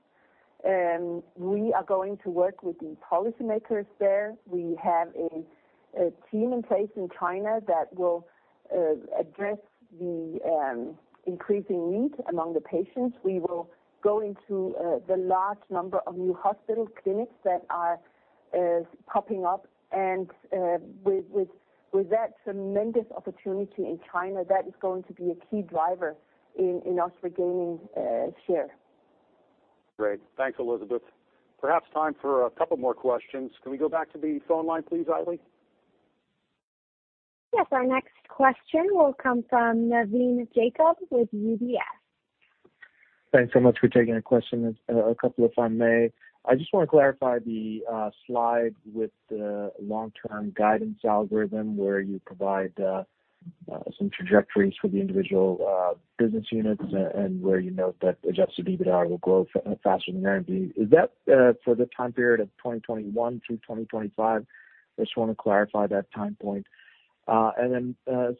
we are going to work with the policy makers there. We have a team in place in China that will address the increasing need among the patients. We will go into the large number of new hospital clinics that are popping up, and with that tremendous opportunity in China, that is going to be a key driver in us regaining share. Great. Thanks, Elisabeth. Perhaps time for a couple more questions. Can we go back to the phone line, please, Ailey? Yes, our next question will come from Navin Jacob with UBS. Thanks so much for taking the question. A couple if I may. I just want to clarify the slide with the long-term guidance algorithm where you provide some trajectories for the individual business units and where you note that adjusted EBITDA will grow faster than R&D. Is that for the time period of 2021 through 2025? I just want to clarify that time point.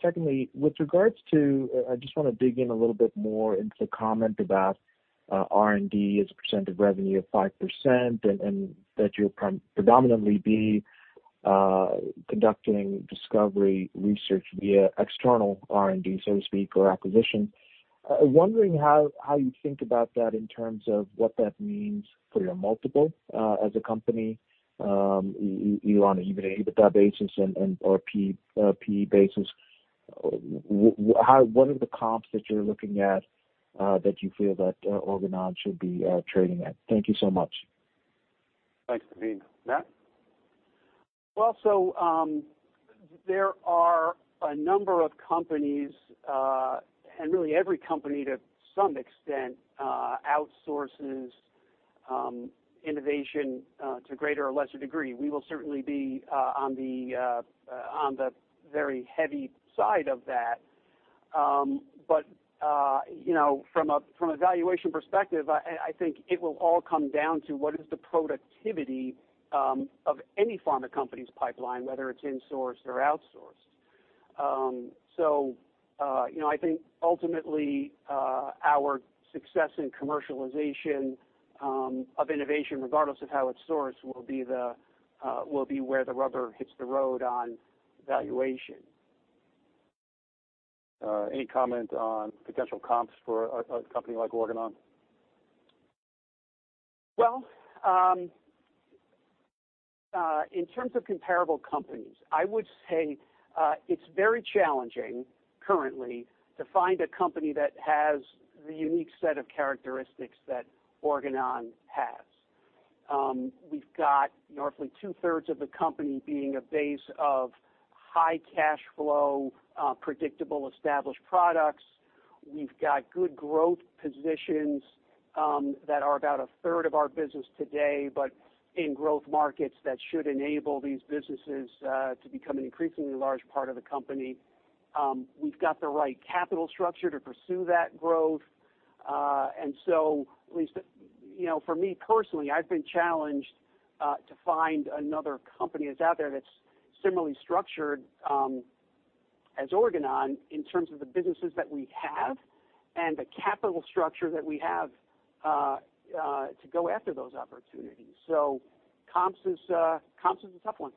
Secondly, with regards to, I just want to dig in a little bit more into the comment about R&D as a percent of revenue of 5%, and that you'll predominantly be conducting discovery research via external R&D, so to speak, or acquisition. Wondering how you think about that in terms of what that means for your multiple as a company, either on an EBITDA basis or a P/E basis. What are the comps that you're looking at, that you feel that Organon should be trading at? Thank you so much. Thanks, Navin. Matt? There are a number of companies, and really every company to some extent outsources innovation to a greater or lesser degree. We will certainly be on the very heavy side of that. From a valuation perspective, I think it will all come down to what is the productivity of any pharma company's pipeline, whether it's insourced or outsourced. I think ultimately, our success in commercialization of innovation, regardless of how it's sourced, will be where the rubber hits the road on valuation. Any comment on potential comps for a company like Organon? Well, in terms of comparable companies, I would say it's very challenging currently to find a company that has the unique set of characteristics that Organon has. We've got roughly 2/3 of the company being a base of high cash flow, predictable, established products. We've got good growth positions that are about a third of our business today, but in growth markets that should enable these businesses to become an increasingly large part of the company. We've got the right capital structure to pursue that growth. At least for me personally, I've been challenged to find another company that's out there that's similarly structured as Organon in terms of the businesses that we have and the capital structure that we have to go after those opportunities. Comps is a tough one.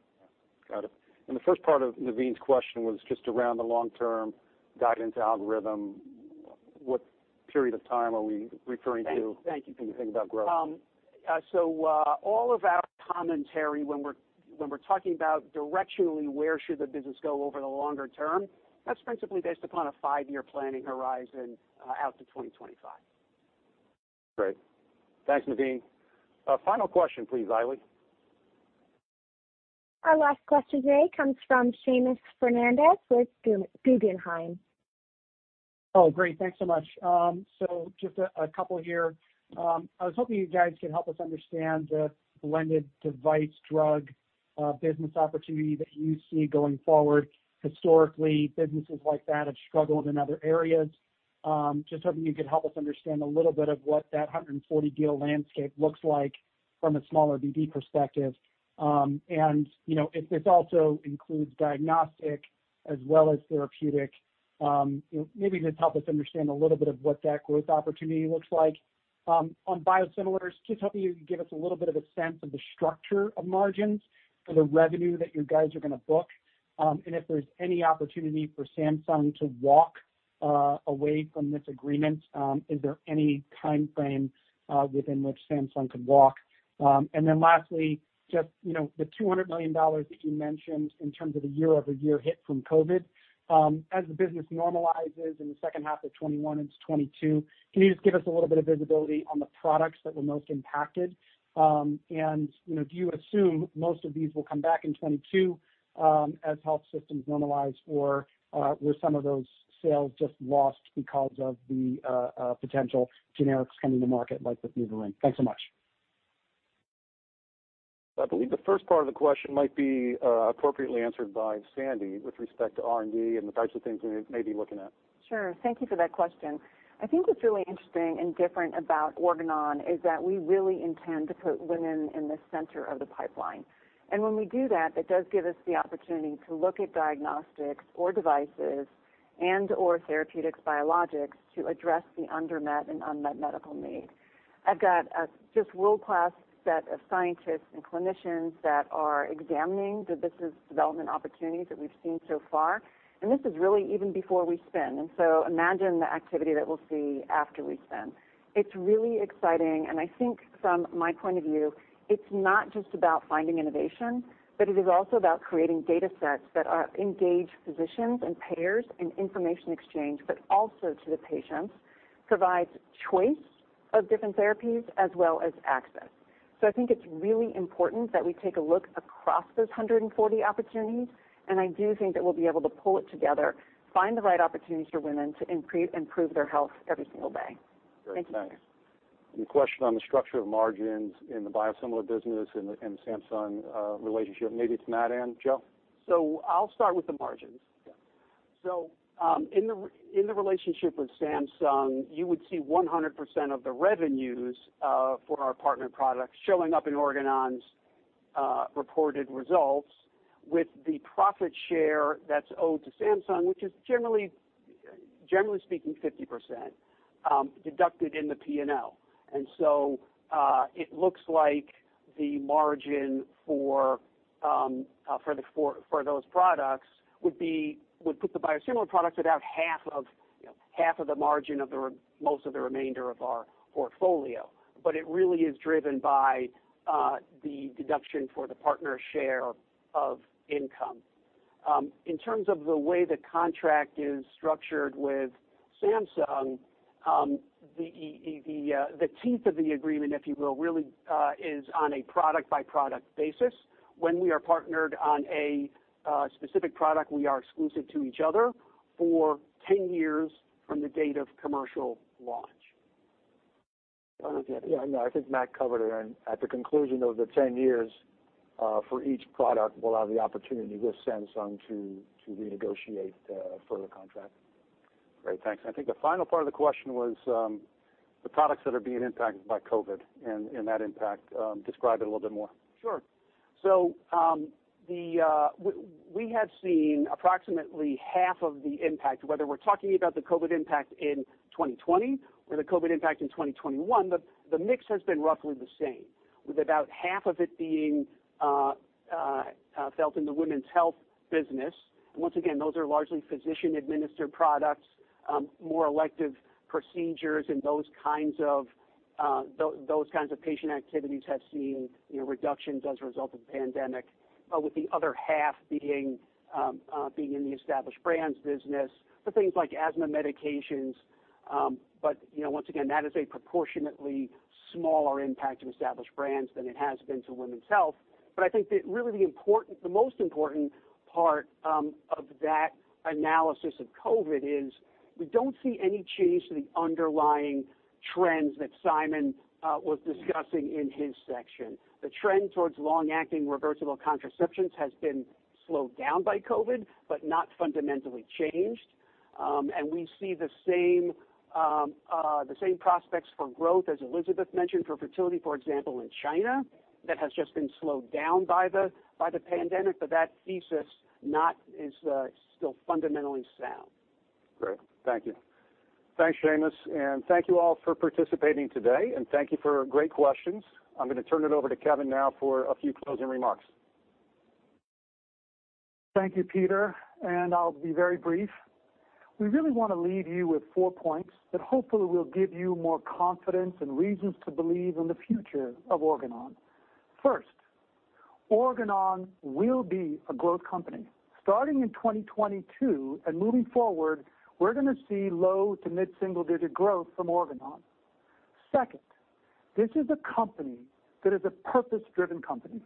Yeah. Got it. The first part of Navin's question was just around the long-term guidance algorithm. What period of time are we referring to? Thank you. when you think about growth? All of our commentary when we're talking about directionally where should the business go over the longer term, that's principally based upon a five-year planning horizon out to 2025. Great. Thanks, Navin. Final question, please, Ailey. Our last question today comes from Seamus Fernandez with Guggenheim. Great. Thanks so much. Just a couple here. I was hoping you guys could help us understand the blended device drug business opportunity that you see going forward. Historically, businesses like that have struggled in other areas. Just hoping you could help us understand a little bit of what that 140-deal landscape looks like from a smaller BD perspective. If this also includes diagnostic as well as therapeutic, maybe just help us understand a little bit of what that growth opportunity looks like. On biosimilars, just hoping you could give us a little bit of a sense of the structure of margins for the revenue that you guys are going to book. If there's any opportunity for Samsung to walk away from this agreement, is there any timeframe within which Samsung could walk? Lastly, just the $200 million that you mentioned in terms of the year-over-year hit from COVID-19. As the business normalizes in the second half of 2021 into 2022, can you just give us a little bit of visibility on the products that were most impacted? Do you assume most of these will come back in 2022 as health systems normalize, or were some of those sales just lost because of the potential generics coming to market, like with Neulasta? Thanks so much. I believe the first part of the question might be appropriately answered by Sandy with respect to R&D and the types of things we may be looking at. Sure. Thank you for that question. I think what's really interesting and different about Organon is that we really intend to put women in the center of the pipeline. When we do that, it does give us the opportunity to look at diagnostics or devices and/or therapeutics biologics to address the undermet and unmet medical need. I've got a just world-class set of scientists and clinicians that are examining the business development opportunities that we've seen so far, and this is really even before we spin. Imagine the activity that we'll see after we spin. It's really exciting, and I think from my point of view, it's not just about finding innovation, but it is also about creating data sets that engage physicians and payers in information exchange, but also to the patients, provides choice of different therapies as well as access. I think it's really important that we take a look across those 140 opportunities, and I do think that we'll be able to pull it together, find the right opportunities for women to improve their health every single day. Thank you. Great. Thanks. The question on the structure of margins in the biosimilar business and the Samsung relationship, maybe it's Matt and Joe? I'll start with the margins. In the relationship with Samsung, you would see 100% of the revenues for our partner products showing up in Organon's reported results with the profit share that's owed to Samsung, which is generally speaking 50%, deducted in the P&L. It looks like the margin for those products would put the biosimilar products at about half of the margin of most of the remainder of our portfolio. It really is driven by the deduction for the partner share of income. In terms of the way the contract is structured with Samsung, the teeth of the agreement, if you will, really is on a product-by-product basis. When we are partnered on a specific product, we are exclusive to each other for 10 years from the date of commercial launch. Yeah, no, I think Matt covered it. At the conclusion of the 10 years for each product, we'll have the opportunity with Samsung to renegotiate a further contract. Great. Thanks. I think the final part of the question was the products that are being impacted by COVID and that impact, describe it a little bit more. Sure. We have seen approximately half of the impact, whether we're talking about the COVID impact in 2020 or the COVID impact in 2021, the mix has been roughly the same, with about half of it being felt in the women's health business. Once again, those are largely physician-administered products, more elective procedures and those kinds of patient activities have seen reductions as a result of the pandemic, with the other half being in the Established Brands business for things like asthma medications. Once again, that is a proportionately smaller impact to Established Brands than it has been to women's health. I think that really the most important part of that analysis of COVID is we don't see any change to the underlying trends that Simon was discussing in his section. The trend towards long-acting reversible contraceptions has been slowed down by COVID, but not fundamentally changed. We see the same prospects for growth, as Elisabeth mentioned, for fertility, for example, in China, that has just been slowed down by the pandemic, but that thesis is still fundamentally sound. Great. Thank you. Thanks Seamus. Thank you all for participating today, and thank you for great questions. I'm going to turn it over to Kevin now for a few closing remarks. Thank you, Peter, and I'll be very brief. We really want to leave you with four points that hopefully will give you more confidence and reasons to believe in the future of Organon. First, Organon will be a growth company. Starting in 2022 and moving forward, we're going to see low to mid-single-digit growth from Organon. Second, this is a company that is a purpose-driven company.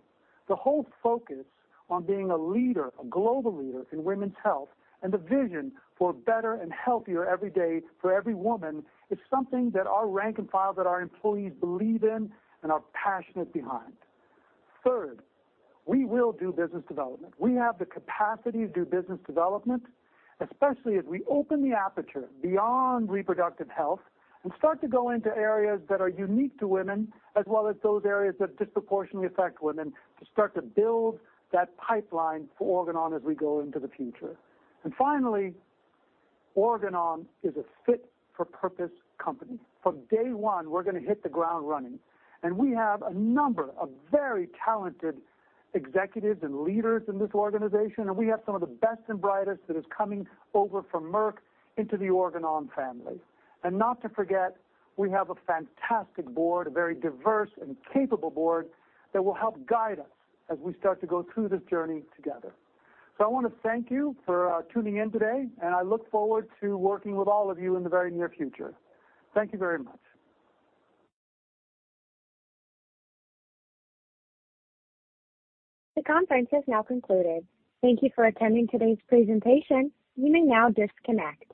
The whole focus on being a leader, a global leader in women's health, and the vision for better and healthier every day for every woman is something that our rank and file, that our employees believe in and are passionate behind. Third, we will do business development. We have the capacity to do business development, especially as we open the aperture beyond reproductive health and start to go into areas that are unique to women, as well as those areas that disproportionately affect women, to start to build that pipeline for Organon as we go into the future. Finally, Organon is a fit-for-purpose company. From day one, we're going to hit the ground running, and we have a number of very talented executives and leaders in this organization, and we have some of the best and brightest that is coming over from Merck into the Organon family. Not to forget, we have a fantastic board, a very diverse and capable board that will help guide us as we start to go through this journey together. I want to thank you for tuning in today, and I look forward to working with all of you in the very near future. Thank you very much. The conference has now concluded. Thank you for attending today's presentation. You may now disconnect.